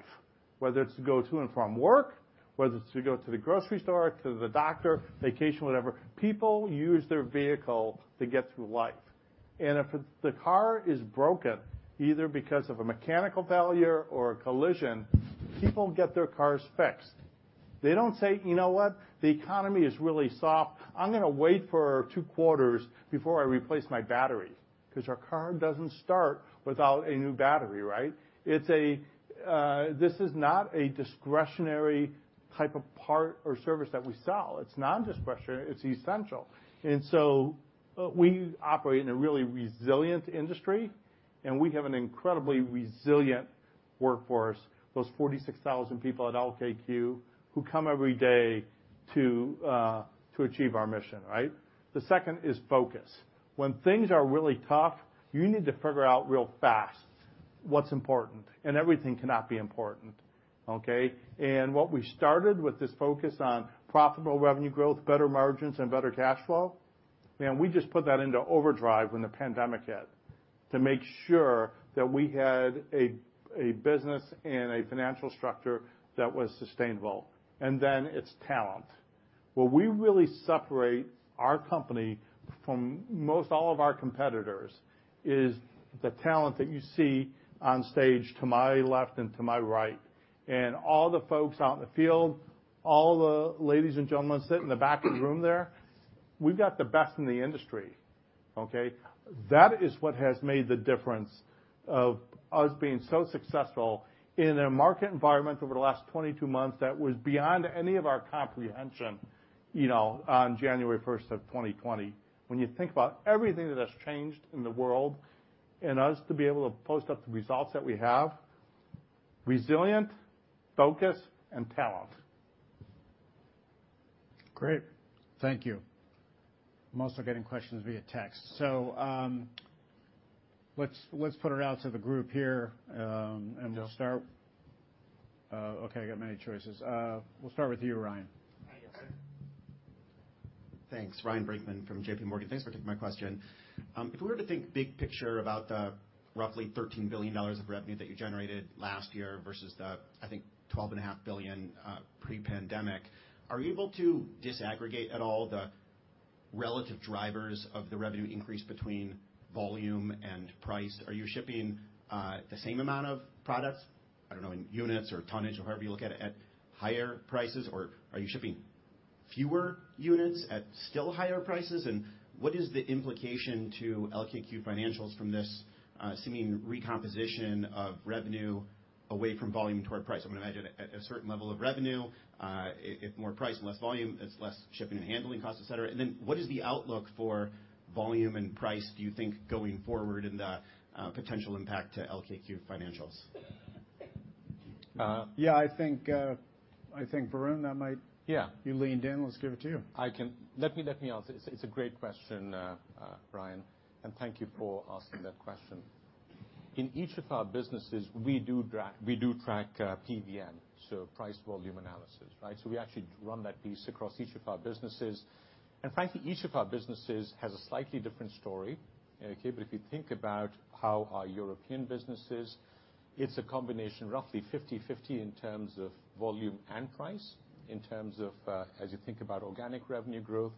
Speaker 3: whether it's to go to and from work, whether it's to go to the grocery store, to the doctor, vacation, whatever. People use their vehicle to get through life. If the car is broken, either because of a mechanical failure or a collision, people get their cars fixed. They don't say, "You know what? The economy is really soft. I'm gonna wait for 2 quarters before I replace my battery," 'cause your car doesn't start without a new battery, right? This is not a discretionary type of part or service that we sell. It's non-discretionary. It's essential. We operate in a really resilient industry, and we have an incredibly resilient workforce, those 46,000 people at LKQ who come every day to achieve our mission, right? The second is focus. When things are really tough, you need to figure out real fast what's important, and everything cannot be important, okay? What we started with this focus on profitable revenue growth, better margins, and better cash flow, and we just put that into overdrive when the pandemic hit to make sure that we had a business and a financial structure that was sustainable. It's talent. Where we really separate our company from most all of our competitors is the talent that you see on stage to my left and to my right and all the folks out in the field, all the ladies and gentlemen sitting in the back of the room there. We've got the best in the industry, okay? That is what has made the difference of us being so successful in a market environment over the last 22 months that was beyond any of our comprehension, you know, on January 1, 2020. When you think about everything that has changed in the world, and us to be able to post up the results that we have, resilient, focus, and talent.
Speaker 1: Great. Thank you. I'm also getting questions via text. Let's put it out to the group here, and we'll start. Okay, I got many choices. We'll start with you, Ryan.
Speaker 12: Hi, yes sir. Thanks. Ryan Brinkman from J.P. Morgan. Thanks for taking my question. If we were to think big picture about the roughly $13 billion of revenue that you generated last year versus the, I think, $12.5 billion pre-pandemic, are you able to disaggregate at all the relative drivers of the revenue increase between volume and price? Are you shipping the same amount of products, I don't know, in units or tonnage or however you look at it, at higher prices? Or are you shipping fewer units at still higher prices? What is the implication to LKQ financials from this seeming recomposition of revenue away from volume toward price? I would imagine at a certain level of revenue, if more price and less volume, it's less shipping and handling costs, et cetera. What is the outlook for volume and price, do you think, going forward and the potential impact to LKQ financials?
Speaker 3: Yeah, I think, Varun, that might. You leaned in. Let's give it to you.
Speaker 11: Let me answer. It's a great question, Ryan, and thank you for asking that question. In each of our businesses, we do track PVM, so price volume analysis, right? We actually run that piece across each of our businesses. Frankly, each of our businesses has a slightly different story, okay? But if you think about how our European business is, it's a combination roughly 50/50 in terms of volume and price, in terms of, as you think about organic revenue growth.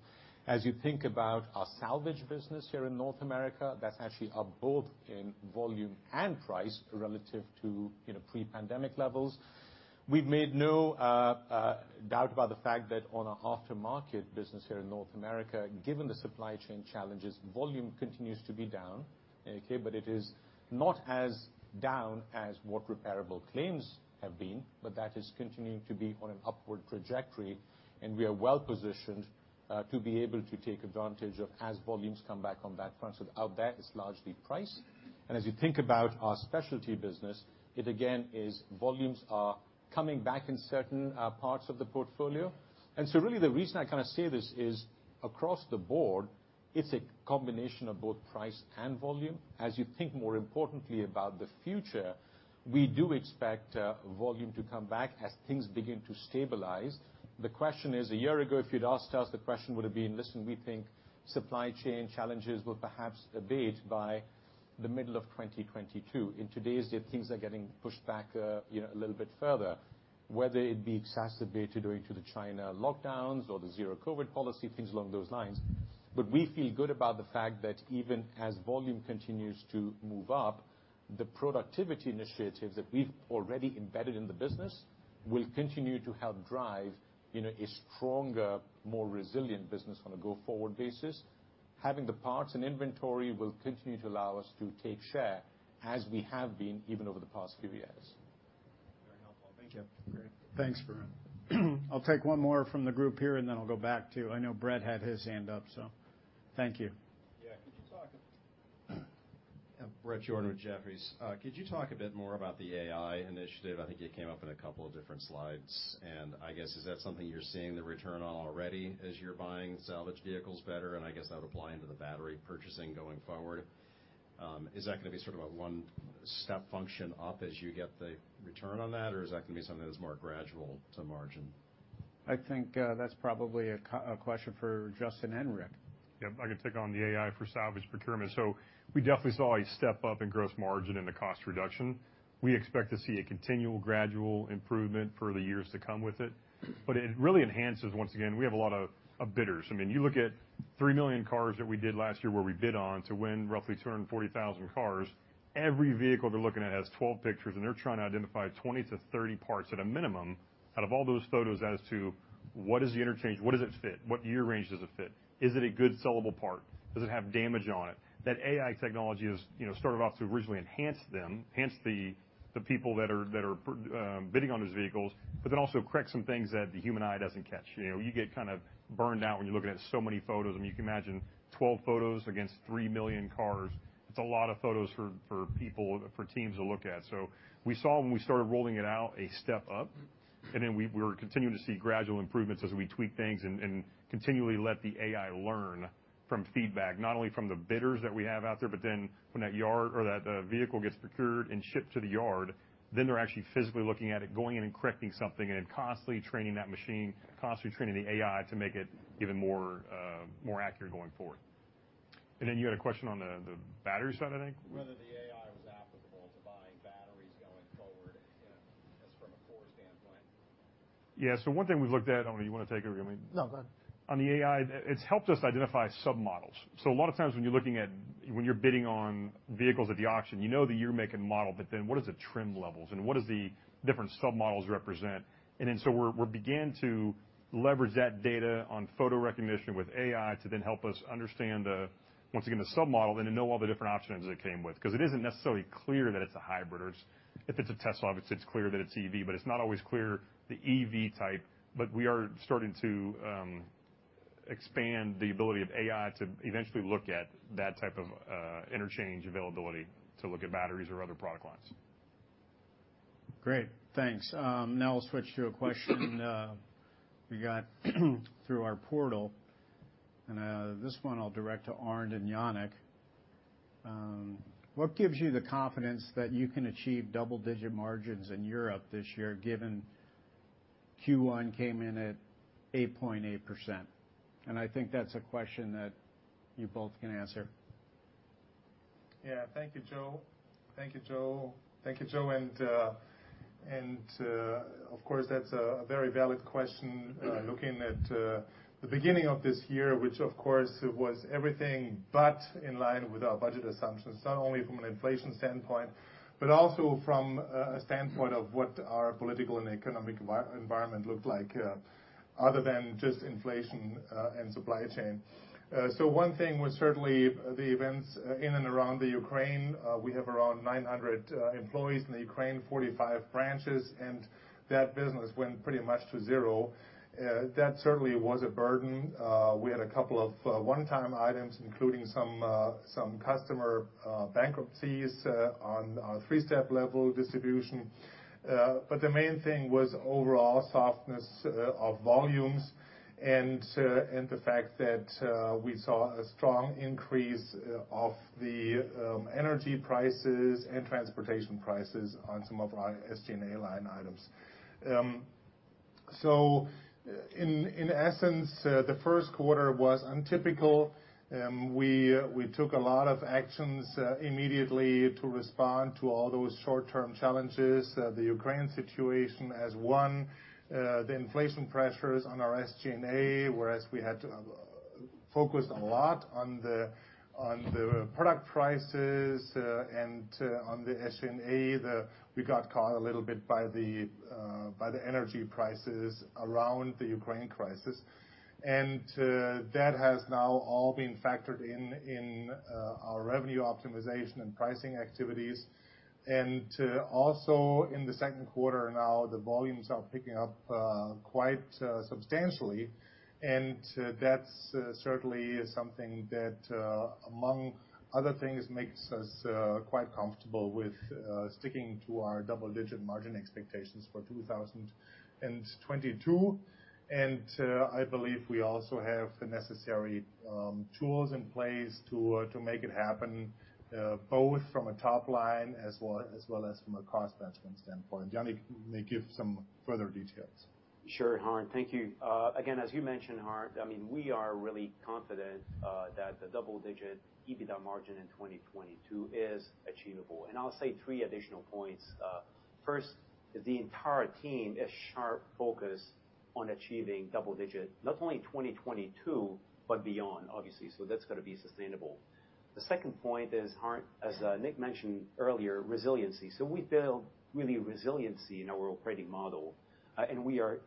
Speaker 11: As you think about our salvage business here in North America, that's actually up both in volume and price relative to, you know, pre-pandemic levels. We've made no doubt about the fact that on our aftermarket business here in North America, given the supply chain challenges, volume continues to be down, okay? It is not as down as what repairable claims have been, but that is continuing to be on an upward trajectory, and we are well positioned to be able to take advantage of as volumes come back on that front. Out there, it's largely price. As you think about our specialty business, it again is volumes are coming back in certain parts of the portfolio. Really the reason I kinda say this is across the board, it's a combination of both price and volume. As you think more importantly about the future, we do expect volume to come back as things begin to stabilize. The question is, a year ago, if you'd asked us, the question would have been, listen, we think supply chain challenges will perhaps abate by the middle of 2022. In today's day, things are getting pushed back, you know, a little bit further, whether it be exacerbated due to the China lockdowns or the zero COVID policy, things along those lines. We feel good about the fact that even as volume continues to move up, the productivity initiatives that we've already embedded in the business will continue to help drive, you know, a stronger, more resilient business on a go-forward basis. Having the parts and inventory will continue to allow us to take share as we have been even over the past few years.
Speaker 12: Very helpful. Thank you.
Speaker 1: Yeah. Great. Thanks, Varun. I'll take one more from the group here, and then I'll go back to. I know Brett had his hand up, so thank you.
Speaker 13: Yeah. Bret Jordan with Jefferies. Could you talk a bit more about the AI initiative? I think it came up in a couple of different slides. I guess, is that something you're seeing the return on already as you're buying salvaged vehicles better? I guess that would apply into the battery purchasing going forward. Is that gonna be sort of a one step function up as you get the return on that? Or is that gonna be something that's more gradual to margin?
Speaker 1: I think, that's probably a Q&A question for Justin and Rick.
Speaker 2: Yep. I can take on the AI for salvage procurement. We definitely saw a step up in gross margin in the cost reduction. We expect to see a continual gradual improvement for the years to come with it. It really enhances. Once again, we have a lot of bidders. I mean, you look at 3 million cars that we did last year where we bid on to win roughly 240,000 cars. Every vehicle they're looking at has 12 pictures, and they're trying to identify 20-30 parts at a minimum out of all those photos as to what is the interchange, what does it fit, what year range does it fit? Is it a good sellable part? Does it have damage on it? That AI technology is, you know, started off to originally enhance them, hence the people that are bidding on those vehicles, but then also correct some things that the human eye doesn't catch. You know, you get kind of burned out when you're looking at so many photos. I mean, you can imagine 12 photos against 3 million cars. It's a lot of photos for people, for teams to look at. We saw when we started rolling it out a step up, and then we're continuing to see gradual improvements as we tweak things and continually let the AI learn from feedback, not only from the bidders that we have out there, but then when that yard or that vehicle gets procured and shipped to the yard, then they're actually physically looking at it, going in and correcting something, and then constantly training that machine, constantly training the AI to make it even more accurate going forward. You had a question on the battery side, I think.
Speaker 1: Whether the AI was applicable to buying batteries going forward, you know, just from a core standpoint.
Speaker 2: Yeah. One thing we looked at. I don't know, you wanna take over, I mean?
Speaker 7: No, go ahead.
Speaker 2: On the AI, it's helped us identify submodels. A lot of times when you're bidding on vehicles at the auction, you know the year, make, and model, but then what is the trim levels, and what does the different submodels represent? We began to leverage that data on photo recognition with AI to then help us understand, once again, the submodel and to know all the different options that it came with. 'Cause it isn't necessarily clear that it's a hybrid or if it's a Tesla, obviously, it's clear that it's EV, but it's not always clear the EV type. We are starting to expand the ability of AI to eventually look at that type of interchange availability to look at batteries or other product lines.
Speaker 1: Great. Thanks. Now we'll switch to a question we got through our portal. This one I'll direct to Arnd and Yanik. What gives you the confidence that you can achieve double-digit margins in Europe this year, given Q1 came in at 8.8%? I think that's a question that you both can answer.
Speaker 7: Yeah. Thank you, Joe. Of course, that's a very valid question, looking at the beginning of this year, which of course was everything but in line with our budget assumptions, not only from an inflation standpoint, but also from a standpoint of what our political and economic environment looked like, other than just inflation and supply chain. One thing was certainly the events in and around the Ukraine. We have around 900 employees in the Ukraine, 45 branches, and that business went pretty much to zero. That certainly was a burden. We had a couple of one-time items, including some customer bankruptcies on three-step level distribution. The main thing was overall softness of volumes and the fact that we saw a strong increase of the energy prices and transportation prices on some of our SG&A line items. In essence, the first quarter was untypical. We took a lot of actions immediately to respond to all those short-term challenges. The Ukraine situation as one, the inflation pressures on our SG&A, whereas we had to focus a lot on the product prices and on the SG&A. We got caught a little bit by the energy prices around the Ukraine crisis. That has now all been factored in our revenue optimization and pricing activities. Also in the second quarter now, the volumes are picking up quite substantially. That's certainly something that, among other things, makes us quite comfortable with sticking to our double-digit margin expectations for 2022. I believe we also have the necessary tools in place to make it happen, both from a top line as well as from a cost management standpoint. Yanik may give some further details.
Speaker 8: Sure, Arnd. Thank you. Again, as you mentioned, Arnd, I mean, we are really confident that the double-digit EBITDA margin in 2022 is achievable. I'll say 3 additional points. First is the entire team is sharply focused on achieving double-digit, not only in 2022 but beyond, obviously. That's gotta be sustainable. The second point is, Arnd, as Nick mentioned earlier, resiliency. We built really resiliency in our operating model. We are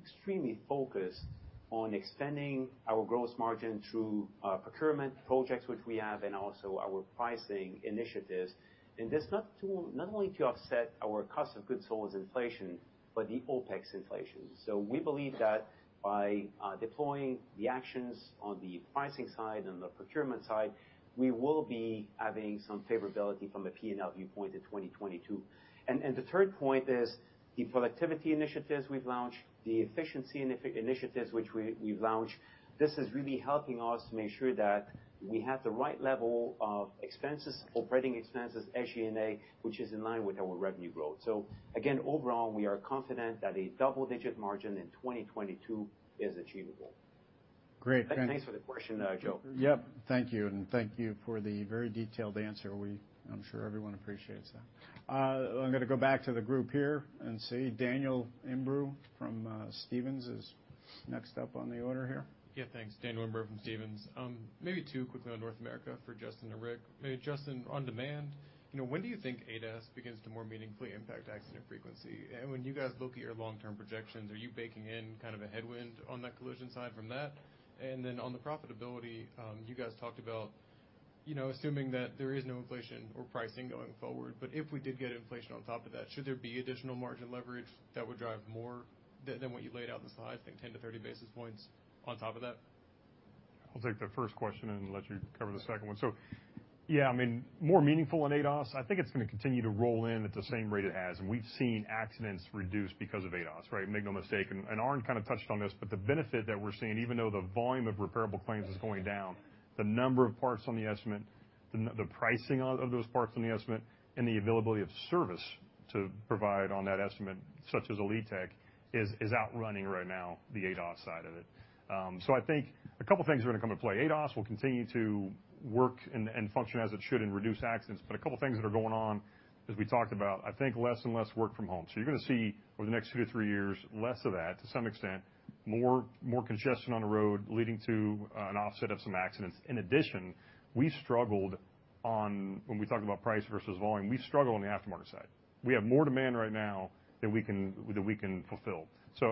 Speaker 8: extremely focused on extending our gross margin through procurement projects which we have and also our pricing initiatives. That's not only to offset our cost of goods sold and inflation, but the OpEx inflation. We believe that by deploying the actions on the pricing side and the procurement side, we will be having some favorability from a P&L viewpoint in 2022. The third point is the productivity initiatives we've launched, the efficiency initiatives which we've launched. This is really helping us make sure that we have the right level of expenses, operating expenses, SG&A, which is in line with our revenue growth. Again, overall, we are confident that a double-digit margin in 2022 is achievable.
Speaker 1: Great.
Speaker 4: Thanks for the question, Joe.
Speaker 1: Yep. Thank you, and thank you for the very detailed answer. I'm sure everyone appreciates that. I'm gonna go back to the group here and see Daniel Imbro from Stephens is next up on the order here.
Speaker 14: Yeah, thanks. Daniel Imbro from Stephens. Maybe two quickly on North America for Justin and Rick. Justin, on demand, you know, when do you think ADAS begins to more meaningfully impact accident frequency? And when you guys look at your long-term projections, are you baking in kind of a headwind on that collision side from that? And then on the profitability, you guys talked about, you know, assuming that there is no inflation or pricing going forward, but if we did get inflation on top of that, should there be additional margin leverage that would drive more than what you laid out in the slide, I think 10-30 basis points on top of that?
Speaker 2: I'll take the first question and let you cover the second one. Yeah, I mean, more meaningful in ADAS, I think it's gonna continue to roll in at the same rate it has. We've seen accidents reduce because of ADAS, right? Make no mistake, Arnd kind of touched on this, but the benefit that we're seeing, even though the volume of repairable claims is going down, the number of parts on the estimate, the pricing of those parts on the estimate and the availability of service to provide on that estimate, such as Elitek, is outrunning right now the ADAS side of it. I think a couple things are gonna come into play. ADAS will continue to work and function as it should and reduce accidents, but a couple things that are going on as we talked about. I think less and less work from home. You're gonna see over the next 2-3 years, less of that to some extent, more congestion on the road leading to an offset of some accidents. In addition, we struggled on when we talk about price versus volume. We struggle on the aftermarket side. We have more demand right now than we can fulfill.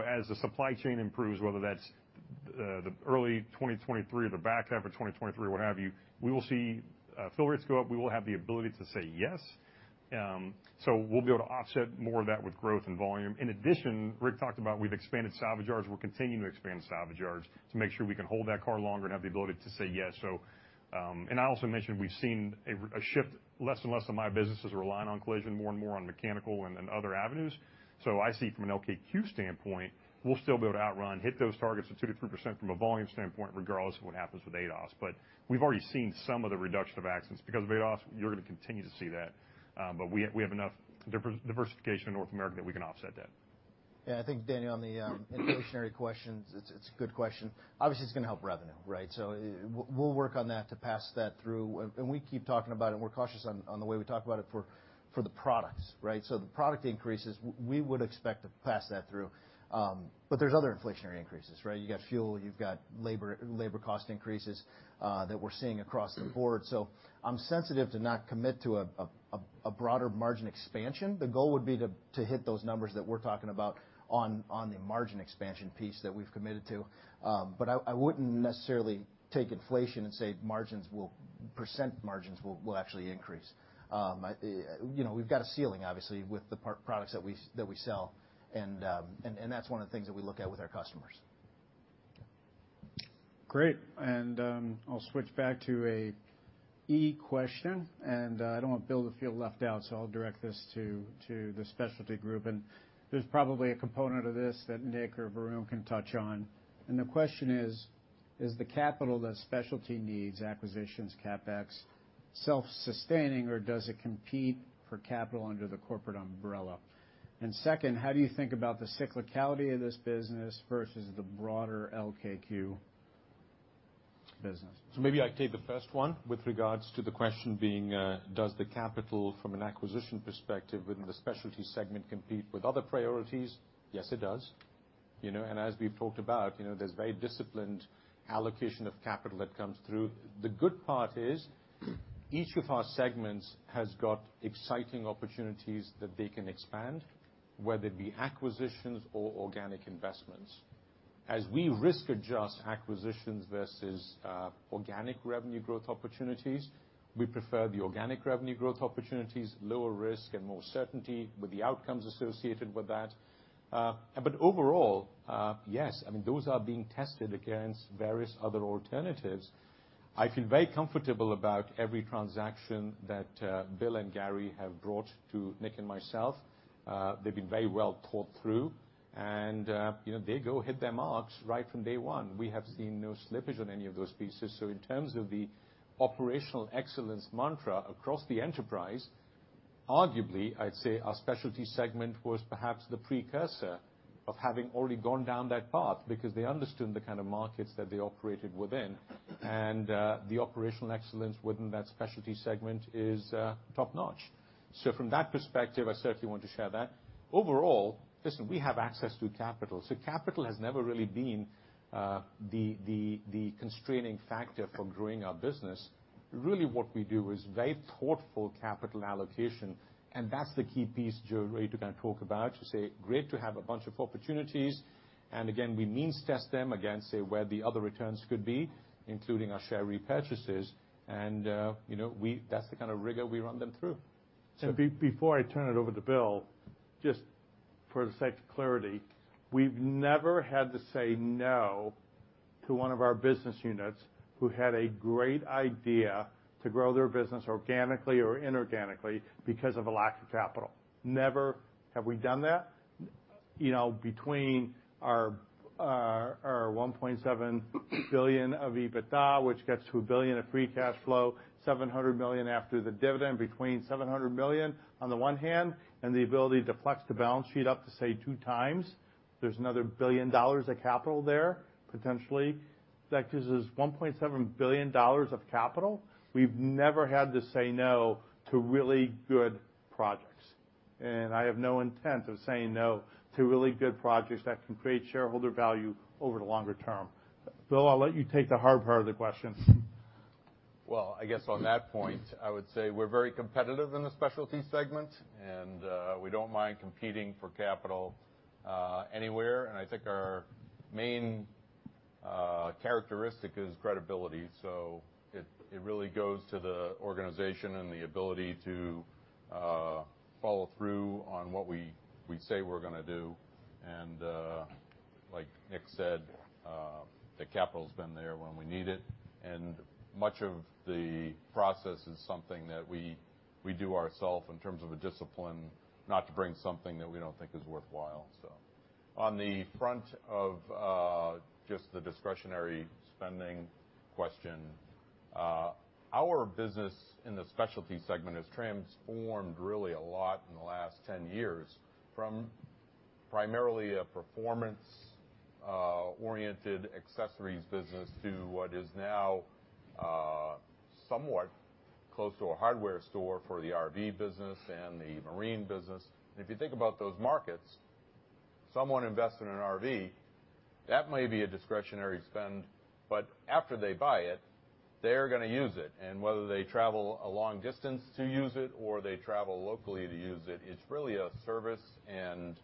Speaker 2: As the supply chain improves, whether that's the early 2023 or the back half of 2023, what have you, we will see fill rates go up. We will have the ability to say yes. We'll be able to offset more of that with growth and volume. In addition, Rick talked about we've expanded salvage yards. We're continuing to expand salvage yards to make sure we can hold that car longer and have the ability to say yes. I also mentioned we've seen a shift, less and less of my business is relying on collision, more and more on mechanical and other avenues. I see from an LKQ standpoint, we'll still be able to outrun, hit those targets of 2%-3% from a volume standpoint regardless of what happens with ADAS. We've already seen some of the reduction of accidents. Because of ADAS, you're gonna continue to see that, but we have enough diversification in North America that we can offset that.
Speaker 4: Yeah, I think, Daniel, on the inflationary questions, it's a good question. Obviously, it's gonna help revenue, right? We'll work on that to pass that through. We keep talking about it, and we're cautious on the way we talk about it for the products, right? The product increases, we would expect to pass that through. There's other inflationary increases, right? You got fuel, you've got labor cost increases that we're seeing across the board. I'm sensitive to not commit to a broader margin expansion. The goal would be to hit those numbers that we're talking about on the margin expansion piece that we've committed to. I wouldn't necessarily take inflation and say % margins will actually increase. You know, we've got a ceiling, obviously, with the products that we sell, and that's one of the things that we look at with our customers.
Speaker 1: Great. I'll switch back to an earnings question. I don't want Bill to feel left out, so I'll direct this to the Specialty group. There's probably a component of this that Nick Zarcone or Varun Laroyia can touch on. The question is the capital that Specialty needs, acquisitions, CapEx, self-sustaining, or does it compete for capital under the corporate umbrella? Second, how do you think about the cyclicality of this business versus the broader LKQ business?
Speaker 11: Maybe I take the first one with regards to the question being, does the capital from an acquisition perspective within the specialty segment compete with other priorities? Yes, it does. You know, as we've talked about, you know, there's very disciplined allocation of capital that comes through. The good part is each of our segments has got exciting opportunities that they can expand, whether it be acquisitions or organic investments. As we risk adjust acquisitions versus, organic revenue growth opportunities, we prefer the organic revenue growth opportunities, lower risk and more certainty with the outcomes associated with that. Overall, yes, I mean, those are being tested against various other alternatives. I feel very comfortable about every transaction that, Bill and Gary have brought to Nick and myself. They've been very well thought through and, you know, they've hit their marks right from day one. We have seen no slippage on any of those pieces. In terms of the operational excellence mantra across the enterprise, arguably, I'd say our specialty segment was perhaps the precursor of having already gone down that path because they understood the kind of markets that they operated within. The operational excellence within that specialty segment is top-notch. From that perspective, I certainly want to share that. Overall, listen, we have access to capital, so capital has never really been the constraining factor for growing our business. Really, what we do is very thoughtful capital allocation, and that's the key piece Joe, ready to kind of talk about to say, great to have a bunch of opportunities. Again, we means test them against say where the other returns could be, including our share repurchases. You know, that's the kind of rigor we run them through.
Speaker 1: Before I turn it over to Bill, just for the sake of clarity, we've never had to say no to one of our business units who had a great idea to grow their business organically or inorganically because of a lack of capital. Never have we done that. You know, between our $1.7 billion of EBITDA, which gets to $1 billion of free cash flow, $700 million after the dividend, between $700 million on the one hand, and the ability to flex the balance sheet up to, say, 2x. There's another $1 billion of capital there, potentially. That gives us $1.7 billion of capital. We've never had to say no to really good projects, and I have no intent of saying no to really good projects that can create shareholder value over the longer term. Bill, I'll let you take the hard part of the question.
Speaker 9: Well, I guess on that point, I would say we're very competitive in the specialty segment, and we don't mind competing for capital anywhere. I think our main characteristic is credibility. It really goes to the organization and the ability to follow through on what we say we're gonna do. Like Nick Zarcone said, the capital's been there when we need it, and much of the process is something that we do ourselves in terms of a discipline not to bring something that we don't think is worthwhile. On the front of just the discretionary spending question, our business in the specialty segment has transformed really a lot in the last 10 years from primarily a performance oriented accessories business to what is now somewhat close to a hardware store for the RV business and the marine business. If you think about those markets, someone investing in an RV, that may be a discretionary spend, but after they buy it, they're gonna use it. Whether they travel a long distance to use it or they travel locally to use it's really a service and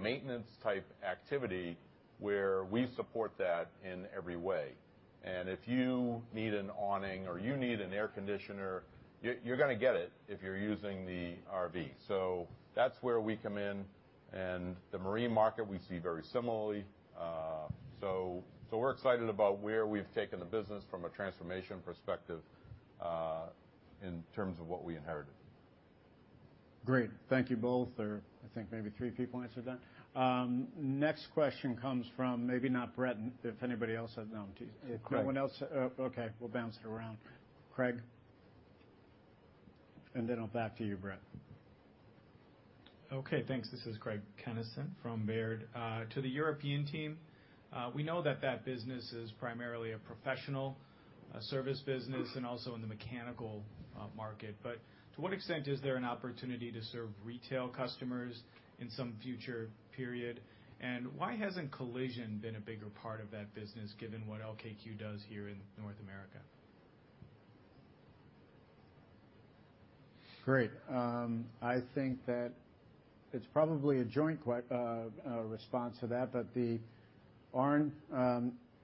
Speaker 9: maintenance type activity where we support that in every way. If you need an awning or you need an air conditioner, you're gonna get it if you're using the RV. That's where we come in. The marine market we see very similarly. We're excited about where we've taken the business from a transformation perspective, in terms of what we inherited.
Speaker 1: Great. Thank you both. Or I think maybe three people answered that. Next question comes from maybe not Brett, if anybody else has. No.
Speaker 9: Craig.
Speaker 1: Anyone else? Oh, okay. We'll bounce it around. Craig? Back to you, Bret.
Speaker 15: Okay, thanks. This is Craig Kennison from Baird. To the European team, we know that that business is primarily a professional service business and also in the mechanical market. To what extent is there an opportunity to serve retail customers in some future period? Why hasn't collision been a bigger part of that business given what LKQ does here in North America?
Speaker 1: Great. I think that it's probably a joint response to that. Arnd,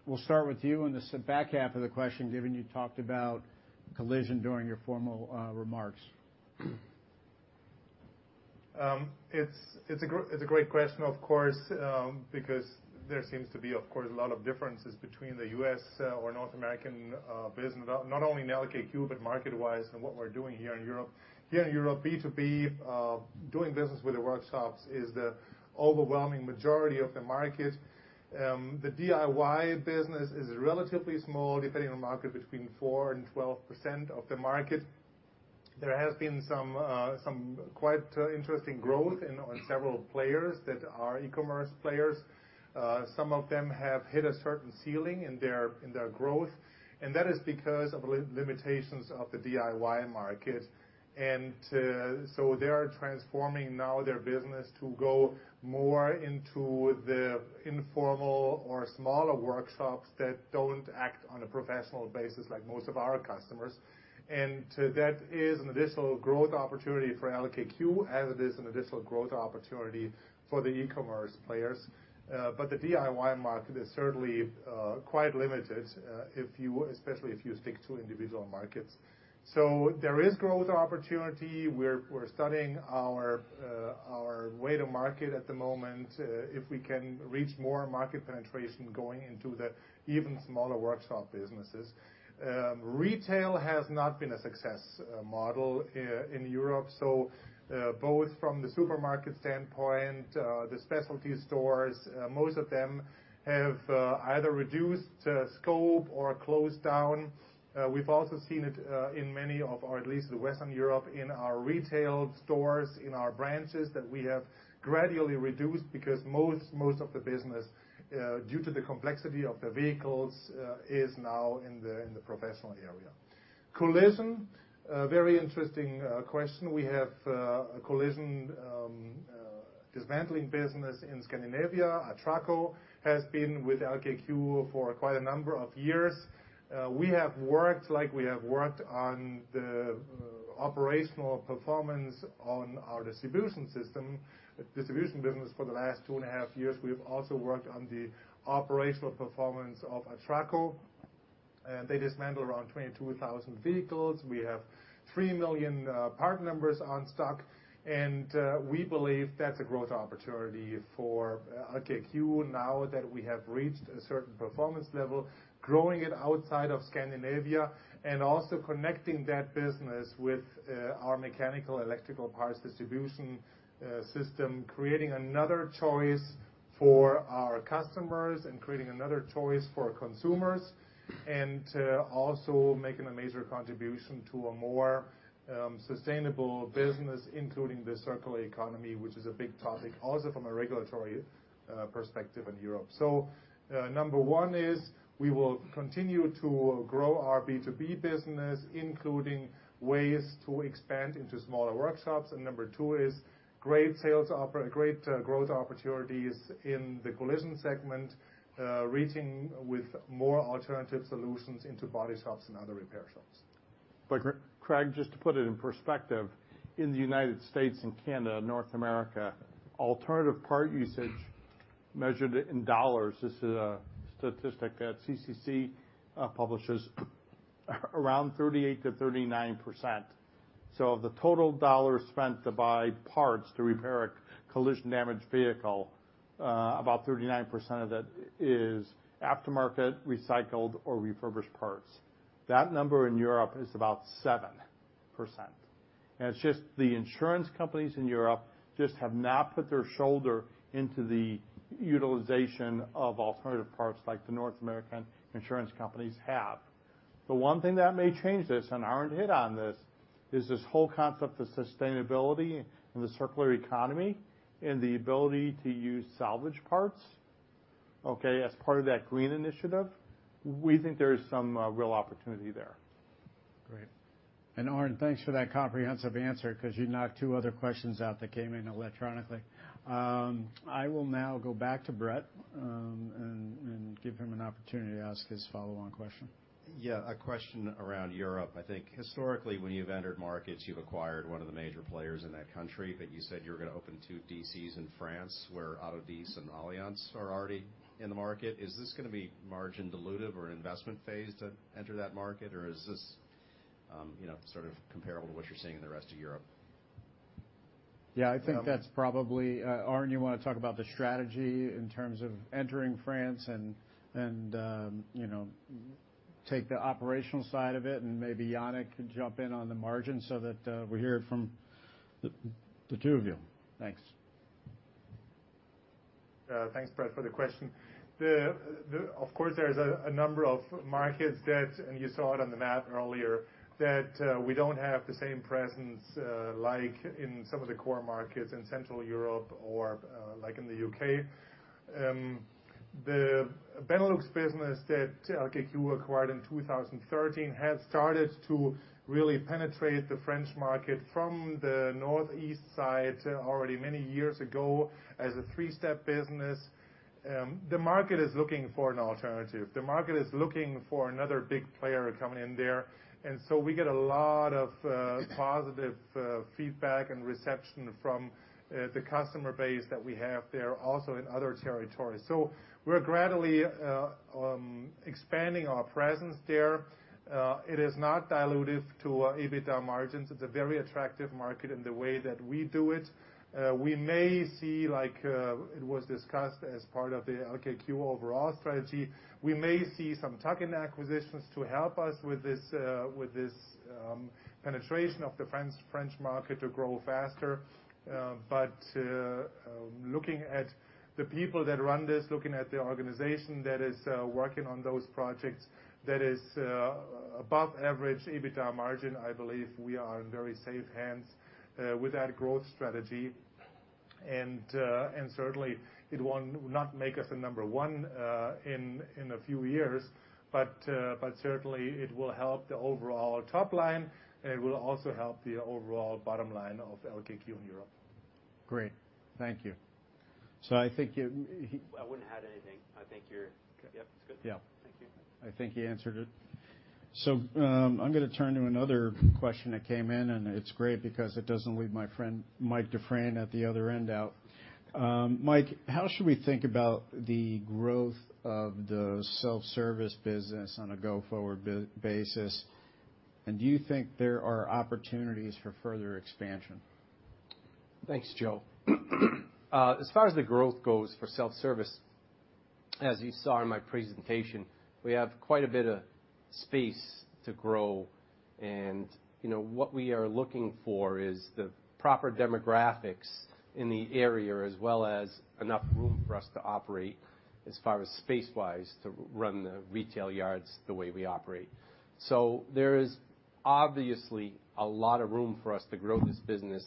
Speaker 1: we'll start with you on the back half of the question, given you talked about collision during your formal remarks.
Speaker 7: It's a great question, of course, because there seems to be, of course, a lot of differences between the U.S. or North American business, not only in LKQ, but market-wise and what we're doing here in Europe. Here in Europe, B2B, doing business with the workshops is the overwhelming majority of the market. The DIY business is relatively small, depending on market, between 4%-12% of the market. There has been some quite interesting growth on several players that are e-commerce players. Some of them have hit a certain ceiling in their growth, and that is because of limitations of the DIY market. They are transforming now their business to go more into the informal or smaller workshops that don't act on a professional basis like most of our customers. That is an additional growth opportunity for LKQ, as it is an additional growth opportunity for the e-commerce players. The DIY market is certainly quite limited, especially if you stick to individual markets. There is growth opportunity. We're studying our way to market at the moment, if we can reach more market penetration going into the even smaller workshop businesses. Retail has not been a success model here in Europe. Both from the supermarket standpoint, the specialty stores, most of them have either reduced scope or closed down. We've also seen it in many of, or at least in Western Europe, in our retail stores, in our branches that we have gradually reduced because most of the business due to the complexity of the vehicles is now in the professional area. Collision, a very interesting question. We have a collision dismantling business in Scandinavia. Atracco has been with LKQ for quite a number of years. We have worked on the operational performance of our distribution business for the last two and a half years. We have also worked on the operational performance of Atracco. They dismantle around 22,000 vehicles. We have 3 million part numbers on stock, and we believe that's a growth opportunity for LKQ now that we have reached a certain performance level, growing it outside of Scandinavia and also connecting that business with our mechanical electrical parts distribution system, creating another choice for our customers and creating another choice for consumers, and also making a major contribution to a more sustainable business, including the circular economy, which is a big topic also from a regulatory perspective in Europe. Number one is we will continue to grow our B2B business, including ways to expand into smaller workshops. Number two is great growth opportunities in the collision segment, reaching with more alternative solutions into body shops and other repair shops.
Speaker 8: Craig, just to put it in perspective, in the United States and Canada and North America, alternative part usage measured in dollars, this is a statistic that CCC publishes, around 38%-39%. So of the total dollars spent to buy parts to repair a collision-damaged vehicle, about 39% of it is aftermarket, recycled or refurbished parts. That number in Europe is about 7%. It's just the insurance companies in Europe just have not put their shoulder into the utilization of alternative parts like the North American insurance companies have. The one thing that may change this, and Arnd hit on this, is this whole concept of sustainability and the circular economy and the ability to use salvage parts, okay, as part of that green initiative. We think there is some real opportunity there.
Speaker 1: Great. Arnd, thanks for that comprehensive answer, 'cause you knocked two other questions out that came in electronically. I will now go back to Bret, and give him an opportunity to ask his follow-on question.
Speaker 13: Yeah, a question around Europe. I think historically, when you've entered markets, you've acquired one of the major players in that country, but you said you were gonna open two DCs in France where Autodistribution and Alliance are already in the market. Is this gonna be margin dilutive or an investment phase to enter that market? Or is this, you know, sort of comparable to what you're seeing in the rest of Europe?
Speaker 1: Yeah, I think that's probably. Arnd, you wanna talk about the strategy in terms of entering France and, you know, take the operational side of it, and maybe Yanik can jump in on the margin so that we hear it from the two of you. Thanks.
Speaker 7: Thanks, Brett, for the question. Of course, there's a number of markets that, and you saw it on the map earlier, that we don't have the same presence, like in some of the core markets in Central Europe or, like in the UK. The Benelux business that LKQ acquired in 2013 had started to really penetrate the French market from the northeast side already many years ago as a three-step business. The market is looking for an alternative. The market is looking for another big player coming in there. We get a lot of positive feedback and reception from the customer base that we have there, also in other territories. We're gradually expanding our presence there. It is not dilutive to our EBITDA margins. It's a very attractive market in the way that we do it. We may see, like, it was discussed as part of the LKQ overall strategy. We may see some tuck-in acquisitions to help us with this penetration of the French market to grow faster. Looking at the people that run this, looking at the organization that is working on those projects, that is above average EBITDA margin, I believe we are in very safe hands with that growth strategy. Certainly it will not make us a number one in a few years, but certainly it will help the overall top line, and it will also help the overall bottom line of LKQ in Europe.
Speaker 1: Great. Thank you. I think you.
Speaker 13: I wouldn't add anything. I think you're
Speaker 1: Okay.
Speaker 13: Yep, it's good. Thank you.
Speaker 1: I think he answered it. I'm gonna turn to another question that came in, and it's great because it doesn't leave my friend Mike Dufresne at the other end out. Mike, how should we think about the growth of the self-service business on a go-forward basis? Do you think there are opportunities for further expansion?
Speaker 5: Thanks, Joe. As far as the growth goes for self-service, as you saw in my presentation, we have quite a bit of space to grow. You know, what we are looking for is the proper demographics in the area, as well as enough room for us to operate as far as space-wise to run the retail yards the way we operate. There is obviously a lot of room for us to grow this business,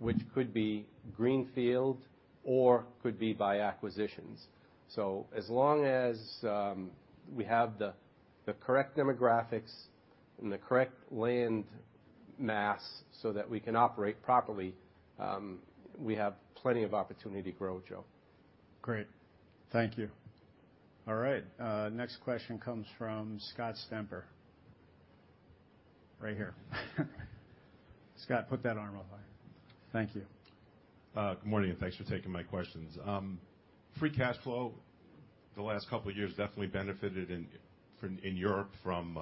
Speaker 5: which could be greenfield or could be by acquisitions. As long as we have the correct demographics and the correct land mass so that we can operate properly, we have plenty of opportunity to grow, Joe.
Speaker 1: Great. Thank you. All right. Next question comes from Scott Stemper. Right here. Scott, put that arm up higher. Thank you.
Speaker 16: Good morning, and thanks for taking my questions. Free cash flow the last couple years definitely benefited in Europe from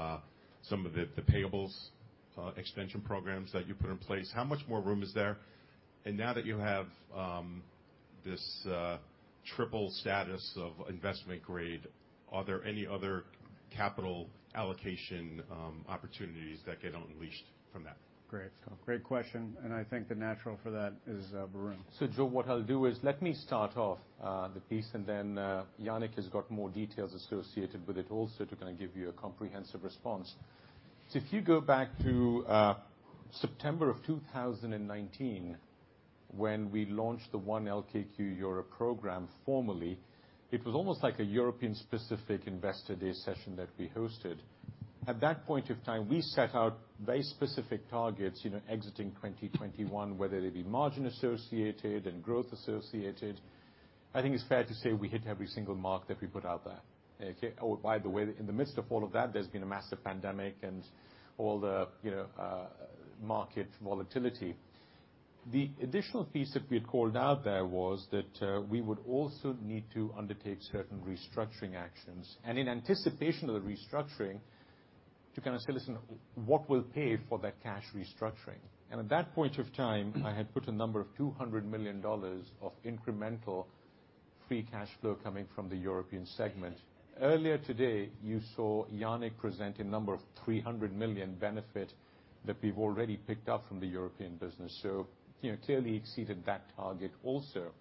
Speaker 16: some of the payables extension programs that you put in place. How much more room is there? Now that you have this triple status of investment grade, are there any other capital allocation opportunities that get unleashed from that?
Speaker 1: Great. Great question, and I think the natural for that is, Varun.
Speaker 11: Joe, what I'll do is let me start off the piece and then Yanik has got more details associated with it also to kinda give you a comprehensive response. If you go back to September 2019, when we launched the One LKQ Europe program formally, it was almost like a European-specific investor day session that we hosted. At that point of time, we set out very specific targets, you know, exiting 2021, whether they be margin associated and growth associated. I think it's fair to say we hit every single mark that we put out there. Okay. Oh, by the way, in the midst of all of that, there's been a massive pandemic and all the, you know, market volatility. The additional piece that we had called out there was that, we would also need to undertake certain restructuring actions, and in anticipation of the restructuring, to kind of say, "Listen, what will pay for that cash restructuring?" At that point of time, I had put a number of $200 million of incremental free cash flow coming from the European segment. Earlier today, you saw Yanik present a number of $300 million benefit that we've already picked up from the European business, so, you know, clearly exceeded that target also.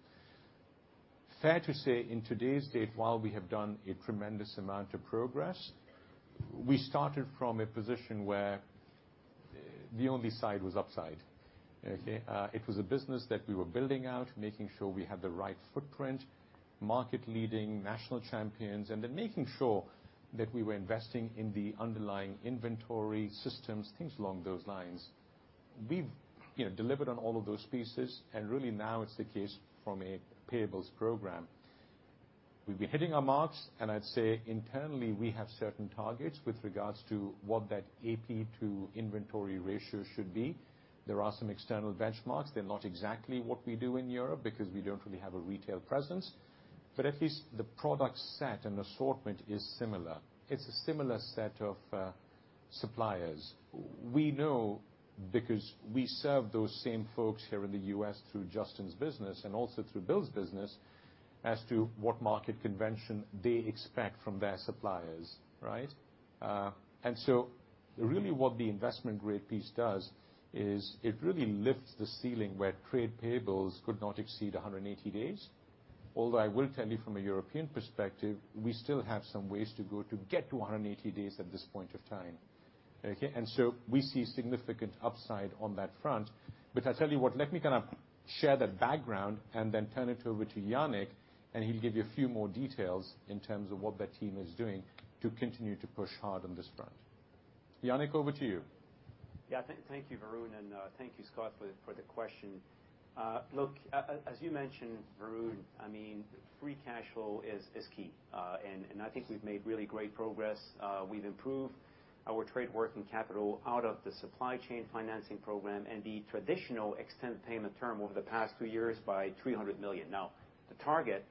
Speaker 11: Fair to say, in today's date, while we have done a tremendous amount of progress, we started from a position where the only side was upside. Okay. It was a business that we were building out, making sure we had the right footprint, market leading, national champions, and then making sure that we were investing in the underlying inventory systems, things along those lines. We've, you know, delivered on all of those pieces, and really now it's the case from a payables program. We've been hitting our marks, and I'd say internally we have certain targets with regards to what that AP to inventory ratio should be. There are some external benchmarks. They're not exactly what we do in Europe because we don't really have a retail presence. But at least the product set and assortment is similar. It's a similar set of suppliers. We know because we serve those same folks here in the U.S. through Justin's business and also through Bill's business as to what market convention they expect from their suppliers, right? Really what the investment grade piece does is it really lifts the ceiling where trade payables could not exceed 180 days. Although I will tell you from a European perspective, we still have some ways to go to get to 180 days at this point of time. Okay. We see significant upside on that front. I tell you what, let me kind of share that background and then turn it over to Yanik, and he'll give you a few more details in terms of what that team is doing to continue to push hard on this front. Yanik, over to you.
Speaker 8: Yeah. Thank you, Varun, and thank you, Scott, for the question. Look, as you mentioned, Varun, I mean, free cash flow is key. I think we've made really great progress. We've improved our trade working capital out of the supply chain financing program and the traditional extended payment term over the past two years by $300 million. Now, the target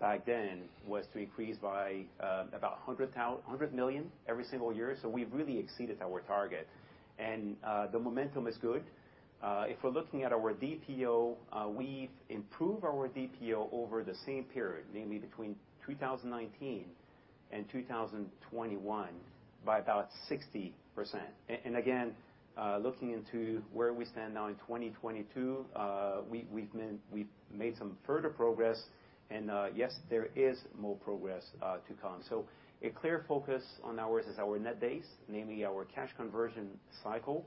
Speaker 8: back then was to increase by about $100 million every single year, so we've really exceeded our target. The momentum is good. If we're looking at our DPO, we've improved our DPO over the same period, namely between 2019 and 2021, by about 60%. Again, looking into where we stand now in 2022, we've made some further progress, and yes, there is more progress to come. A clear focus on ours is our net base, namely our cash conversion cycle.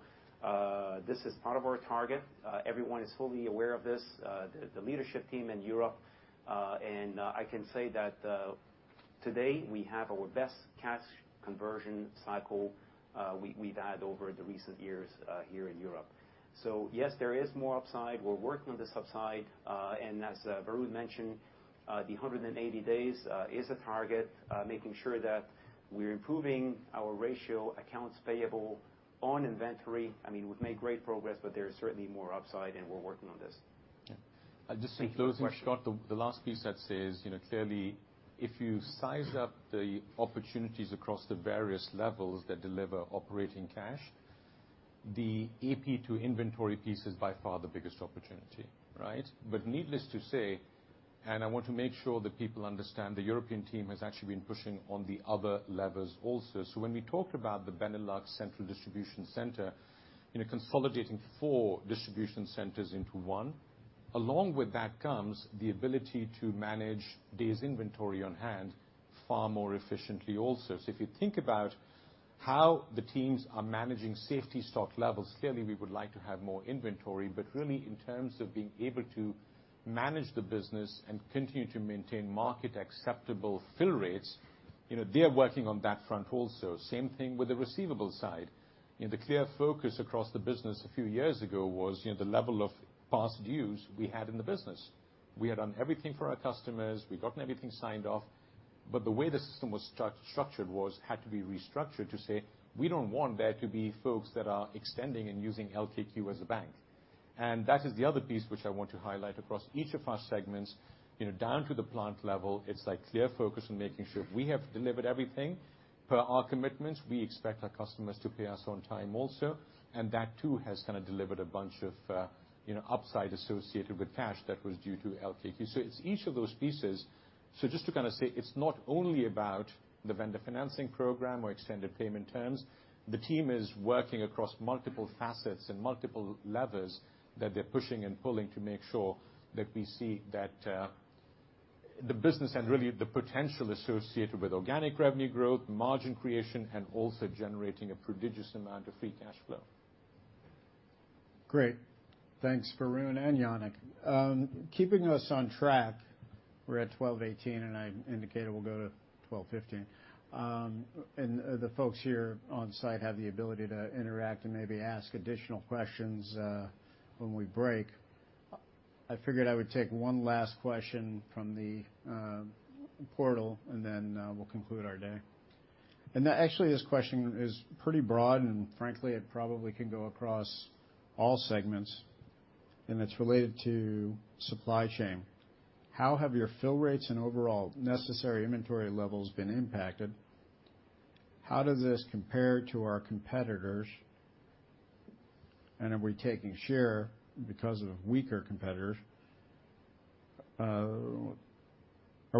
Speaker 8: This is part of our target. Everyone is fully aware of this, the leadership team in Europe, and I can say that today, we have our best cash conversion cycle we've had over the recent years here in Europe. Yes, there is more upside. We're working on this upside. And as Varun mentioned, the 180 days is a target, making sure that we're improving our ratio accounts payable on inventory. I mean, we've made great progress, but there is certainly more upside, and we're working on this. Thank you for the question.
Speaker 11: Just to close, Scott, the last piece that says, you know, clearly, if you size up the opportunities across the various levels that deliver operating cash, the A/P to inventory piece is by far the biggest opportunity, right? Needless to say, and I want to make sure that people understand, the European team has actually been pushing on the other levers also. When we talked about the Benelux Central Distribution Center, you know, consolidating four distribution centers into one, along with that comes the ability to manage days inventory on hand far more efficiently also. If you think about how the teams are managing safety stock levels, clearly, we would like to have more inventory, but really in terms of being able to manage the business and continue to maintain market acceptable fill rates, you know, they are working on that front also. Same thing with the receivable side. You know, the clear focus across the business a few years ago was, you know, the level of past dues we had in the business. We had done everything for our customers, we'd gotten everything signed off, but the way the system was structured had to be restructured to say, "We don't want there to be folks that are extending and using LKQ as a bank." That is the other piece which I want to highlight across each of our segments. You know, down to the plant level, it's like clear focus on making sure if we have delivered everything per our commitments, we expect our customers to pay us on time also. That too has kind of delivered a bunch of, you know, upside associated with cash that was due to LKQ. It's each of those pieces. Just to kind of say, it's not only about the vendor financing program or extended payment terms, the team is working across multiple facets and multiple levers that they're pushing and pulling to make sure that we see that, the business and really the potential associated with organic revenue growth, margin creation, and also generating a prodigious amount of free cash flow.
Speaker 1: Great. Thanks, Varun and Yanik. Keeping us on track, we're at 12:18 P.M., and I indicated we'll go to 12:15 P.M. The folks here on site have the ability to interact and maybe ask additional questions when we break. I figured I would take one last question from the portal, and then we'll conclude our day. Actually, this question is pretty broad, and frankly, it probably can go across all segments, and it's related to supply chain. How have your fill rates and overall necessary inventory levels been impacted? How does this compare to our competitors? Are we taking share because of weaker competitors? Are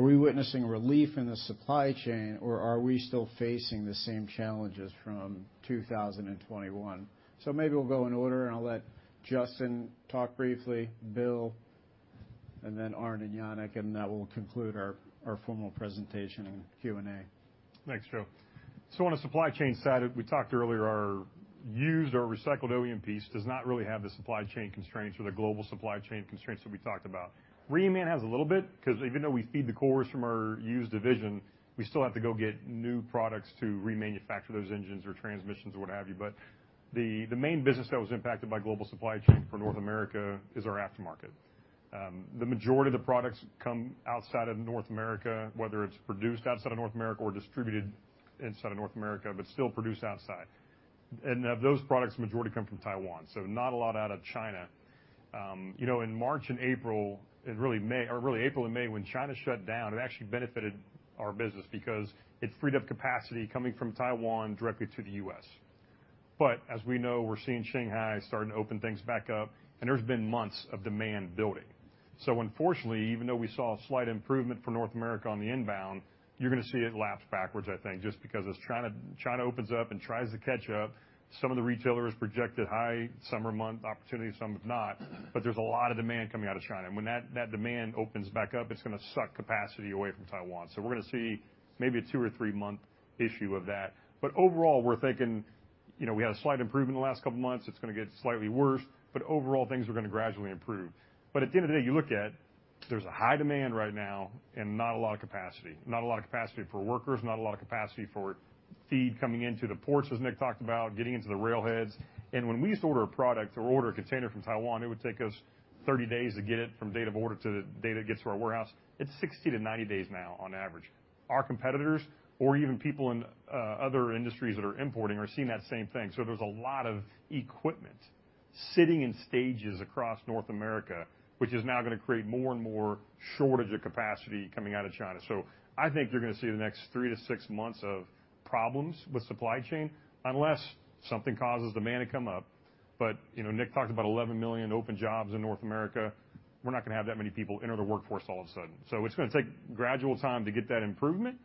Speaker 1: we witnessing relief in the supply chain, or are we still facing the same challenges from 2021? Maybe we'll go in order, and I'll let Justin talk briefly, Bill, and then Arnd and Janik, and that will conclude our formal presentation and Q&A.
Speaker 2: Thanks, Joe. On the supply chain side, we talked earlier, our used or recycled OEM piece does not really have the supply chain constraints or the global supply chain constraints that we talked about. Reman has a little bit because even though we feed the cores from our used division, we still have to go get new products to remanufacture those engines or transmissions or what have you. The main business that was impacted by global supply chain for North America is our aftermarket. The majority of the products come outside of North America, whether it's produced outside of North America or distributed inside of North America but still produced outside. Of those products, majority come from Taiwan, so not a lot out of China. You know, in April and May, when China shut down, it actually benefited our business because it freed up capacity coming from Taiwan directly to the U.S. As we know, we're seeing Shanghai starting to open things back up, and there's been months of demand building. Unfortunately, even though we saw a slight improvement for North America on the inbound, you're gonna see it lapse backwards, I think, just because as China opens up and tries to catch up, some of the retailers projected high summer month opportunity, some have not. There's a lot of demand coming out of China. When that demand opens back up, it's gonna suck capacity away from Taiwan. We're gonna see maybe a 2- or 3-month issue of that. Overall, we're thinking, you know, we had a slight improvement in the last couple of months. It's gonna get slightly worse, but overall, things are gonna gradually improve. At the end of the day, you look at there's a high demand right now and not a lot of capacity for workers, not a lot of capacity for feed coming into the ports, as Nick talked about, getting into the railheads. When we used to order a product or order a container from Taiwan, it would take us 30 days to get it from date of order to the day that it gets to our warehouse. It's 60-90 days now on average. Our competitors or even people in other industries that are importing are seeing that same thing. There's a lot of equipment sitting in stages across North America, which is now gonna create more and more shortage of capacity coming out of China. I think you're gonna see the next 3-6 months of problems with supply chain unless something causes demand to come up. You know, Nick talked about 11 million open jobs in North America. We're not gonna have that many people enter the workforce all of a sudden. It's gonna take gradual time to get that improvement,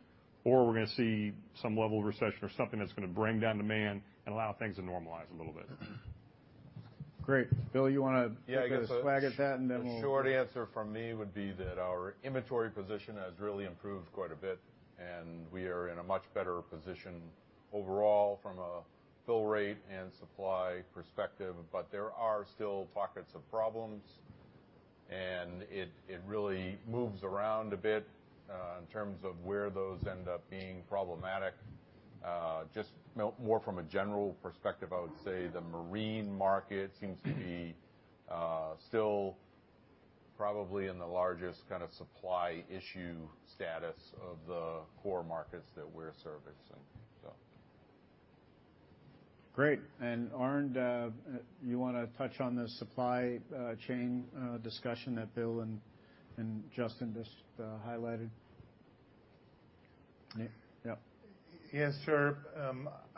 Speaker 2: or we're gonna see some level of recession or something that's gonna bring down demand and allow things to normalize a little bit.
Speaker 1: Great. Bill, you wanna
Speaker 9: Yeah, I guess.
Speaker 1: Take a stab at that, and then we'll.
Speaker 9: The short answer from me would be that our inventory position has really improved quite a bit, and we are in a much better position overall from a fill rate and supply perspective. There are still pockets of problems, and it really moves around a bit in terms of where those end up being problematic. Just, you know, more from a general perspective, I would say the marine market seems to be still probably in the largest kind of supply issue status of the core markets that we're servicing, so.
Speaker 1: Great. Arnd, you wanna touch on the supply chain discussion that Bill and Justin just highlighted? Yeah.
Speaker 7: Yes, sure.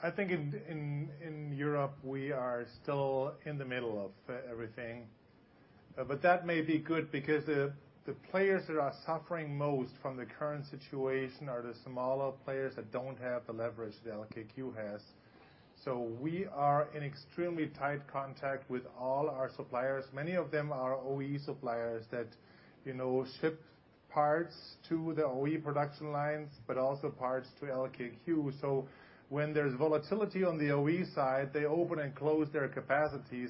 Speaker 7: I think in Europe, we are still in the middle of everything. But that may be good because the players that are suffering most from the current situation are the smaller players that don't have the leverage that LKQ has. We are in extremely tight contact with all our suppliers. Many of them are OE suppliers that, you know, ship parts to the OE production lines but also parts to LKQ. When there's volatility on the OE side, they open and close their capacity.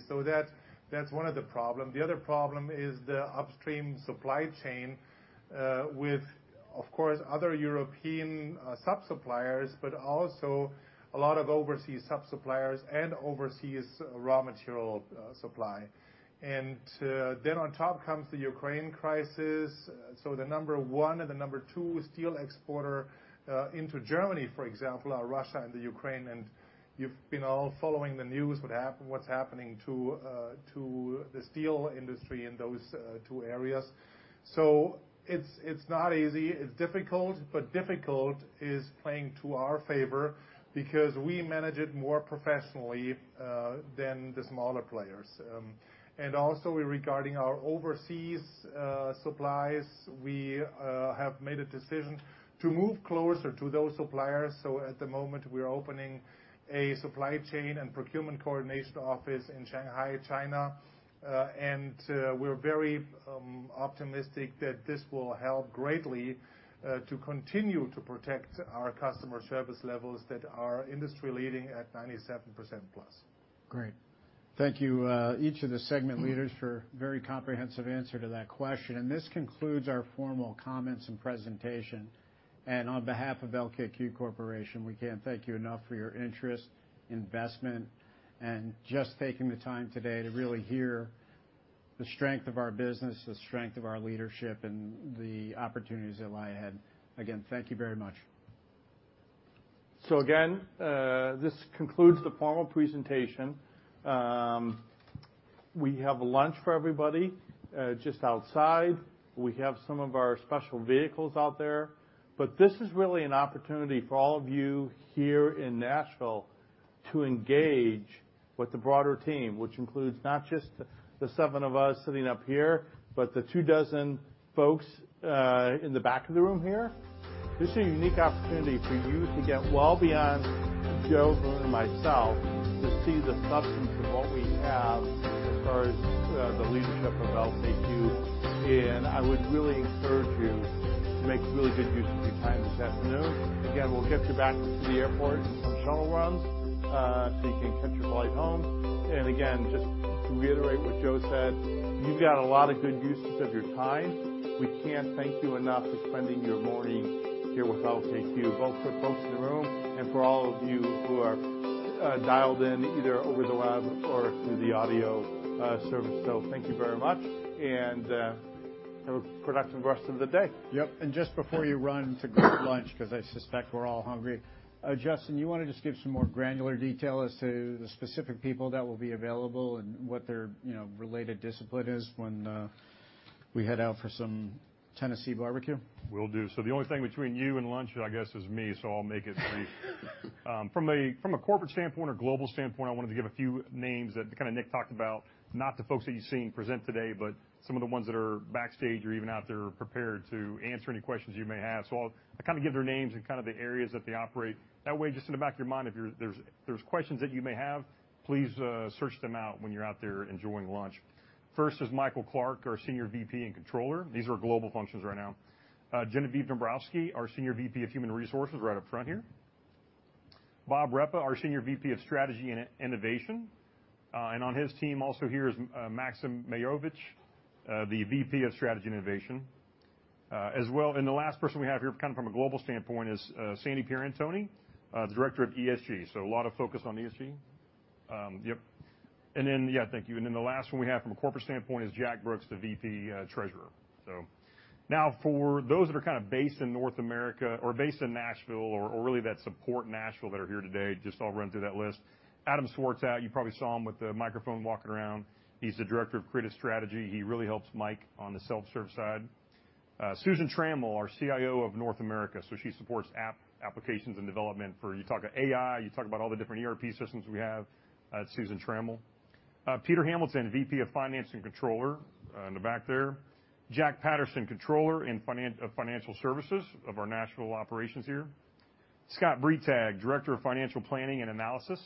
Speaker 7: That's one of the problems. The other problem is the upstream supply chain with, of course, other European sub-suppliers, but also a lot of overseas sub-suppliers and overseas raw material supply. On top comes the Ukraine crisis. The number one and the number two steel exporter into Germany, for example, are Russia and Ukraine. You've been all following the news, what's happening to the steel industry in those two areas. It's not easy. It's difficult, but difficult is playing to our favor because we manage it more professionally than the smaller players. Also regarding our overseas supplies, we have made a decision to move closer to those suppliers. At the moment, we're opening a supply chain and procurement coordination office in Shanghai, China. We're very optimistic that this will help greatly to continue to protect our customer service levels that are industry-leading at 97%+.
Speaker 1: Great. Thank you, each of the segment leaders for a very comprehensive answer to that question. This concludes our formal comments and presentation. On behalf of LKQ Corporation, we can't thank you enough for your interest, investment, and just taking the time today to really hear the strength of our business, the strength of our leadership, and the opportunities that lie ahead. Again, thank you very much.
Speaker 3: Again, this concludes the formal presentation. We have lunch for everybody, just outside. We have some of our special vehicles out there. This is really an opportunity for all of you here in Nashville to engage with the broader team, which includes not just the seven of us sitting up here, but the two dozen folks in the back of the room here. This is a unique opportunity for you to get well beyond Joe and myself to see the substance of what we have as far as the leadership of LKQ, and I would really encourage you to make really good use of your time this afternoon. Again, we'll get you back to the airport in some shuttle runs, so you can catch your flight home. Again, just to reiterate what Joe said, you've got a lot of good usage of your time. We can't thank you enough for spending your morning here with LKQ, both for folks in the room and for all of you who are dialed in either over the web or through the audio service. Thank you very much, and have a productive rest of the day.
Speaker 1: Yep. Just before you run to go to lunch, 'cause I suspect we're all hungry, Justin, you wanna just give some more granular detail as to the specific people that will be available and what their, you know, related discipline is when we head out for some Tennessee barbecue?
Speaker 2: Will do. The only thing between you and lunch, I guess, is me, so I'll make it brief. From a corporate standpoint or global standpoint, I wanted to give a few names that kinda Nick talked about, not the folks that you've seen present today, but some of the ones that are backstage or even out there prepared to answer any questions you may have. I'll kind of give their names and kind of the areas that they operate. That way, just in the back of your mind, if there are questions that you may have, please search them out when you're out there enjoying lunch. First is Michael Clark, our Senior VP and Controller. These are global functions right now. Genevieve Dombrowski, our Senior VP of Human Resources right up front here. Bob Reppa, our Senior VP of Strategy and Innovation. On his team also here is Maksim Mayarovich, the VP of Strategy and Innovation. As well, the last person we have here kind of from a global standpoint is Sandy Pierantoni, the Director of ESG. A lot of focus on ESG. Then the last one we have from a corporate standpoint is Jack Brooks, the VP, Treasurer. Now for those that are kind of based in North America or based in Nashville or really that support Nashville that are here today, just I'll run through that list. Adam Swartout, you probably saw him with the microphone walking around. He's the Director of Creative Strategy. He really helps Mike on the self-service side. Susan Trammell, our CIO of North America, so she supports apps, applications and development if you talk about AI, you talk about all the different ERP systems we have, Susan Trammell. Peter Hamilton, VP of Finance and Controller, in the back there. Jack Patterson, Controller in Financial Services of our national operations here. Scott Bretag, Director of Financial Planning and Analysis.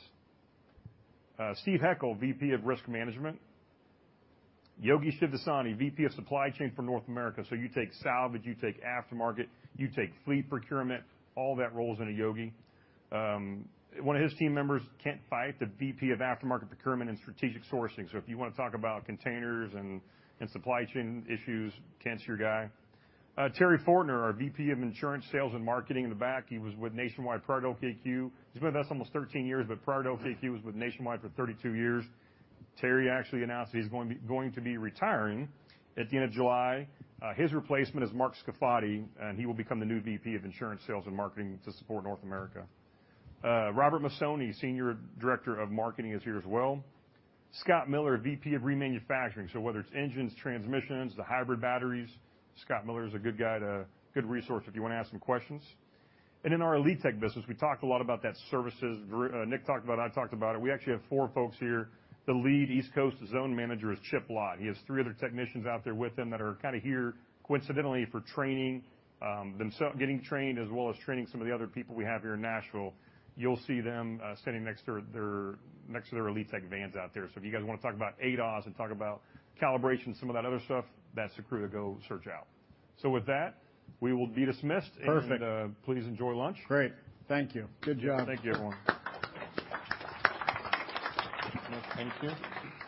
Speaker 2: Steve Heckle, VP of Risk Management. Yogi Shivdasani, VP of Supply Chain for North America, so you take salvage, you take aftermarket, you take fleet procurement, all that rolls into Yogi. One of his team members, Kent Fyfe, the VP of Aftermarket Procurement and Strategic Sourcing, so if you wanna talk about containers and supply chain issues, Kent's your guy. Terry Fortner, our VP of Insurance Sales and Marketing in the back. He was with Nationwide prior to LKQ. He's been with us almost 13 years, but prior to LKQ, he was with Nationwide for 32 years. Terry actually announced that he's going to be retiring at the end of July. His replacement is Mark Scafati, and he will become the new VP of Insurance Sales and Marketing to support North America. Robert Masone, Senior Director of Marketing is here as well. Scott Miller, VP of Remanufacturing, so whether it's engines, transmissions, the hybrid batteries, Scott Miller is a good guy, good resource if you wanna ask some questions. In our Elitek business, we talked a lot about that services. Nick talked about it, I talked about it. We actually have four folks here. The lead East Coast zone manager is Chip Lott. He has three other technicians out there with him that are kinda here coincidentally for training, getting trained as well as training some of the other people we have here in Nashville. You'll see them standing next to their Elitek vans out there. If you guys wanna talk about ADAS and talk about calibration and some of that other stuff, that's the crew to go search out. With that, we will be dismissed.
Speaker 1: Perfect.
Speaker 2: Please enjoy lunch.
Speaker 1: Great. Thank you. Good job, everyone.
Speaker 2: Thank you.
Speaker 1: Nick, thank you.